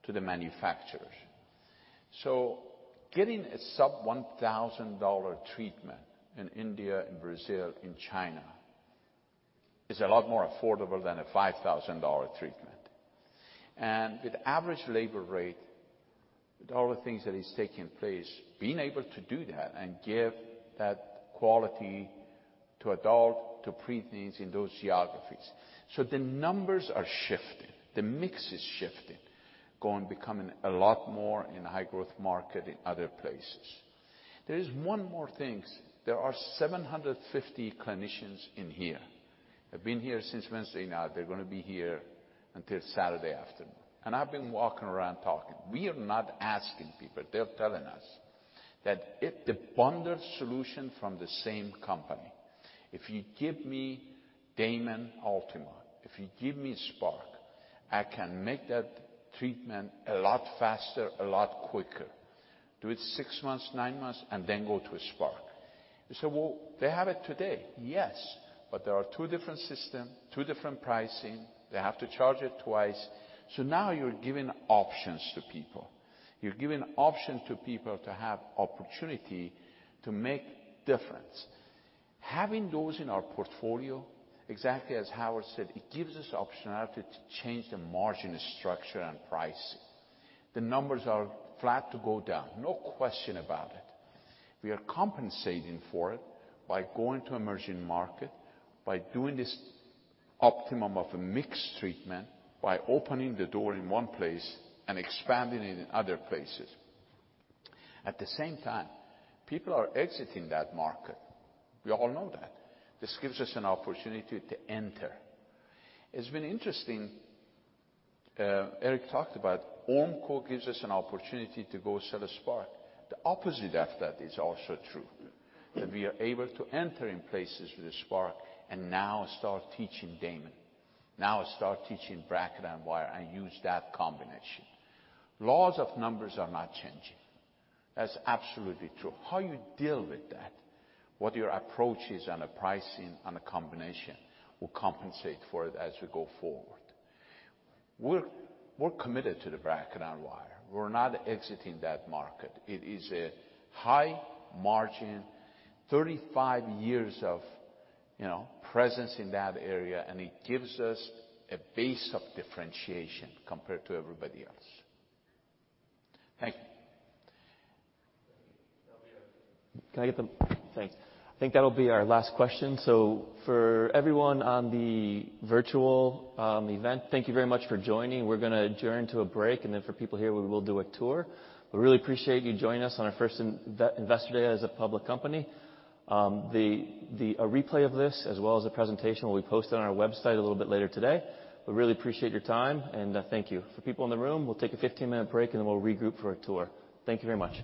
to the manufacturers. Getting a sub-$1,000 treatment in India, in Brazil, in China, is a lot more affordable than a $5,000 treatment. With average labor rate, with all the things that is taking place, being able to do that and give that quality to adult, to preteens in those geographies. The numbers are shifting, the mix is shifting, becoming a lot more in high growth market in other places. There is one more things. There are 750 clinicians in here. They've been here since Wednesday. Now they're gonna be here until Saturday afternoon. I've been walking around talking. We are not asking people. They're telling us that if the bundled solution from the same company, if you give me Damon Ultima, if you give me Spark, I can make that treatment a lot faster, a lot quicker. Do it six months, nine months, and then go to a Spark. You say, "Well, they have it today." Yes, but there are two different system, two different pricing. They have to charge it twice. So now you're giving options to people. You're giving options to people to have opportunity to make difference. Having those in our portfolio, exactly as Howard said, it gives us optionality to change the margin structure and pricing. The numbers are flat to go down, no question about it. We are compensating for it by going to emerging market, by doing this optimum of a mixed treatment, by opening the door in one place and expanding it in other places. At the same time, people are exiting that market. We all know that. This gives us an opportunity to enter. It's been interesting. Eric talked about Ormco gives us an opportunity to go sell a Spark. The opposite of that is also true, that we are able to enter in places with a Spark and now start teaching Damon. Now start teaching bracket and wire and use that combination. Laws of numbers are not changing. That's absolutely true. How you deal with that, what your approach is on a pricing on a combination will compensate for it as we go forward. We're committed to the bracket and wire. We're not exiting that market. It is a high margin, 35 years of, you know, presence in that area, and it gives us a base of differentiation compared to everybody else. Thank you. Thanks. I think that'll be our last question. For everyone on the virtual event, thank you very much for joining. We're gonna adjourn to a break, and then for people here, we will do a tour. We really appreciate you joining us on our first Investor Day as a public company. The replay of this as well as the presentation will be posted on our website a little bit later today. We really appreciate your time, and thank you. For people in the room, we'll take a 15-minute break, and then we'll regroup for a tour. Thank you very much.